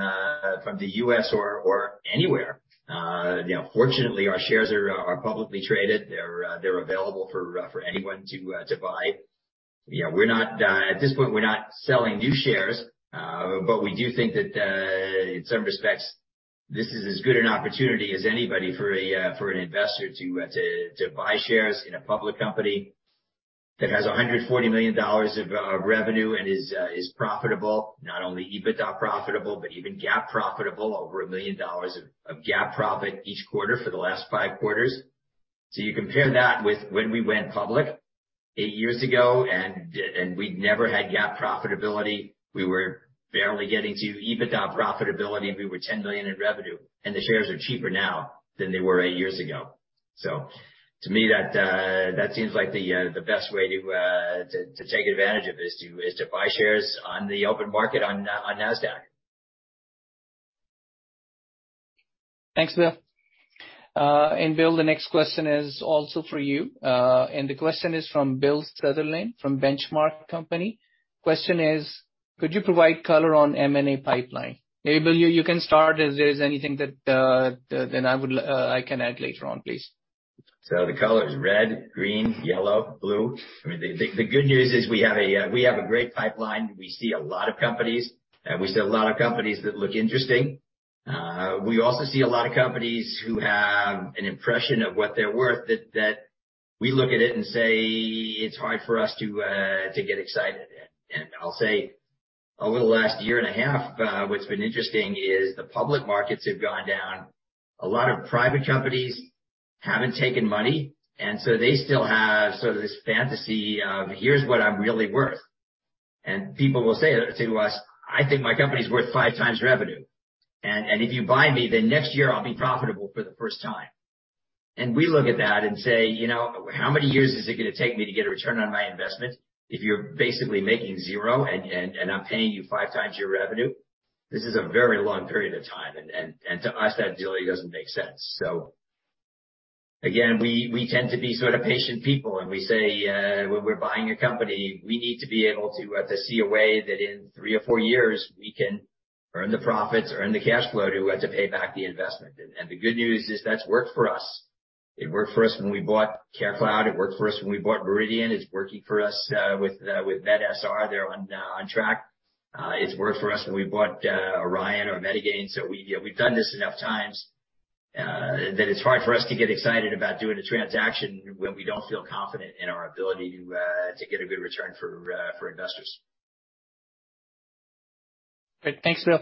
the U.S. or anywhere. You know, fortunately, our shares are publicly traded. They're available for anyone to buy. You know, we're not at this point, we're not selling new shares, but we do think that in some respects, this is as good an opportunity as anybody for an investor to buy shares in a public company that has $140 million of revenue and is profitable. Not only EBITDA profitable, but even GAAP profitable, over $1 million of GAAP profit each quarter for the last five quarters. You compare that with when we went public eight years ago and we'd never had GAAP profitability, we were barely getting to EBITDA profitability, and we were $10 million in revenue, and the shares are cheaper now than they were eight years ago. To me, that seems like the best way to take advantage of this is to buy shares on the open market on Nasdaq. Thanks, Bill. Bill, the next question is also for you. The question is from Bill Sutherland from Benchmark Company. Question is, could you provide color on M&A pipeline? Maybe Bill you can start if there is anything that I would, I can add later on, please. The color is red, green, yellow, blue. I mean, the good news is we have a great pipeline. We see a lot of companies. We see a lot of companies that look interesting. We also see a lot of companies who have an impression of what they're worth that we look at it and say it's hard for us to get excited. I'll say over the last year and a half, what's been interesting is the public markets have gone down. A lot of private companies haven't taken money, so they still have sort of this fantasy of, "Here's what I'm really worth." People will say to us, "I think my company's worth 5x revenue. If you buy me, then next year I'll be profitable for the first time." We look at that and say, "You know, how many years is it gonna take me to get a return on my investment if you're basically making zero and, and I'm paying you 5 times your revenue? This is a very long period of time." To us, that deal really doesn't make sense. Again, we tend to be sort of patient people, and we say, when we're buying a company, we need to be able to see a way that in three or four years we can earn the profits, earn the cash flow to pay back the investment. The good news is that's worked for us. It worked for us when we bought CareCloud. It worked for us when we bought Meridian. It's working for us, with medSR. They're on track. It's worked for us when we bought, Orion or MediGain. We, you know, we've done this enough times, that it's hard for us to get excited about doing a transaction when we don't feel confident in our ability to get a good return for investors. Great. Thanks, Bill.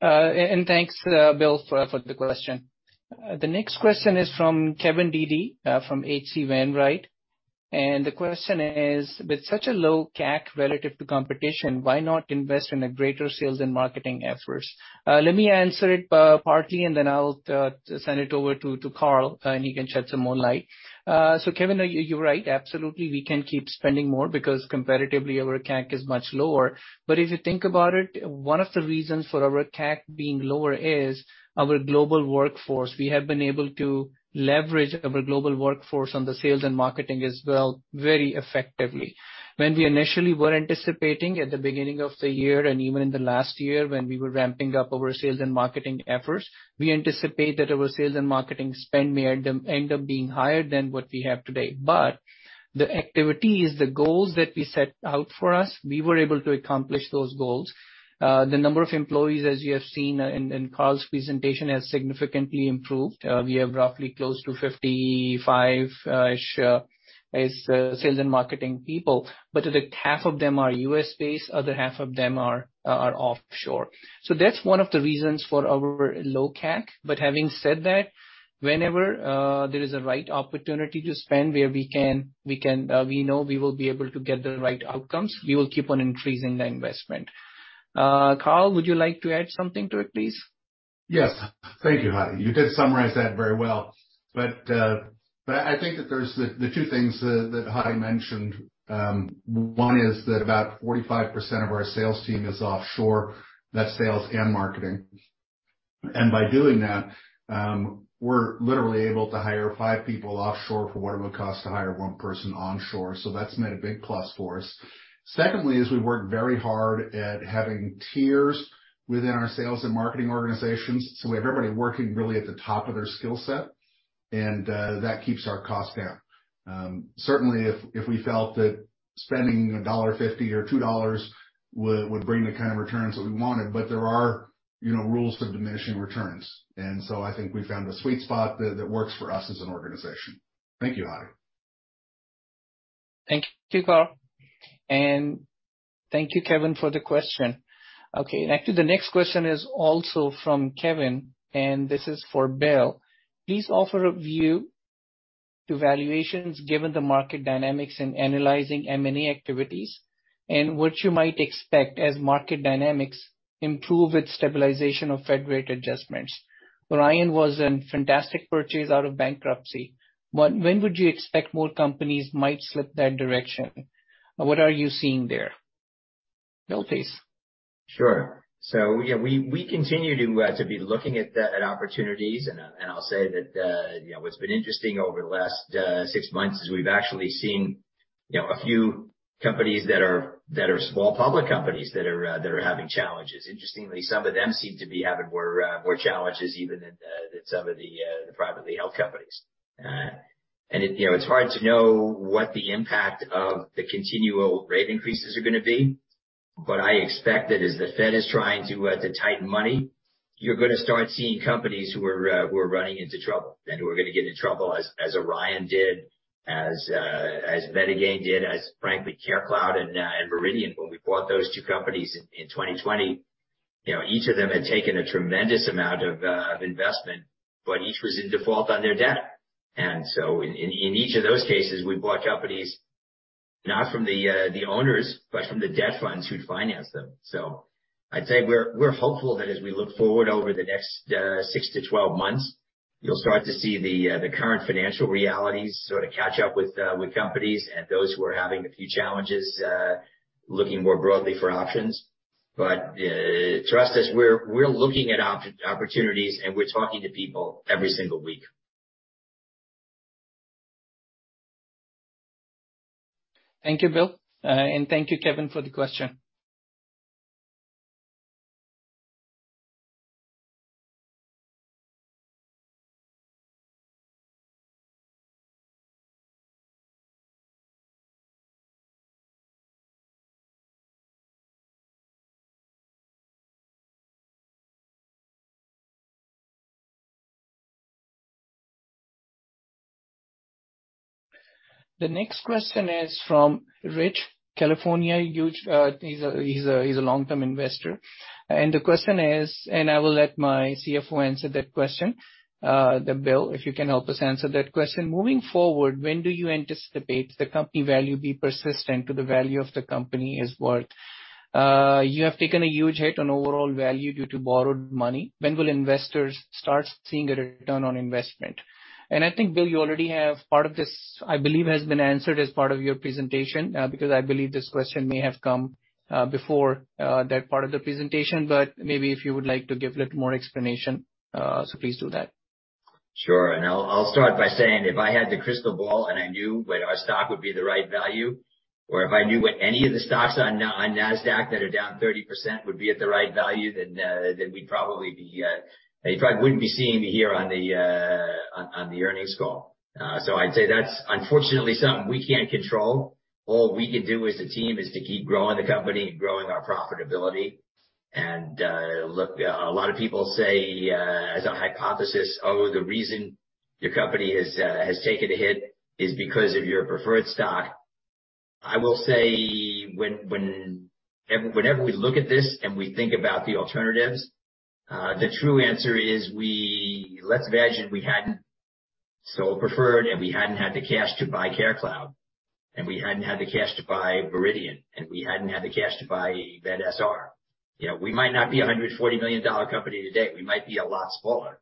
Thanks, Bill, for the question. The next question is from Kevin Dede from H.C. Wainwright & Co. The question is: With such a low CAC relative to competition, why not invest in a greater sales and marketing efforts? Let me answer it partly, and then I'll send it over to Karl, and he can shed some more light. Kevin, you're right. Absolutely, we can keep spending more because comparatively our CAC is much lower. If you think about it, one of the reasons for our CAC being lower is our global workforce. We have been able to leverage our global workforce on the sales and marketing as well very effectively. When we initially were anticipating at the beginning of the year and even in the last year when we were ramping up our sales and marketing efforts, we anticipate that our sales and marketing spend may end up being higher than what we have today. The activities, the goals that we set out for us, we were able to accomplish those goals. The number of employees, as you have seen in Karl's presentation, has significantly improved. We have roughly close to 55-ish as sales and marketing people, but that half of them are U.S.-based, other half of them are offshore. That's one of the reasons for our low CAC. Having said that, whenever, there is a right opportunity to spend where we know we will be able to get the right outcomes, we will keep on increasing the investment. Karl, would you like to add something to it, please? Yes. Thank you, Hadi. You did summarize that very well. I think that there's the two things that Hadi mentioned. One is that about 45% of our sales team is offshore. That's sales and marketing. By doing that, we're literally able to hire five people offshore for what it would cost to hire one person onshore. That's been a big plus for us. Secondly is we work very hard at having tiers within our sales and marketing organizations, so we have everybody working really at the top of their skill set, and that keeps our costs down. Certainly if we felt that spending $1.50 or $2 would bring the kind of returns that we wanted, but there are, you know, rules for diminishing returns. I think we found a sweet spot that works for us as an organization. Thank you, Hadi. Thank you, Karl. Thank you, Kevin, for the question. Actually the next question is also from Kevin, and this is for Bill. Please offer a view to valuations given the market dynamics in analyzing M&A activities and what you might expect as market dynamics improve with stabilization of Fed rate adjustments. Orion was a fantastic purchase out of bankruptcy. When would you expect more companies might slip that direction? What are you seeing there? Bill, please. Sure. Yeah, we continue to be looking at opportunities. I'll say that, you know, what's been interesting over the last six months is we've actually seen, you know, a few companies that are small public companies that are having challenges. Interestingly, some of them seem to be having more challenges even than some of the privately held companies. It, you know, it's hard to know what the impact of the continual rate increases are gonna be. I expect that as the Fed is trying to tighten money, you're gonna start seeing companies who are running into trouble and who are gonna get in trouble, as Orion did, as MediGain did, as frankly, CareCloud and Meridian. When we bought those two companies in 2020, you know, each of them had taken a tremendous amount of investment, but each was in default on their debt. In each of those cases, we bought companies not from the owners, but from the debt funds who'd financed them. I'd say we're hopeful that as we look forward over the next 6 to 12 months, you'll start to see the current financial realities sort of catch up with companies and those who are having a few challenges, looking more broadly for options. Trust us, we're looking at opportunities, and we're talking to people every single week. Thank you, Bill. And thank you, Kevin, for the question. The next question is from Rich, California. Huge, he's a long-term investor. The question is, I will let my CFO answer that question. But Bill, if you can help us answer that question. Moving forward, when do you anticipate the company value be persistent to the value of the company is worth? You have taken a huge hit on overall value due to borrowed money. When will investors start seeing a return on investment? I think, Bill, you already have part of this, I believe, has been answered as part of your presentation, because I believe this question may have come before that part of the presentation. But maybe if you would like to give a little more explanation, please do that. Sure. I'll start by saying if I had the crystal ball and I knew when our stock would be the right value or if I knew when any of the stocks on Nasdaq that are down 30% would be at the right value, then we'd probably be, in fact wouldn't be seen here on the earnings call. I'd say that's unfortunately something we can't control. All we can do as a team is to keep growing the company and growing our profitability. Look, a lot of people say, as a hypothesis, "Oh, the reason your company has taken a hit is because of your preferred stock." I will say whenever we look at this and we think about the alternatives, the true answer is, let's imagine we hadn't sold preferred and we hadn't had the cash to buy CareCloud, and we hadn't had the cash to buy Meridian, and we hadn't had the cash to buy medSR. You know, we might not be a $140 million company today. We might be a lot smaller.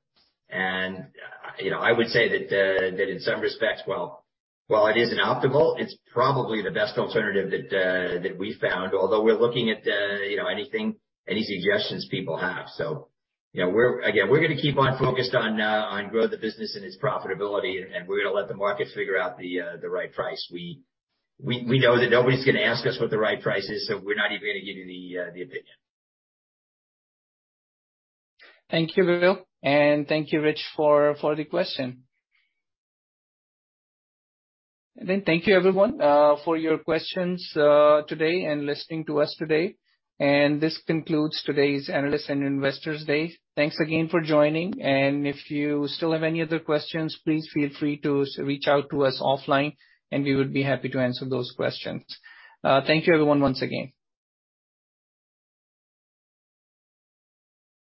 You know, I would say that in some respects, while it isn't optimal, it's probably the best alternative that we found. Although we're looking at, you know, anything, any suggestions people have. You know, we're, again, we're gonna keep on focused on grow the business and its profitability, and we're gonna let the market figure out the right price. We know that nobody's gonna ask us what the right price is, so we're not even gonna give you the opinion. Thank you, Bill. Thank you, Rich for the question. Thank you everyone, for your questions today and listening to us today. This concludes today's Analyst and Investors Day. Thanks again for joining. If you still have any other questions, please feel free to reach out to us offline, and we would be happy to answer those questions. Thank you, everyone, once again.